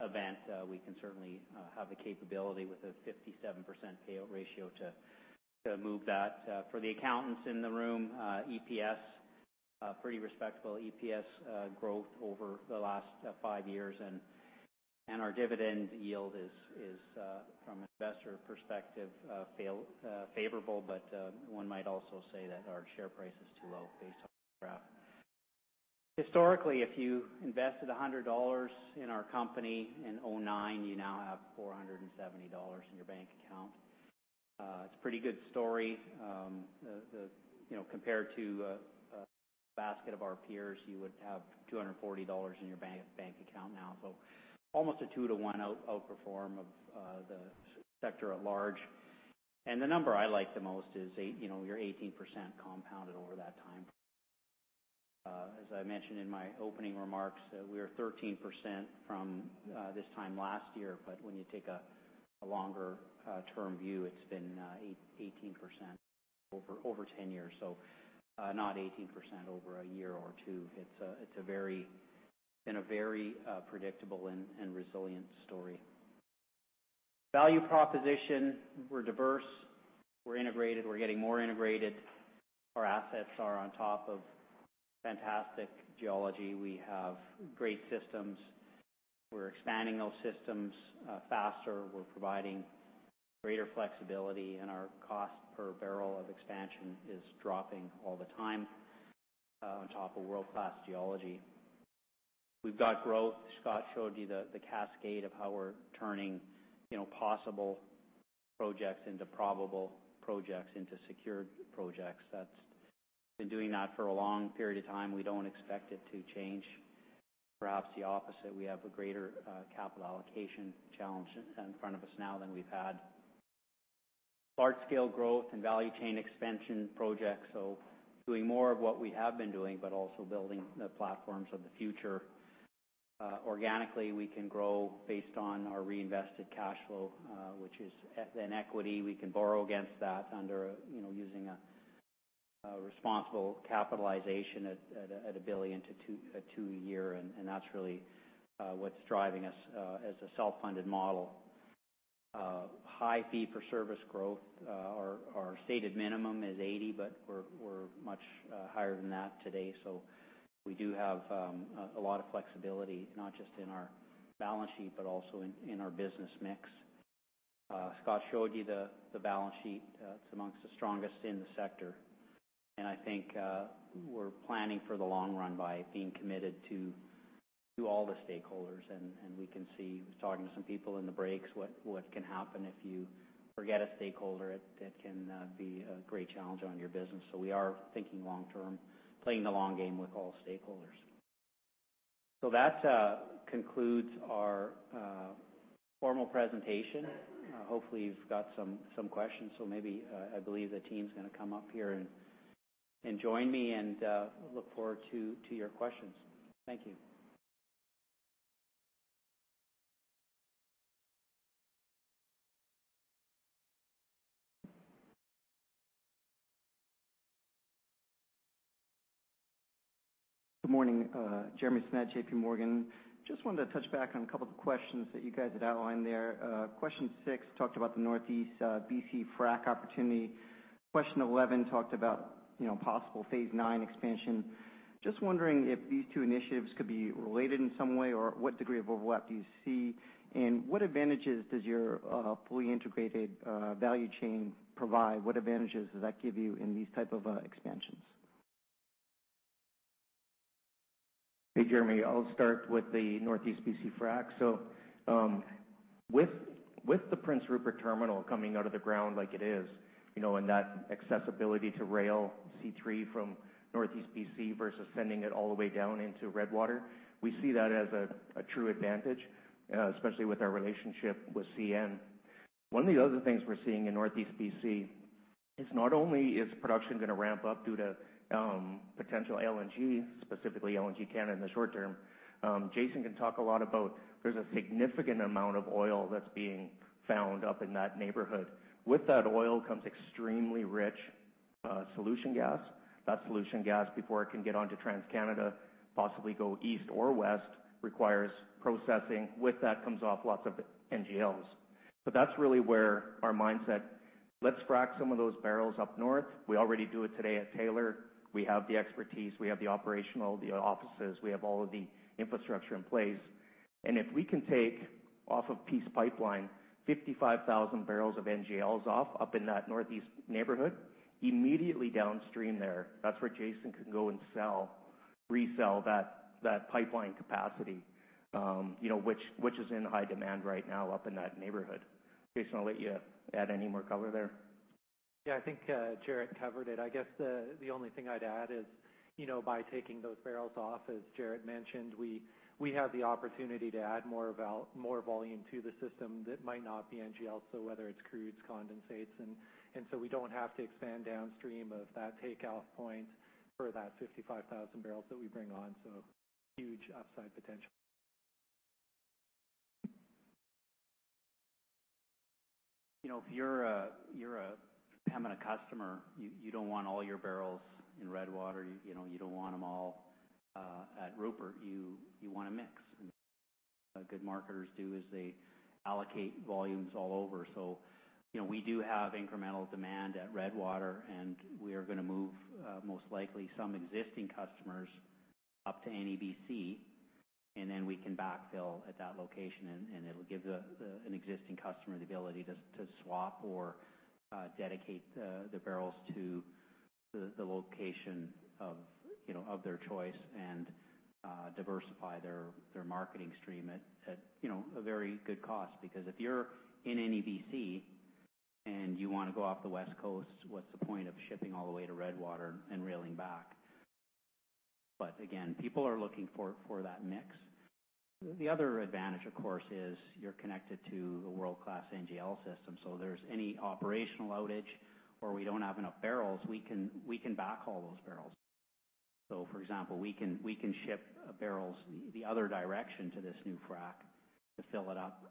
event, we can certainly have the capability with a 57% payout ratio to move that. For the accountants in the room, EPS, pretty respectable EPS growth over the last five years. Our dividend yield is, from an investor perspective, favorable, but one might also say that our share price is too low based on the graph. Historically, if you invested 100 dollars in our company in 2009, you now have 470 dollars in your bank account. It's a pretty good story. Compared to a basket of our peers, you would have 240 dollars in your bank account now. Almost a 2 to 1 out-perform of the sector at large. The number I like the most is your 18% compounded over that time. As I mentioned in my opening remarks, we are 13% from this time last year, but when you take a longer-term view, it's been 18% over 10 years. Not 18% over a year or two. It's been a very predictable and resilient story. Value proposition, we're diverse, we're integrated, we're getting more integrated. Our assets are on top of fantastic geology. We have great systems. We're expanding those systems faster. We're providing greater flexibility, and our cost per barrel of expansion is dropping all the time on top of world-class geology. We've got growth. Scott showed you the cascade of how we're turning possible projects into probable projects into secured projects. Been doing that for a long period of time. We don't expect it to change. Perhaps the opposite. We have a greater capital allocation challenge in front of us now than we've had. Large-scale growth and value chain expansion projects, doing more of what we have been doing, but also building the platforms of the future. Organically, we can grow based on our reinvested cash flow, which is an equity. We can borrow against that using a responsible capitalization at 1 billion-2 billion a year, and that's really what's driving us as a self-funded model. High fee-for-service growth. Our stated minimum is 80%, but we're much higher than that today, we do have a lot of flexibility, not just in our balance sheet, but also in our business mix. Scott showed you the balance sheet. It's amongst the strongest in the sector. I think we're planning for the long run by being committed to all the stakeholders, and we can see, was talking to some people in the breaks, what can happen if you forget a stakeholder. It can be a great challenge on your business. We are thinking long-term, playing the long game with all stakeholders. That concludes our formal presentation. Hopefully, you've got some questions. Maybe, I believe the team's going to come up here and join me, and I look forward to your questions. Thank you. Good morning. Jeremy Tonet, J.P. Morgan. Just wanted to touch back on a couple of questions that you guys had outlined there. Question 6 talked about the Northeast B.C. frac opportunity. Question 11 talked about possible phase 9 expansion. Just wondering if these two initiatives could be related in some way, or what degree of overlap do you see? What advantages does your fully integrated value chain provide? What advantages does that give you in these type of expansions? Hey, Jeremy. I'll start with the Northeast B.C. frac. With the Prince Rupert terminal coming out of the ground like it is, and that accessibility to rail C3 from Northeast B.C. versus sending it all the way down into Redwater, we see that as a true advantage, especially with our relationship with CN. One of the other things we're seeing in Northeast B.C. is not only is production going to ramp up due to potential LNG, specifically LNG Canada in the short term. Jason can talk a lot about, there's a significant amount of oil that's being found up in that neighborhood. With that oil comes extremely rich solution gas. That solution gas, before it can get onto TransCanada, possibly go east or west, requires processing. With that comes off lots of NGLs. That's really where our mindset, let's frac some of those barrels up north. We already do it today at Taylor. We have the expertise, we have the operational, the offices, we have all of the infrastructure in place. If we can take off of Peace Pipeline 55,000 barrels of NGLs off up in that northeast neighborhood, immediately downstream there, that's where Jason can go and sell, resell that pipeline capacity which is in high demand right now up in that neighborhood. Jason, I'll let you add any more color there. Yeah, I think Jaret covered it. I guess the only thing I'd add is, by taking those barrels off, as Jaret mentioned, we have the opportunity to add more volume to the system that might not be NGL. Whether it's crudes, condensates, and so we don't have to expand downstream of that takeout point for that 55,000 barrels that we bring on. Huge upside potential. If you're a Pembina customer, you don't want all your barrels in Redwater, you don't want them all at Rupert. You want a mix. What good marketers do is they allocate volumes all over. We do have incremental demand at Redwater, and we are going to move, most likely, some existing customers up to NEBC, and then we can backfill at that location, and it'll give an existing customer the ability to swap or dedicate the barrels to the location of their choice and diversify their marketing stream at a very good cost. Because if you're in NEBC and you want to go off the West Coast, what's the point of shipping all the way to Redwater and railing back? Again, people are looking for that mix. The other advantage, of course, is you're connected to a world-class NGL system. There's any operational outage or we don't have enough barrels, we can backhaul those barrels. For example, we can ship barrels the other direction to this new frac to fill it up,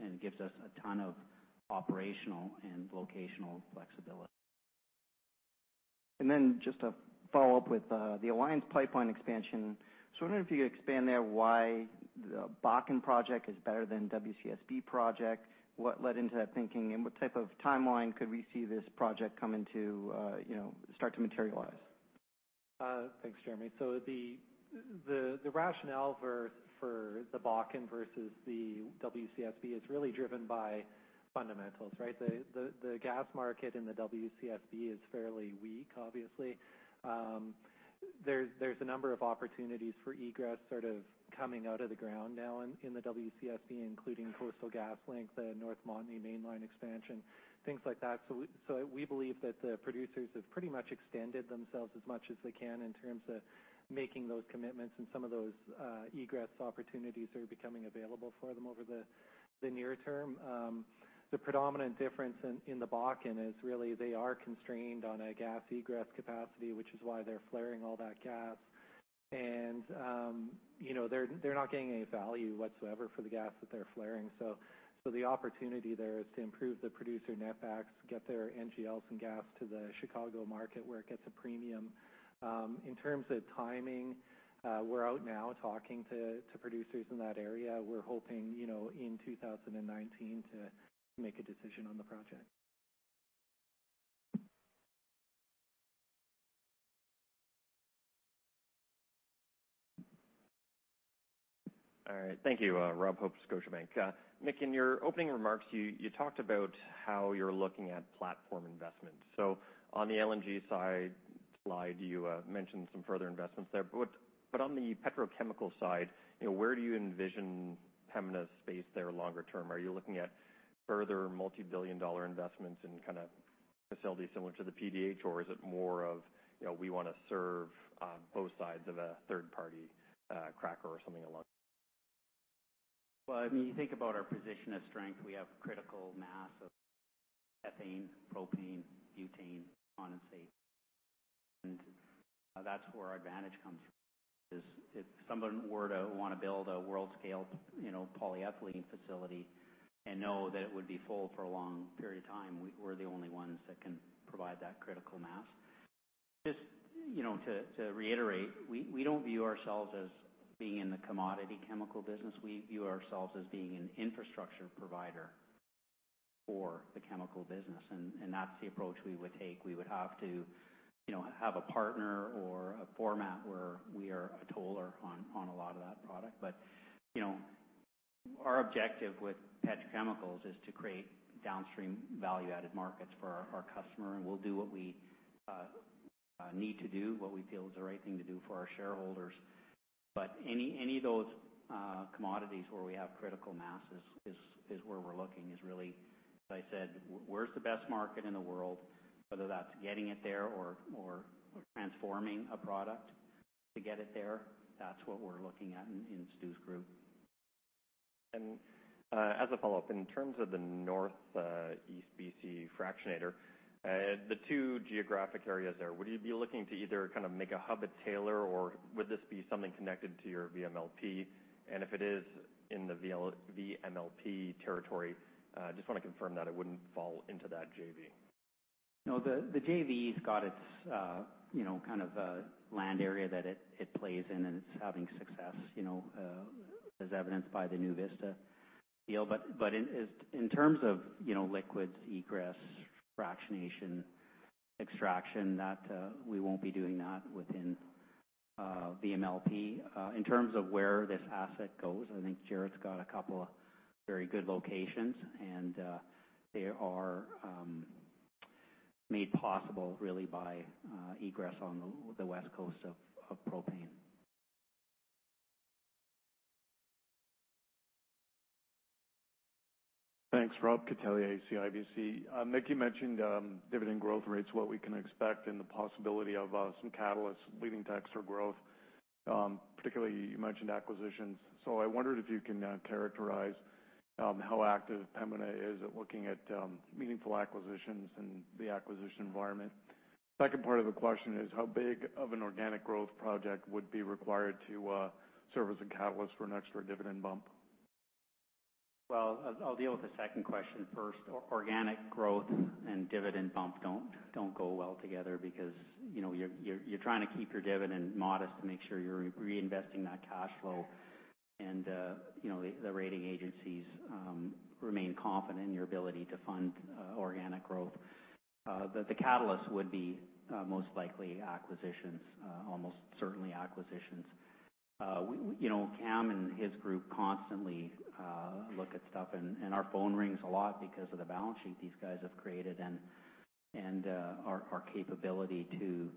and it gives us a ton of operational and locational flexibility. Just to follow up with the Alliance Pipeline expansion, just wondering if you could expand there why the Bakken project is better than WCSB project. What led into that thinking, and what type of timeline could we see this project start to materialize? Thanks, Jeremy. The rationale for the Bakken versus the WCSB is really driven by fundamentals, right? The gas market in the WCSB is fairly weak, obviously. There's a number of opportunities for egress sort of coming out of the ground now in the WCSB, including Coastal GasLink, the North Montney Mainline expansion, things like that. We believe that the producers have pretty much extended themselves as much as they can in terms of making those commitments and some of those egress opportunities are becoming available for them over the near term. The predominant difference in the Bakken is really they're constrained on a gas egress capacity, which is why they're flaring all that gas. They're not getting any value whatsoever for the gas that they're flaring. The opportunity there is to improve the producer net backs, get their NGLs and gas to the Chicago market where it gets a premium. In terms of timing, we're out now talking to producers in that area. We're hoping, in 2019, to make a decision on the project. All right. Thank you, Rob Hope, Scotiabank. Mick, in your opening remarks, you talked about how you're looking at platform investment. On the LNG slide, you mentioned some further investments there. On the petrochemical side, where do you envision Pembina's space there longer term? Are you looking at further multi-billion dollar investments in facility similar to the PDH or is it more of we want to serve on both sides of a third-party cracker? When you think about our position of strength, we have critical mass of ethane, propane, butane, condensate, and that's where our advantage comes from is if someone were to want to build a world-scale polyethylene facility and know that it would be full for a long period of time, we're the only ones that can provide that critical mass. Just to reiterate, we don't view ourselves as being in the commodity chemical business. We view ourselves as being an infrastructure provider for the chemical business, and that's the approach we would take. We would have to have a partner or a format where we are a toller on a lot of that product. Our objective with petrochemicals is to create downstream value-added markets for our customer, and we'll do what we need to do, what we feel is the right thing to do for our shareholders. Any of those commodities where we have critical masses is where we're looking, is really, as I said, where's the best market in the world? Whether that's getting it there or transforming a product to get it there, that's what we're looking at in Stu's group. As a follow-up, in terms of the Northeast BC fractionator, the two geographic areas there, would you be looking to either make a hub at Taylor, or would this be something connected to your VMLP? If it is in the VMLP territory, just want to confirm that it wouldn't fall into that JV. No, the JV's got its land area that it plays in, and it's having success, as evidenced by the NuVista deal. In terms of liquids egress, fractionation, extraction, we won't be doing that within VMLP. In terms of where this asset goes, I think Jarret's got a couple of very good locations, and they are made possible really by egress on the west coast of propane. Thanks, Rob Catellier, CIBC. Mick, you mentioned dividend growth rates, what we can expect, and the possibility of some catalysts leading to extra growth. Particularly, you mentioned acquisitions. I wondered if you can characterize how active Pembina is at looking at meaningful acquisitions and the acquisition environment. Second part of the question is how big of an organic growth project would be required to serve as a catalyst for an extra dividend bump? I'll deal with the second question first. Organic growth and dividend bump don't go well together because you're trying to keep your dividend modest to make sure you're reinvesting that cash flow, and the rating agencies remain confident in your ability to fund organic growth. The catalyst would be most likely acquisitions. Almost certainly acquisitions. Cam and his group constantly look at stuff, and our phone rings a lot because of the balance sheet these guys have created and our capability to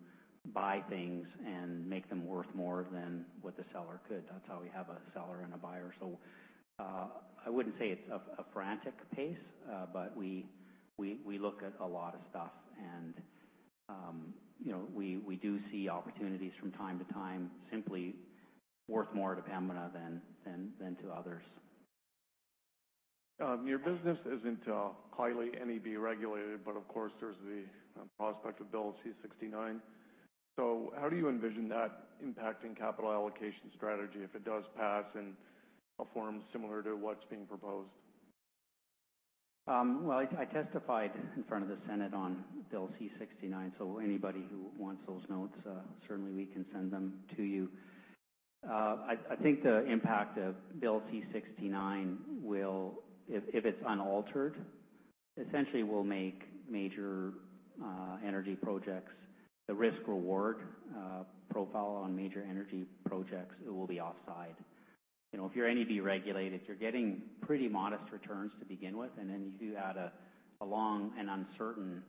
buy things and make them worth more than what the seller could. That's how we have a seller and a buyer. I wouldn't say it's a frantic pace, but we look at a lot of stuff and we do see opportunities from time to time simply worth more to Pembina than to others. Your business isn't highly NEB regulated, but of course, there's the prospect of Bill C-69. How do you envision that impacting capital allocation strategy if it does pass in a form similar to what's being proposed? I testified in front of the Senate on Bill C-69, so anybody who wants those notes, certainly we can send them to you. I think the impact of Bill C-69 will, if it's unaltered, essentially will make major energy projects, the risk-reward profile on major energy projects, it will be offside. If you're NEB regulated, you're getting pretty modest returns to begin with, and then you do add a long and uncertain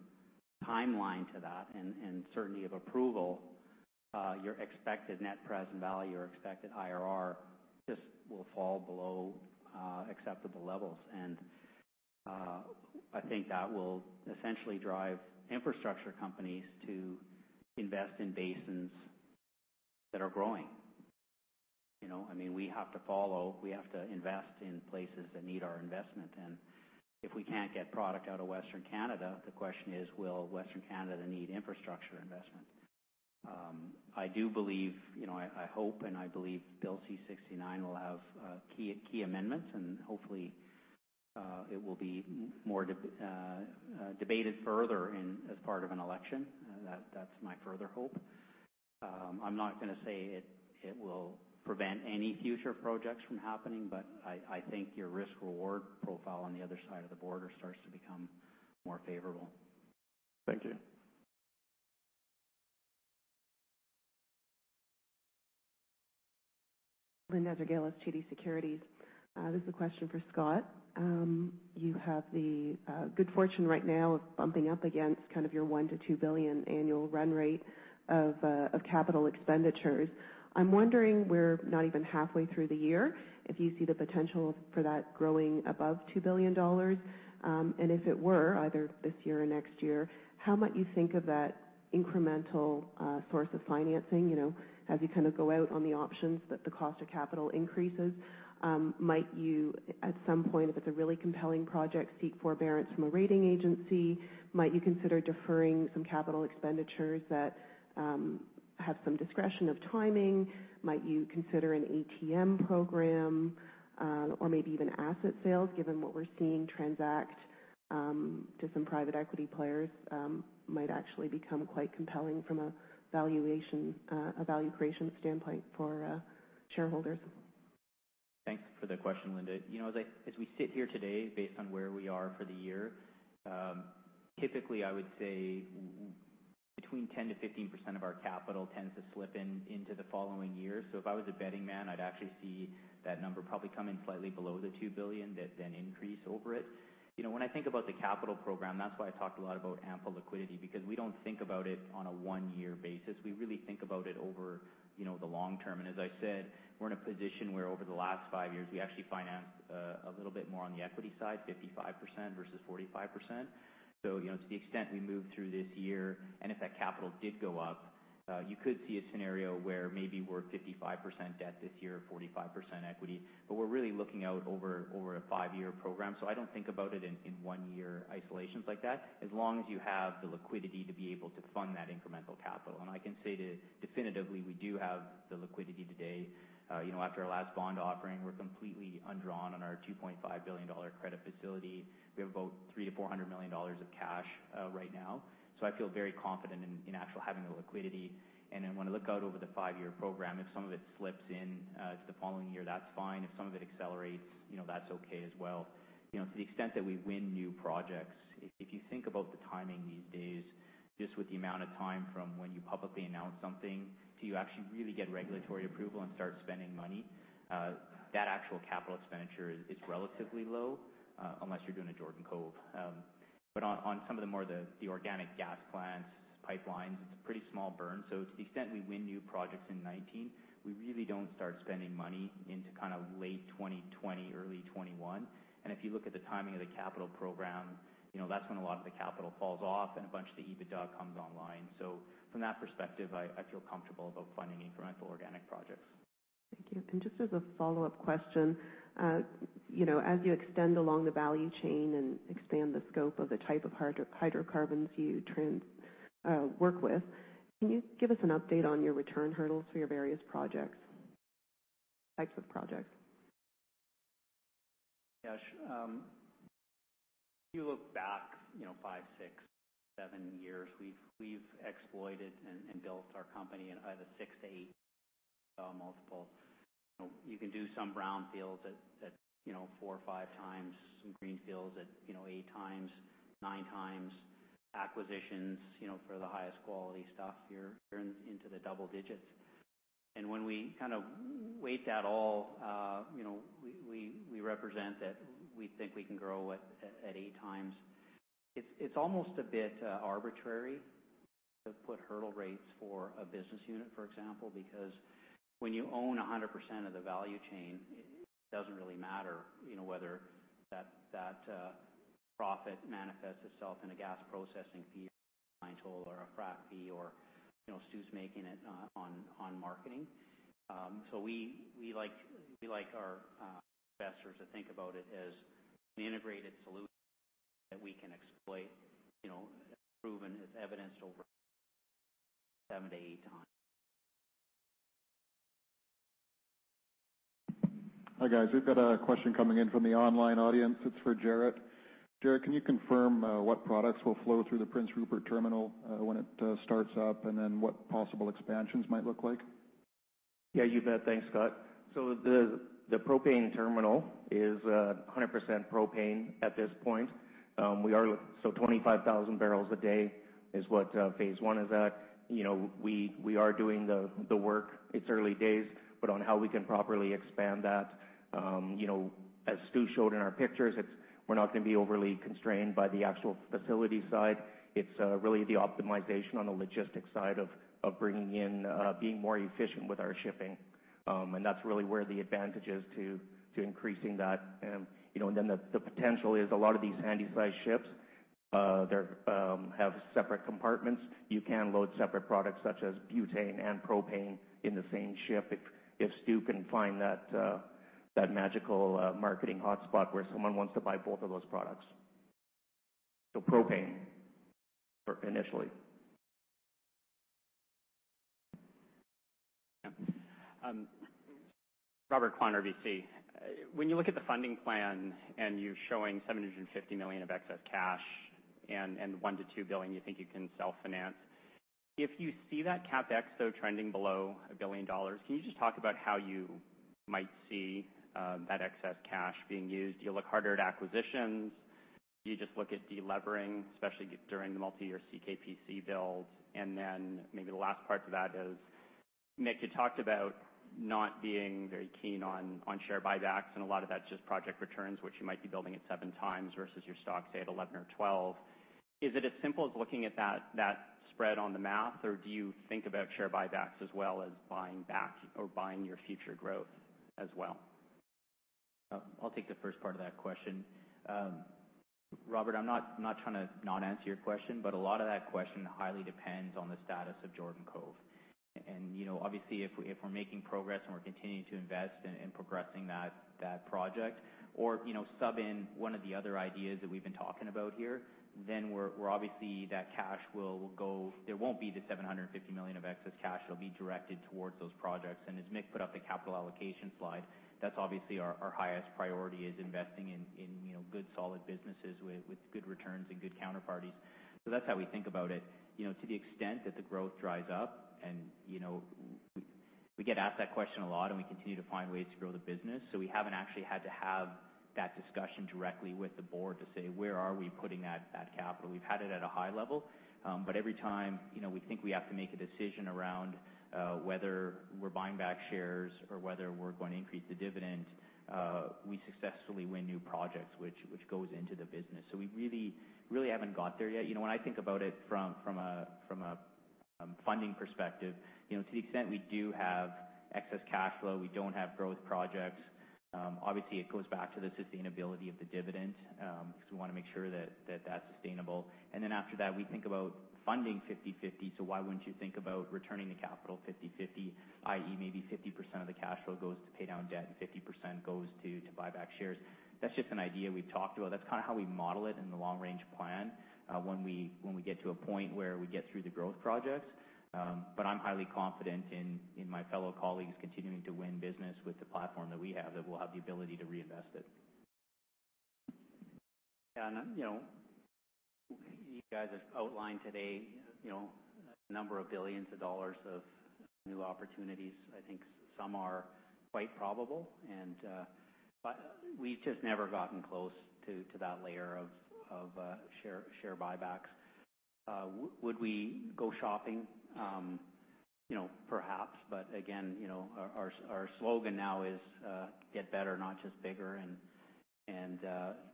timeline to that and certainty of approval, your expected net present value or expected IRR just will fall below acceptable levels. I think that will essentially drive infrastructure companies to invest in basins that are growing. We have to invest in places that need our investment, and if we can't get product out of Western Canada, the question is, will Western Canada need infrastructure investment? I do believe, I hope and I believe Bill C-69 will have key amendments and hopefully, it will be debated further as part of an election. That's my further hope. I'm not going to say it will prevent any future projects from happening, I think your risk-reward profile on the other side of the border starts to become more favorable. Thank you. Linda Ezergailis, TD Securities. This is a question for Scott. You have the good fortune right now of bumping up against kind of your 1 billion-2 billion annual run rate of capital expenditures. I'm wondering, we're not even halfway through the year, if you see the potential for that growing above 2 billion dollars. If it were, either this year or next year, how might you think of that incremental source of financing, as you go out on the options that the cost of capital increases? Might you, at some point, if it's a really compelling project, seek forbearance from a rating agency? Might you consider deferring some capital expenditures that have some discretion of timing? Might you consider an ATM program? Maybe even asset sales, given what we're seeing transact to some private equity players might actually become quite compelling from a value creation standpoint for shareholders. Thanks for the question, Linda. As we sit here today, based on where we are for the year, typically, I would say between 10% to 15% of our capital tends to slip into the following year. If I was a betting man, I'd actually see that number probably come in slightly below the 2 billion, then increase over it. When I think about the capital program, that's why I talked a lot about ample liquidity, because we don't think about it on a one-year basis. We really think about it over the long term. As I said, we're in a position where over the last five years, we actually financed a little bit more on the equity side, 55% versus 45%. To the extent we move through this year, and if that capital did go up, you could see a scenario where maybe we're 55% debt this year or 45% equity. We're really looking out over a five-year program. I don't think about it in one-year isolations like that, as long as you have the liquidity to be able to fund that incremental capital. I can say definitively, we do have the liquidity today. After our last bond offering, we're completely undrawn on our 2.5 billion dollar credit facility. We have about 300 million-400 million dollars of cash right now. I feel very confident in actually having the liquidity. When I look out over the five-year program, if some of it slips in to the following year, that's fine. If some of it accelerates, that's okay as well. To the extent that we win new projects, if you think about the timing these days, just with the amount of time from when you publicly announce something to you actually really get regulatory approval and start spending money, that actual capital expenditure is relatively low, unless you're doing a Jordan Cove. On some of the more organic gas plants, pipelines, it's a pretty small burn. To the extent we win new projects in 2019, we really don't start spending money into late 2020, early 2021. If you look at the timing of the capital program, that's when a lot of the capital falls off and a bunch of the EBITDA comes online. From that perspective, I feel comfortable about funding incremental organic projects. Thank you. Just as a follow-up question, as you extend along the value chain and expand the scope of the type of hydrocarbons you work with, can you give us an update on your return hurdles for your various types of projects? Yes. If you look back, five, six, seven years, we've exploited and built our company at a 6 to 8 multiple. You can do some brownfields at 4 or 5 times, some greenfields at 8 times, 9 times. Acquisitions for the highest quality stuff, you're into the double digits. When we kind of weight that all, we represent that we think we can grow at 8 times. It's almost a bit arbitrary to put hurdle rates for a business unit, for example, because when you own 100% of the value chain, it doesn't really matter whether that profit manifests itself in a gas processing fee or a line toll or a frac fee or Stu's making it on marketing. We like our investors to think about it as an integrated solution that we can exploit, proven, as evidenced over 7 to 8 times. Hi, guys. We've got a question coming in from the online audience. It's for Jaret. Jaret, can you confirm what products will flow through the Prince Rupert terminal when it starts up, and then what possible expansions might look like? You bet. Thanks, Scott. The propane terminal is 100% propane at this point. 25,000 barrels a day is what phase 1 is at. We are doing the work. It's early days, but on how we can properly expand that. As Stu showed in our pictures, we're not going to be overly constrained by the actual facility side. It's really the optimization on the logistics side of bringing in, being more efficient with our shipping. That's really where the advantage is to increasing that. The potential is a lot of these handy-sized ships, have separate compartments. You can load separate products such as butane and propane in the same ship, if Stu can find that magical marketing hotspot where someone wants to buy both of those products. Propane initially. Yeah. Robert Kwan, RBC. When you look at the funding plan and you're showing 750 million of excess cash and 1 billion to 2 billion you think you can self-finance, if you see that CapEx though trending below 1 billion dollars, can you just talk about how you might see that excess cash being used? Do you look harder at acquisitions? You just look at delevering, especially during the multi-year CKPC build. Maybe the last part to that is, Mick, you talked about not being very keen on share buybacks, and a lot of that's just project returns, which you might be building at 7 times versus your stock, say, at 11 or 12. Is it as simple as looking at that spread on the math, or do you think about share buybacks as well as buying back or buying your future growth as well? I'll take the first part of that question. Robert, I'm not trying to not answer your question, but a lot of that question highly depends on the status of Jordan Cove. Obviously, if we're making progress and we're continuing to invest in progressing that project or sub in one of the other ideas that we've been talking about here, then we're obviously There won't be the 750 million of excess cash. It'll be directed towards those projects. As Mick put up the capital allocation slide, that's obviously our highest priority, is investing in good, solid businesses with good returns and good counterparties. That's how we think about it. To the extent that the growth dries up and we get asked that question a lot. We continue to find ways to grow the business. We haven't actually had to have that discussion directly with the board to say, where are we putting that capital? We've had it at a high level. Every time we think we have to make a decision around whether we're buying back shares or whether we're going to increase the dividend, we successfully win new projects, which goes into the business. We really haven't got there yet. When I think about it from a funding perspective, to the extent we do have excess cash flow, we don't have growth projects. Obviously, it goes back to the sustainability of the dividend, because we want to make sure that that's sustainable. After that, we think about funding 50/50. Why wouldn't you think about returning the capital 50/50, i.e., maybe 50% of the cash flow goes to pay down debt and 50% goes to buy back shares. That's just an idea we've talked about. That's kind of how we model it in the long-range plan, when we get to a point where we get through the growth projects. I'm highly confident in my fellow colleagues continuing to win business with the platform that we have, that we'll have the ability to reinvest it. Yeah. You guys have outlined today a number of billions of CAD of new opportunities. I think some are quite probable. We've just never gotten close to that layer of share buybacks. Would we go shopping? Perhaps. Again, our slogan now is get better, not just bigger.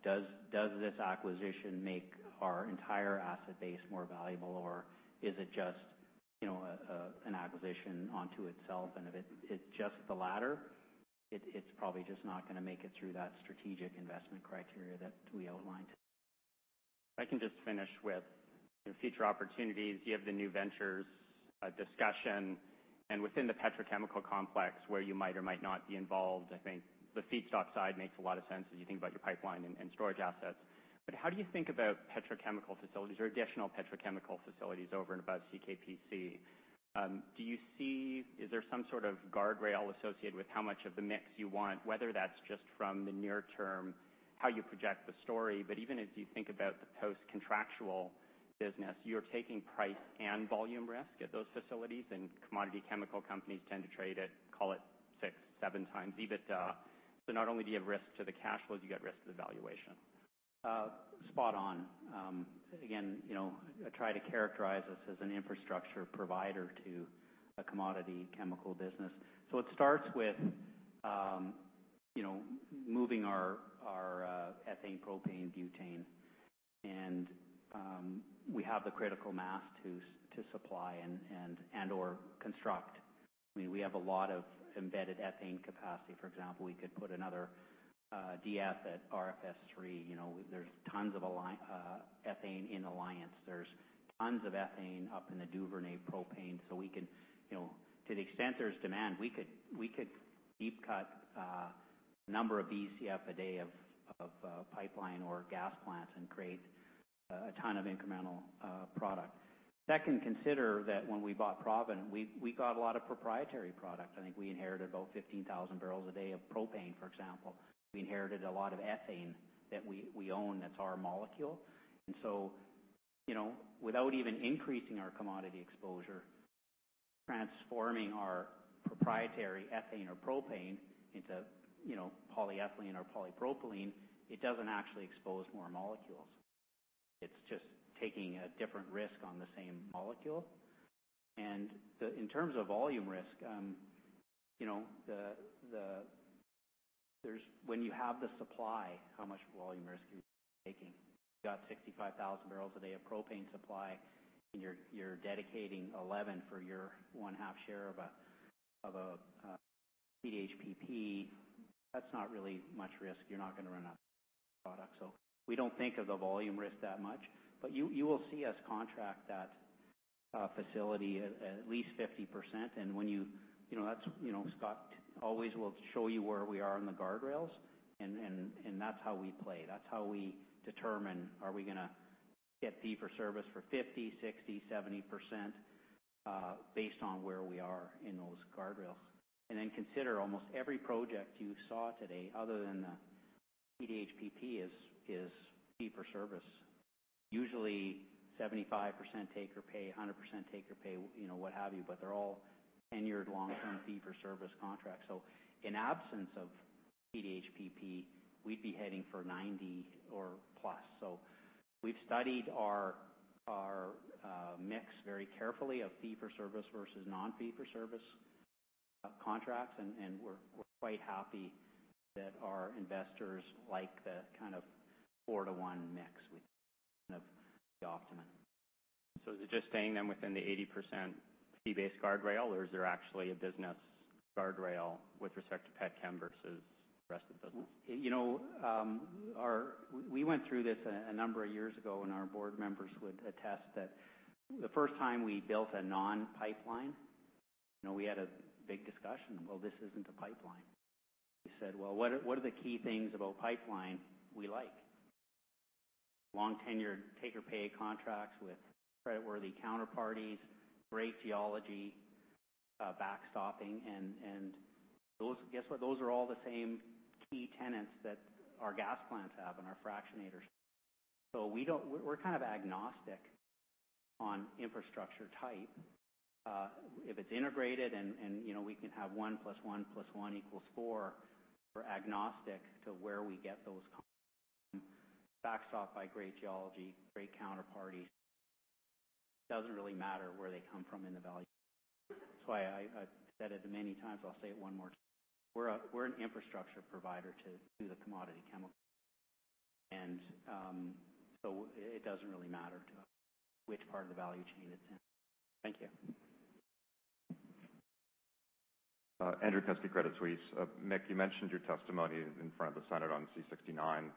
Does this acquisition make our entire asset base more valuable, or is it just an acquisition onto itself? If it's just the latter, it's probably just not going to make it through that strategic investment criteria that we outlined. If I can just finish with the future opportunities. You have the new ventures discussion, within the petrochemical complex where you might or might not be involved, I think the feedstock side makes a lot of sense as you think about your pipeline and storage assets. How do you think about petrochemical facilities or additional petrochemical facilities over and above CKPC? Is there some sort of guardrail associated with how much of the mix you want, whether that's just from the near term, how you project the story? Even as you think about the post-contractual business, you're taking price and volume risk at those facilities, and commodity chemical companies tend to trade at, call it, six, seven times EBITDA. Not only do you have risk to the cash flows, you got risk to the valuation. Spot on. Again, I try to characterize us as an infrastructure provider to a commodity chemical business. It starts with moving our ethane, propane, butane, and we have the critical mass to supply and/or construct. We have a lot of embedded ethane capacity. For example, we could put another DF at RFS3. There's tons of ethane in Alliance. There's tons of ethane up in the Duvernay propane. To the extent there's demand, we could deep cut a number of Bcf a day of pipeline or gas plants and create a ton of incremental product. Second, consider that when we bought Provident, we got a lot of proprietary product. I think we inherited about 15,000 barrels a day of propane, for example. We inherited a lot of ethane that we own. That's our molecule. Without even increasing our commodity exposure, transforming our proprietary ethane or propane into polyethylene or polypropylene, it doesn't actually expose more molecules. It's just taking a different risk on the same molecule. In terms of volume risk, when you have the supply, how much volume risk are you taking? You got 65,000 barrels a day of propane supply, and you're dedicating 11 for your one-half share of PDHPP. That's not really much risk. You're not going to run out of product. We don't think of the volume risk that much. You will see us contract that facility at least 50%. Scott always will show you where we are on the guardrails, and that's how we play. That's how we determine are we going to get fee for service for 50%, 60%, 70% based on where we are in those guardrails. Consider almost every project you saw today other than the PDHPP is fee for service. Usually 75% take or pay, 100% take or pay, what have you, but they're all tenured long-term fee-for-service contracts. In absence of PDHPP, we'd be heading for 90% or plus. We've studied our mix very carefully of fee-for-service versus non-fee-for-service contracts, and we're quite happy that our investors like the kind of four-to-one mix. We think that's the optimum. Is it just staying then within the 80% fee-based guardrail, or is there actually a business guardrail with respect to petchem versus the rest of the business? We went through this a number of years ago, and our board members would attest that the first time we built a non-pipeline, we had a big discussion. This isn't a pipeline. We said, "What are the key things about pipeline we like?" Long tenured take or pay contracts with creditworthy counterparties, great geology, backstopping, and guess what? Those are all the same key tenets that our gas plants have and our fractionators. We're kind of agnostic on infrastructure type. If it's integrated and we can have one plus one plus one equals four, we're agnostic to where we get those backstop by great geology, great counterparties. It doesn't really matter where they come from in the value. That's why I said it many times, I'll say it one more. We're an infrastructure provider to the commodity chemical. It doesn't really matter to us which part of the value chain it's in. Thank you. Andrew Kuske, Credit Suisse. Mick, you mentioned your testimony in front of the Senate on Bill C-69.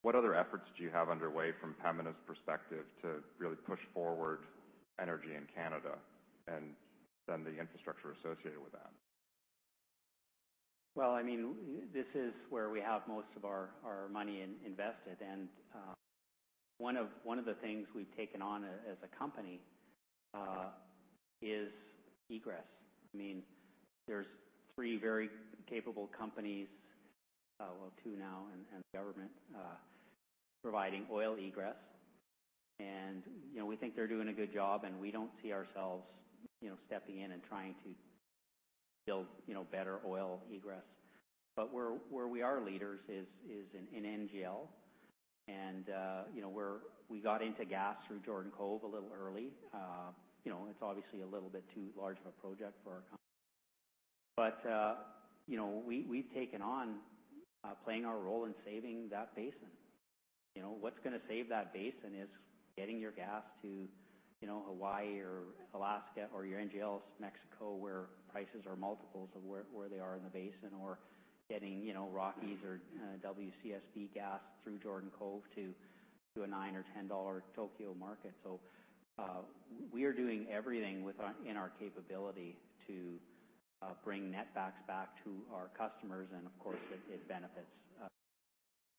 What other efforts do you have underway from Pembina's perspective to really push forward energy in Canada and then the infrastructure associated with that? This is where we have most of our money invested, and one of the things we have taken on as a company is egress. There are three very capable companies, well, two now, and the government, providing oil egress, and we think they are doing a good job, and we do not see ourselves stepping in and trying to build better oil egress. Where we are leaders is in NGL, and we got into gas through Jordan Cove a little early. It is obviously a little bit too large of a project. We have taken on playing our role in saving that basin. What is going to save that basin is getting your gas to Hawaii or Alaska or your NGLs Mexico, where prices are multiples of where they are in the basin, or getting Rockies or WCSB gas through Jordan Cove to a $9 or $10 Tokyo market. We are doing everything within our capability to bring net backs back to our customers, and of course, it benefits. If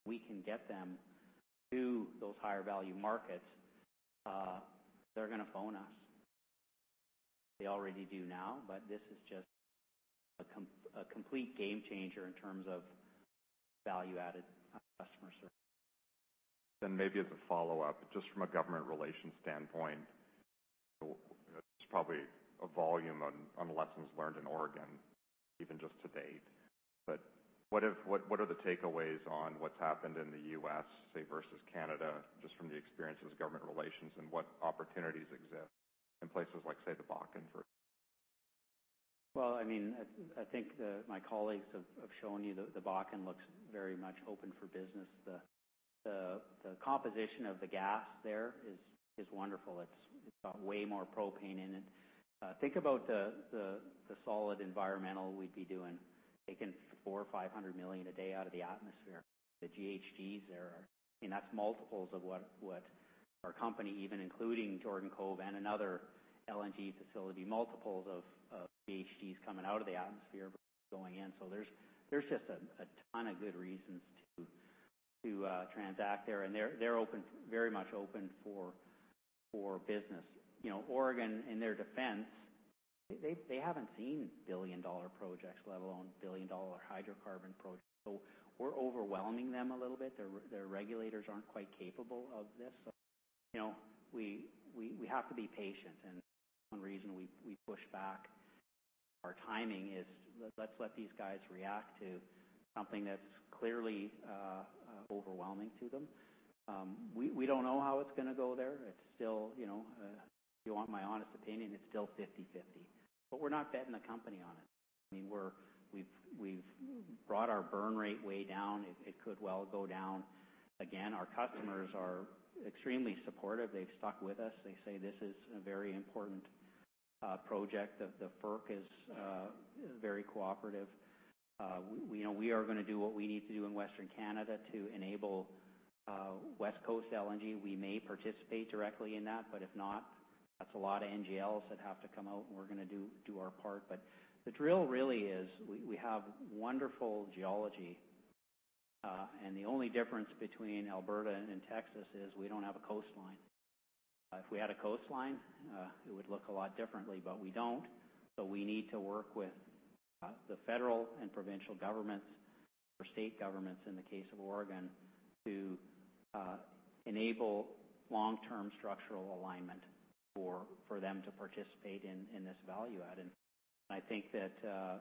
we can get them to those higher value markets, they are going to phone us. They already do now, this is just a complete game changer in terms of value-added customer service. Maybe as a follow-up, just from a government relations standpoint, there is probably a volume on lessons learned in Oregon, even just to date. What are the takeaways on what has happened in the U.S., say, versus Canada, just from the experience as government relations and what opportunities exist in places like, say, the Bakken, for. I think my colleagues have shown you the Bakken looks very much open for business. The composition of the gas there is wonderful. It's got way more propane in it. Think about the solid environmental we'd be doing, taking four or 500 million a day out of the atmosphere. The GHGs there are That's multiples of what our company, even including Jordan Cove and another LNG facility, multiples of GHGs coming out of the atmosphere going in. There's just a ton of good reasons to transact there, and they're very much open for business. Oregon, in their defense, they haven't seen billion-dollar projects, let alone billion-dollar hydrocarbon projects. We're overwhelming them a little bit. Their regulators aren't quite capable of this. We have to be patient, and one reason we push back our timing is, let's let these guys react to something that's clearly overwhelming to them. We don't know how it's going to go there. If you want my honest opinion, it's still 50/50. We're not betting the company on it. We've brought our burn rate way down. It could well go down again. Our customers are extremely supportive. They've stuck with us. They say this is a very important project. The FERC is very cooperative. We are going to do what we need to do in Western Canada to enable West Coast LNG. We may participate directly in that, but if not, that's a lot of NGLs that have to come out, and we're going to do our part. The drill really is we have wonderful geology, and the only difference between Alberta and Texas is we don't have a coastline. If we had a coastline, it would look a lot differently, but we don't. We need to work with the federal and provincial governments, or state governments in the case of Oregon, to enable long-term structural alignment for them to participate in this value add. I think that the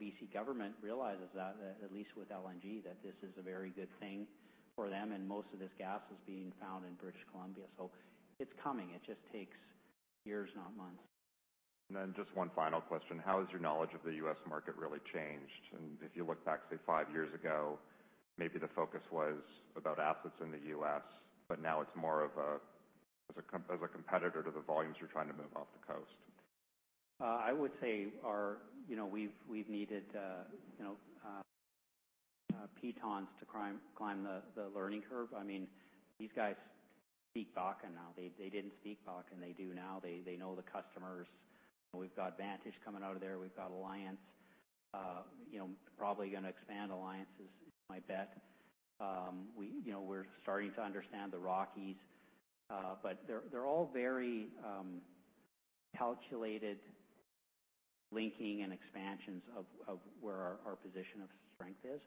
BC government realizes that, at least with LNG, that this is a very good thing for them. Most of this gas is being found in British Columbia. It's coming. It just takes years, not months. Just one final question, how has your knowledge of the U.S. market really changed? If you look back, say, five years ago, maybe the focus was about assets in the U.S., but now it's more of as a competitor to the volumes you're trying to move off the coast. I would say we've needed pitons to climb the learning curve. These guys speak Bakken now. They didn't speak Bakken, they do now. They know the customers. We've got Vantage coming out of there. We've got Alliance. Probably going to expand Alliance is my bet. We're starting to understand the Rockies. They're all very calculated linking and expansions of where our position of strength is.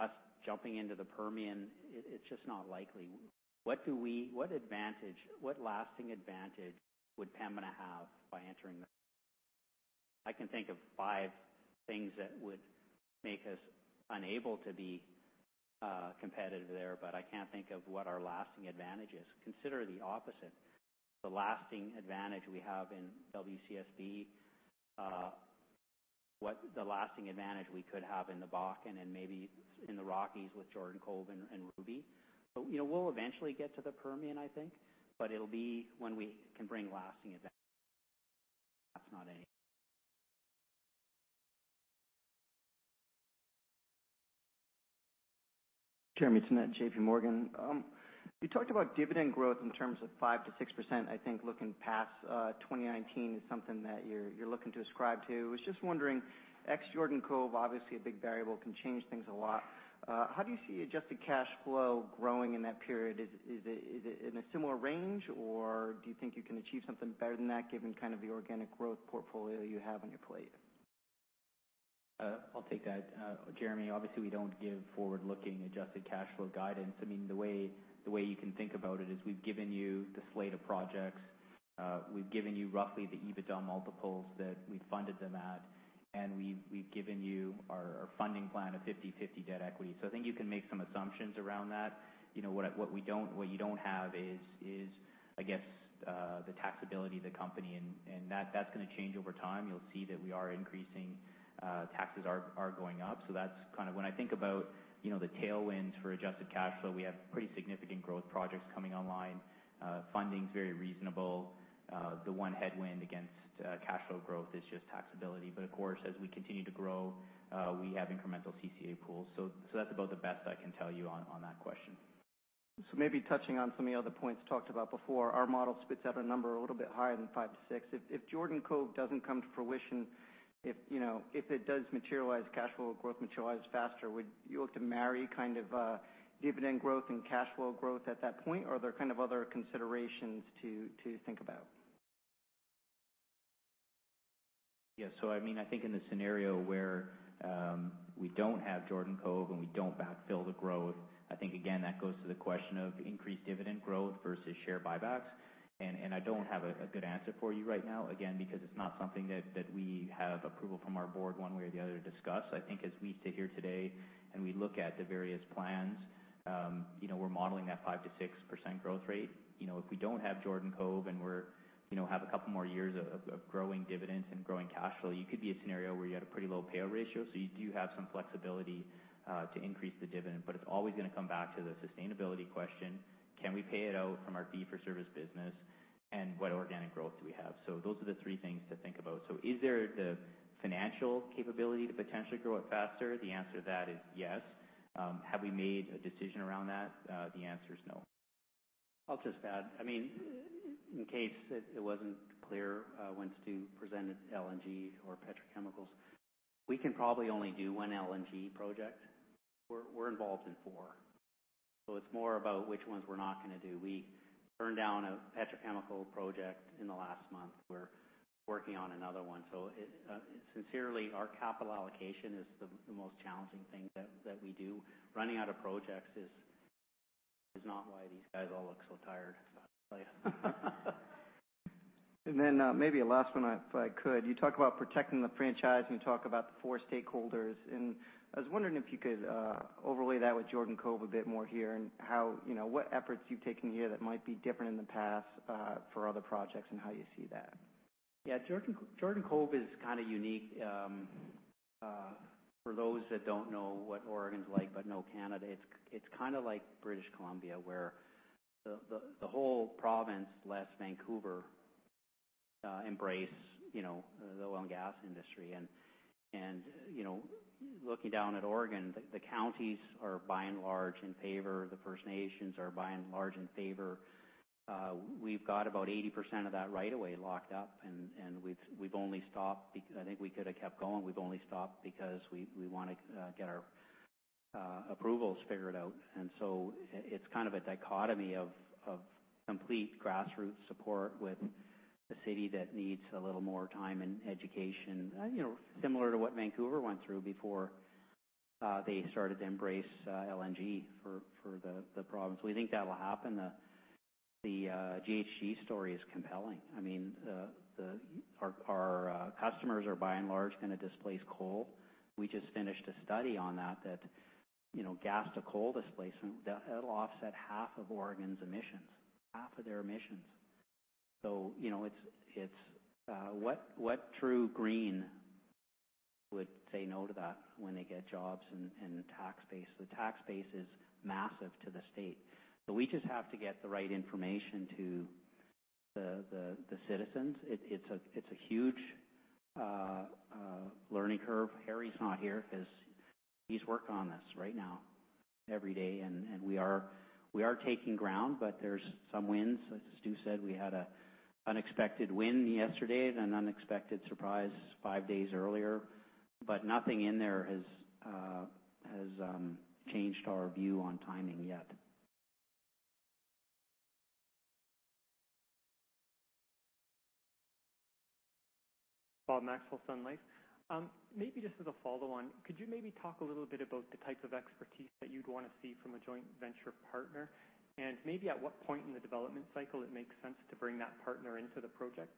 Us jumping into the Permian, it's just not likely. What lasting advantage would Pembina have by entering the I can think of five things that would make us unable to be competitive there, but I can't think of what our lasting advantage is. Consider the opposite. The lasting advantage we have in WCSB, what the lasting advantage we could have in the Bakken, and maybe in the Rockies with Jordan Cove and Ruby. We'll eventually get to the Permian, I think, it'll be when we can bring lasting advantage That's not any Jeremy Tonet, J.P. Morgan. You talked about dividend growth in terms of 5%-6%, I think looking past 2019 is something that you're looking to ascribe to. Was just wondering, ex Jordan Cove, obviously a big variable, can change things a lot. How do you see adjusted cash flow growing in that period? Is it in a similar range, or do you think you can achieve something better than that given the organic growth portfolio you have on your plate? I'll take that. Jeremy, obviously, we don't give forward-looking adjusted cash flow guidance. The way you can think about it is we've given you the slate of projects, we've given you roughly the EBITDA multiples that we funded them at, and we've given you our funding plan of 50/50 debt equity. I think you can make some assumptions around that. What you don't have is, I guess, the taxability of the company, and that's going to change over time. You'll see that Taxes are going up. When I think about the tailwinds for adjusted cash flow, we have pretty significant growth projects coming online. Funding's very reasonable. The one headwind against cash flow growth is just taxability. But of course, as we continue to grow, we have incremental CCA pools. That's about the best I can tell you on that question. Maybe touching on some of the other points talked about before, our model spits out a number a little bit higher than 5%-6%. If Jordan Cove doesn't come to fruition, if it does materialize, cash flow growth materializes faster, would you look to marry dividend growth and cash flow growth at that point, or are there other considerations to think about? I think in the scenario where we don't have Jordan Cove, and we don't backfill the growth, I think, again, that goes to the question of increased dividend growth versus share buybacks. I don't have a good answer for you right now, again, because it's not something that we have approval from Pembina's board one way or the other to discuss. I think as we sit here today and we look at the various plans, we're modeling that 5% to 6% growth rate. If we don't have Jordan Cove and we have a couple more years of growing dividends and growing cash flow, you could be in a scenario where you had a pretty low payout ratio. You do have some flexibility to increase the dividend. It's always going to come back to the sustainability question, can we pay it out from our fee-for-service business, and what organic growth do we have? Those are the three things to think about. Is there the financial capability to potentially grow it faster? The answer to that is yes. Have we made a decision around that? The answer is no. I'll just add. In case it wasn't clear when Stu presented LNG or petrochemicals, we can probably only do one LNG project. We're involved in four. It's more about which ones we're not going to do. We turned down a petrochemical project in the last month. We're working on another one. Sincerely, our capital allocation is the most challenging thing that we do. Running out of projects is not why these guys all look so tired, I tell you. Maybe a last one, if I could. You talk about protecting the franchise, and you talk about the four stakeholders, and I was wondering if you could overlay that with Jordan Cove a bit more here, and what efforts you've taken here that might be different in the past for other projects, and how you see that. Jordan Cove is kind of unique. For those that don't know what Oregon's like, but know Canada, it's kind of like British Columbia, where the whole province, less Vancouver, embrace the oil and gas industry. Looking down at Oregon, the counties are by and large in favor. The First Nations are by and large in favor. We've got about 80% of that right of way locked up, we've only stopped because we want to get our approvals figured out. It's kind of a dichotomy of complete grassroots support with a city that needs a little more time and education, similar to what Vancouver went through before they started to embrace LNG for the problems. We think that'll happen. The GHG story is compelling. Our customers are by and large going to displace coal. We just finished a study on that gas to coal displacement, that'll offset half of Oregon's emissions, half of their emissions. What true green would say no to that when they get jobs and the tax base? The tax base is massive to the state. We just have to get the right information to the citizens. It's a huge learning curve. Harry's not here because he's working on this right now, every day, we are taking ground, but there's some wins. As Stu said, we had an unexpected win yesterday, unexpected surprise five days earlier, but nothing in there has changed our view on timing yet. Rob Hope, Sun Life. Maybe just as a follow on, could you maybe talk a little bit about the type of expertise that you'd want to see from a joint venture partner, and maybe at what point in the development cycle it makes sense to bring that partner into the project?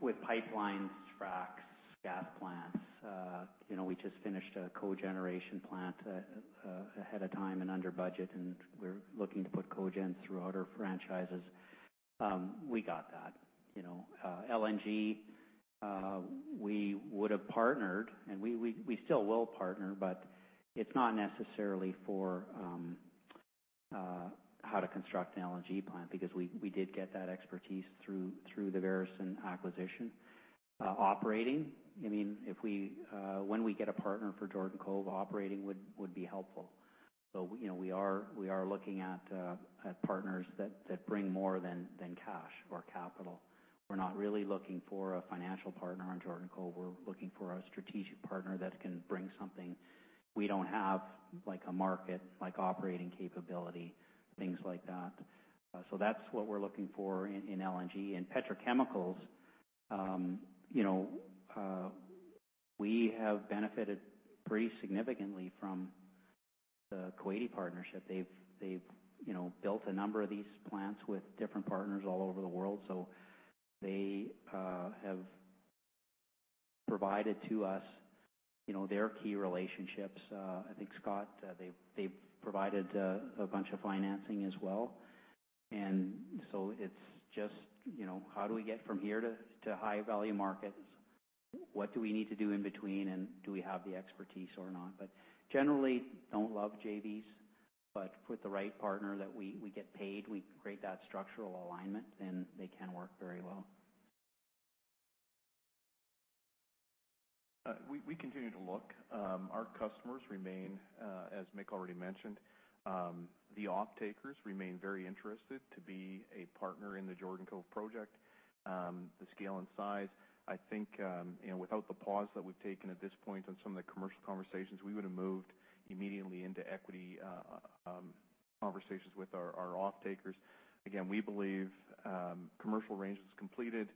With pipelines, fracs, gas plants, we just finished a cogeneration plant ahead of time and under budget, we're looking to put cogen throughout our franchises. We got that. LNG, we would've partnered and we still will partner, but it's not necessarily for how to construct an LNG plant because we did get that expertise through the Veresen acquisition. Operating, when we get a partner for Jordan Cove, operating would be helpful. We are looking at partners that bring more than cash or capital. We're not really looking for a financial partner on Jordan Cove. We're looking for a strategic partner that can bring something we don't have, like a market, like operating capability, things like that. That's what we're looking for in LNG. Petrochemicals, we have benefited pretty significantly from the Kuwaiti partnership. They've built a number of these plants with different partners all over the world, they have provided to us their key relationships. I think, Scott, they've provided a bunch of financing as well. It's just how do we get from here to high-value markets? What do we need to do in between, and do we have the expertise or not? Generally, don't love JVs, but with the right partner that we get paid, we create that structural alignment, then they can work very well. We continue to look. Our customers remain, as Mick already mentioned, the offtakers remain very interested to be a partner in the Jordan Cove project. The scale and size, I think, without the pause that we've taken at this point on some of the commercial conversations, we would've moved immediately into equity conversations with our offtakers. Again, we believe commercial range is completed,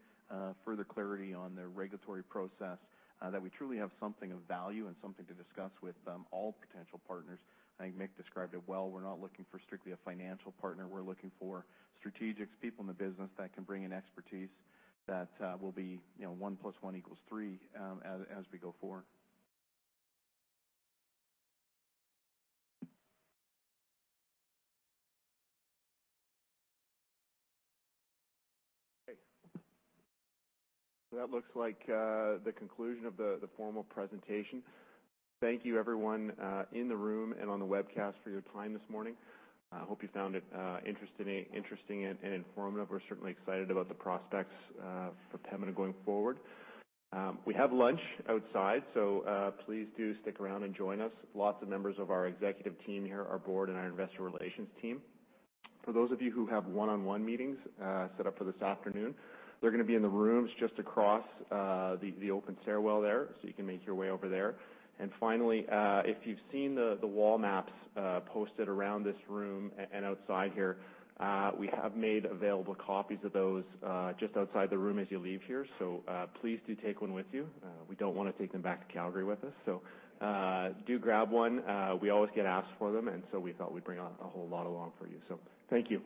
further clarity on their regulatory process, that we truly have something of value and something to discuss with all potential partners. I think Mick described it well. We're not looking for strictly a financial partner. We're looking for strategics, people in the business that can bring in expertise that will be one plus one equals three as we go forward. Great. That looks like the conclusion of the formal presentation. Thank you everyone in the room and on the webcast for your time this morning. Hope you found it interesting and informative. We're certainly excited about the prospects for Pembina going forward. We have lunch outside, please do stick around and join us. Lots of members of our executive team here, our board, and our investor relations team. For those of you who have one-on-one meetings set up for this afternoon, they're going to be in the rooms just across the open stairwell there, you can make your way over there. Finally, if you've seen the wall maps posted around this room and outside here, we have made available copies of those just outside the room as you leave here. Please do take one with you. We don't want to take them back to Calgary with us. Do grab one. We always get asked for them, we thought we'd bring a whole lot along for you. Thank you.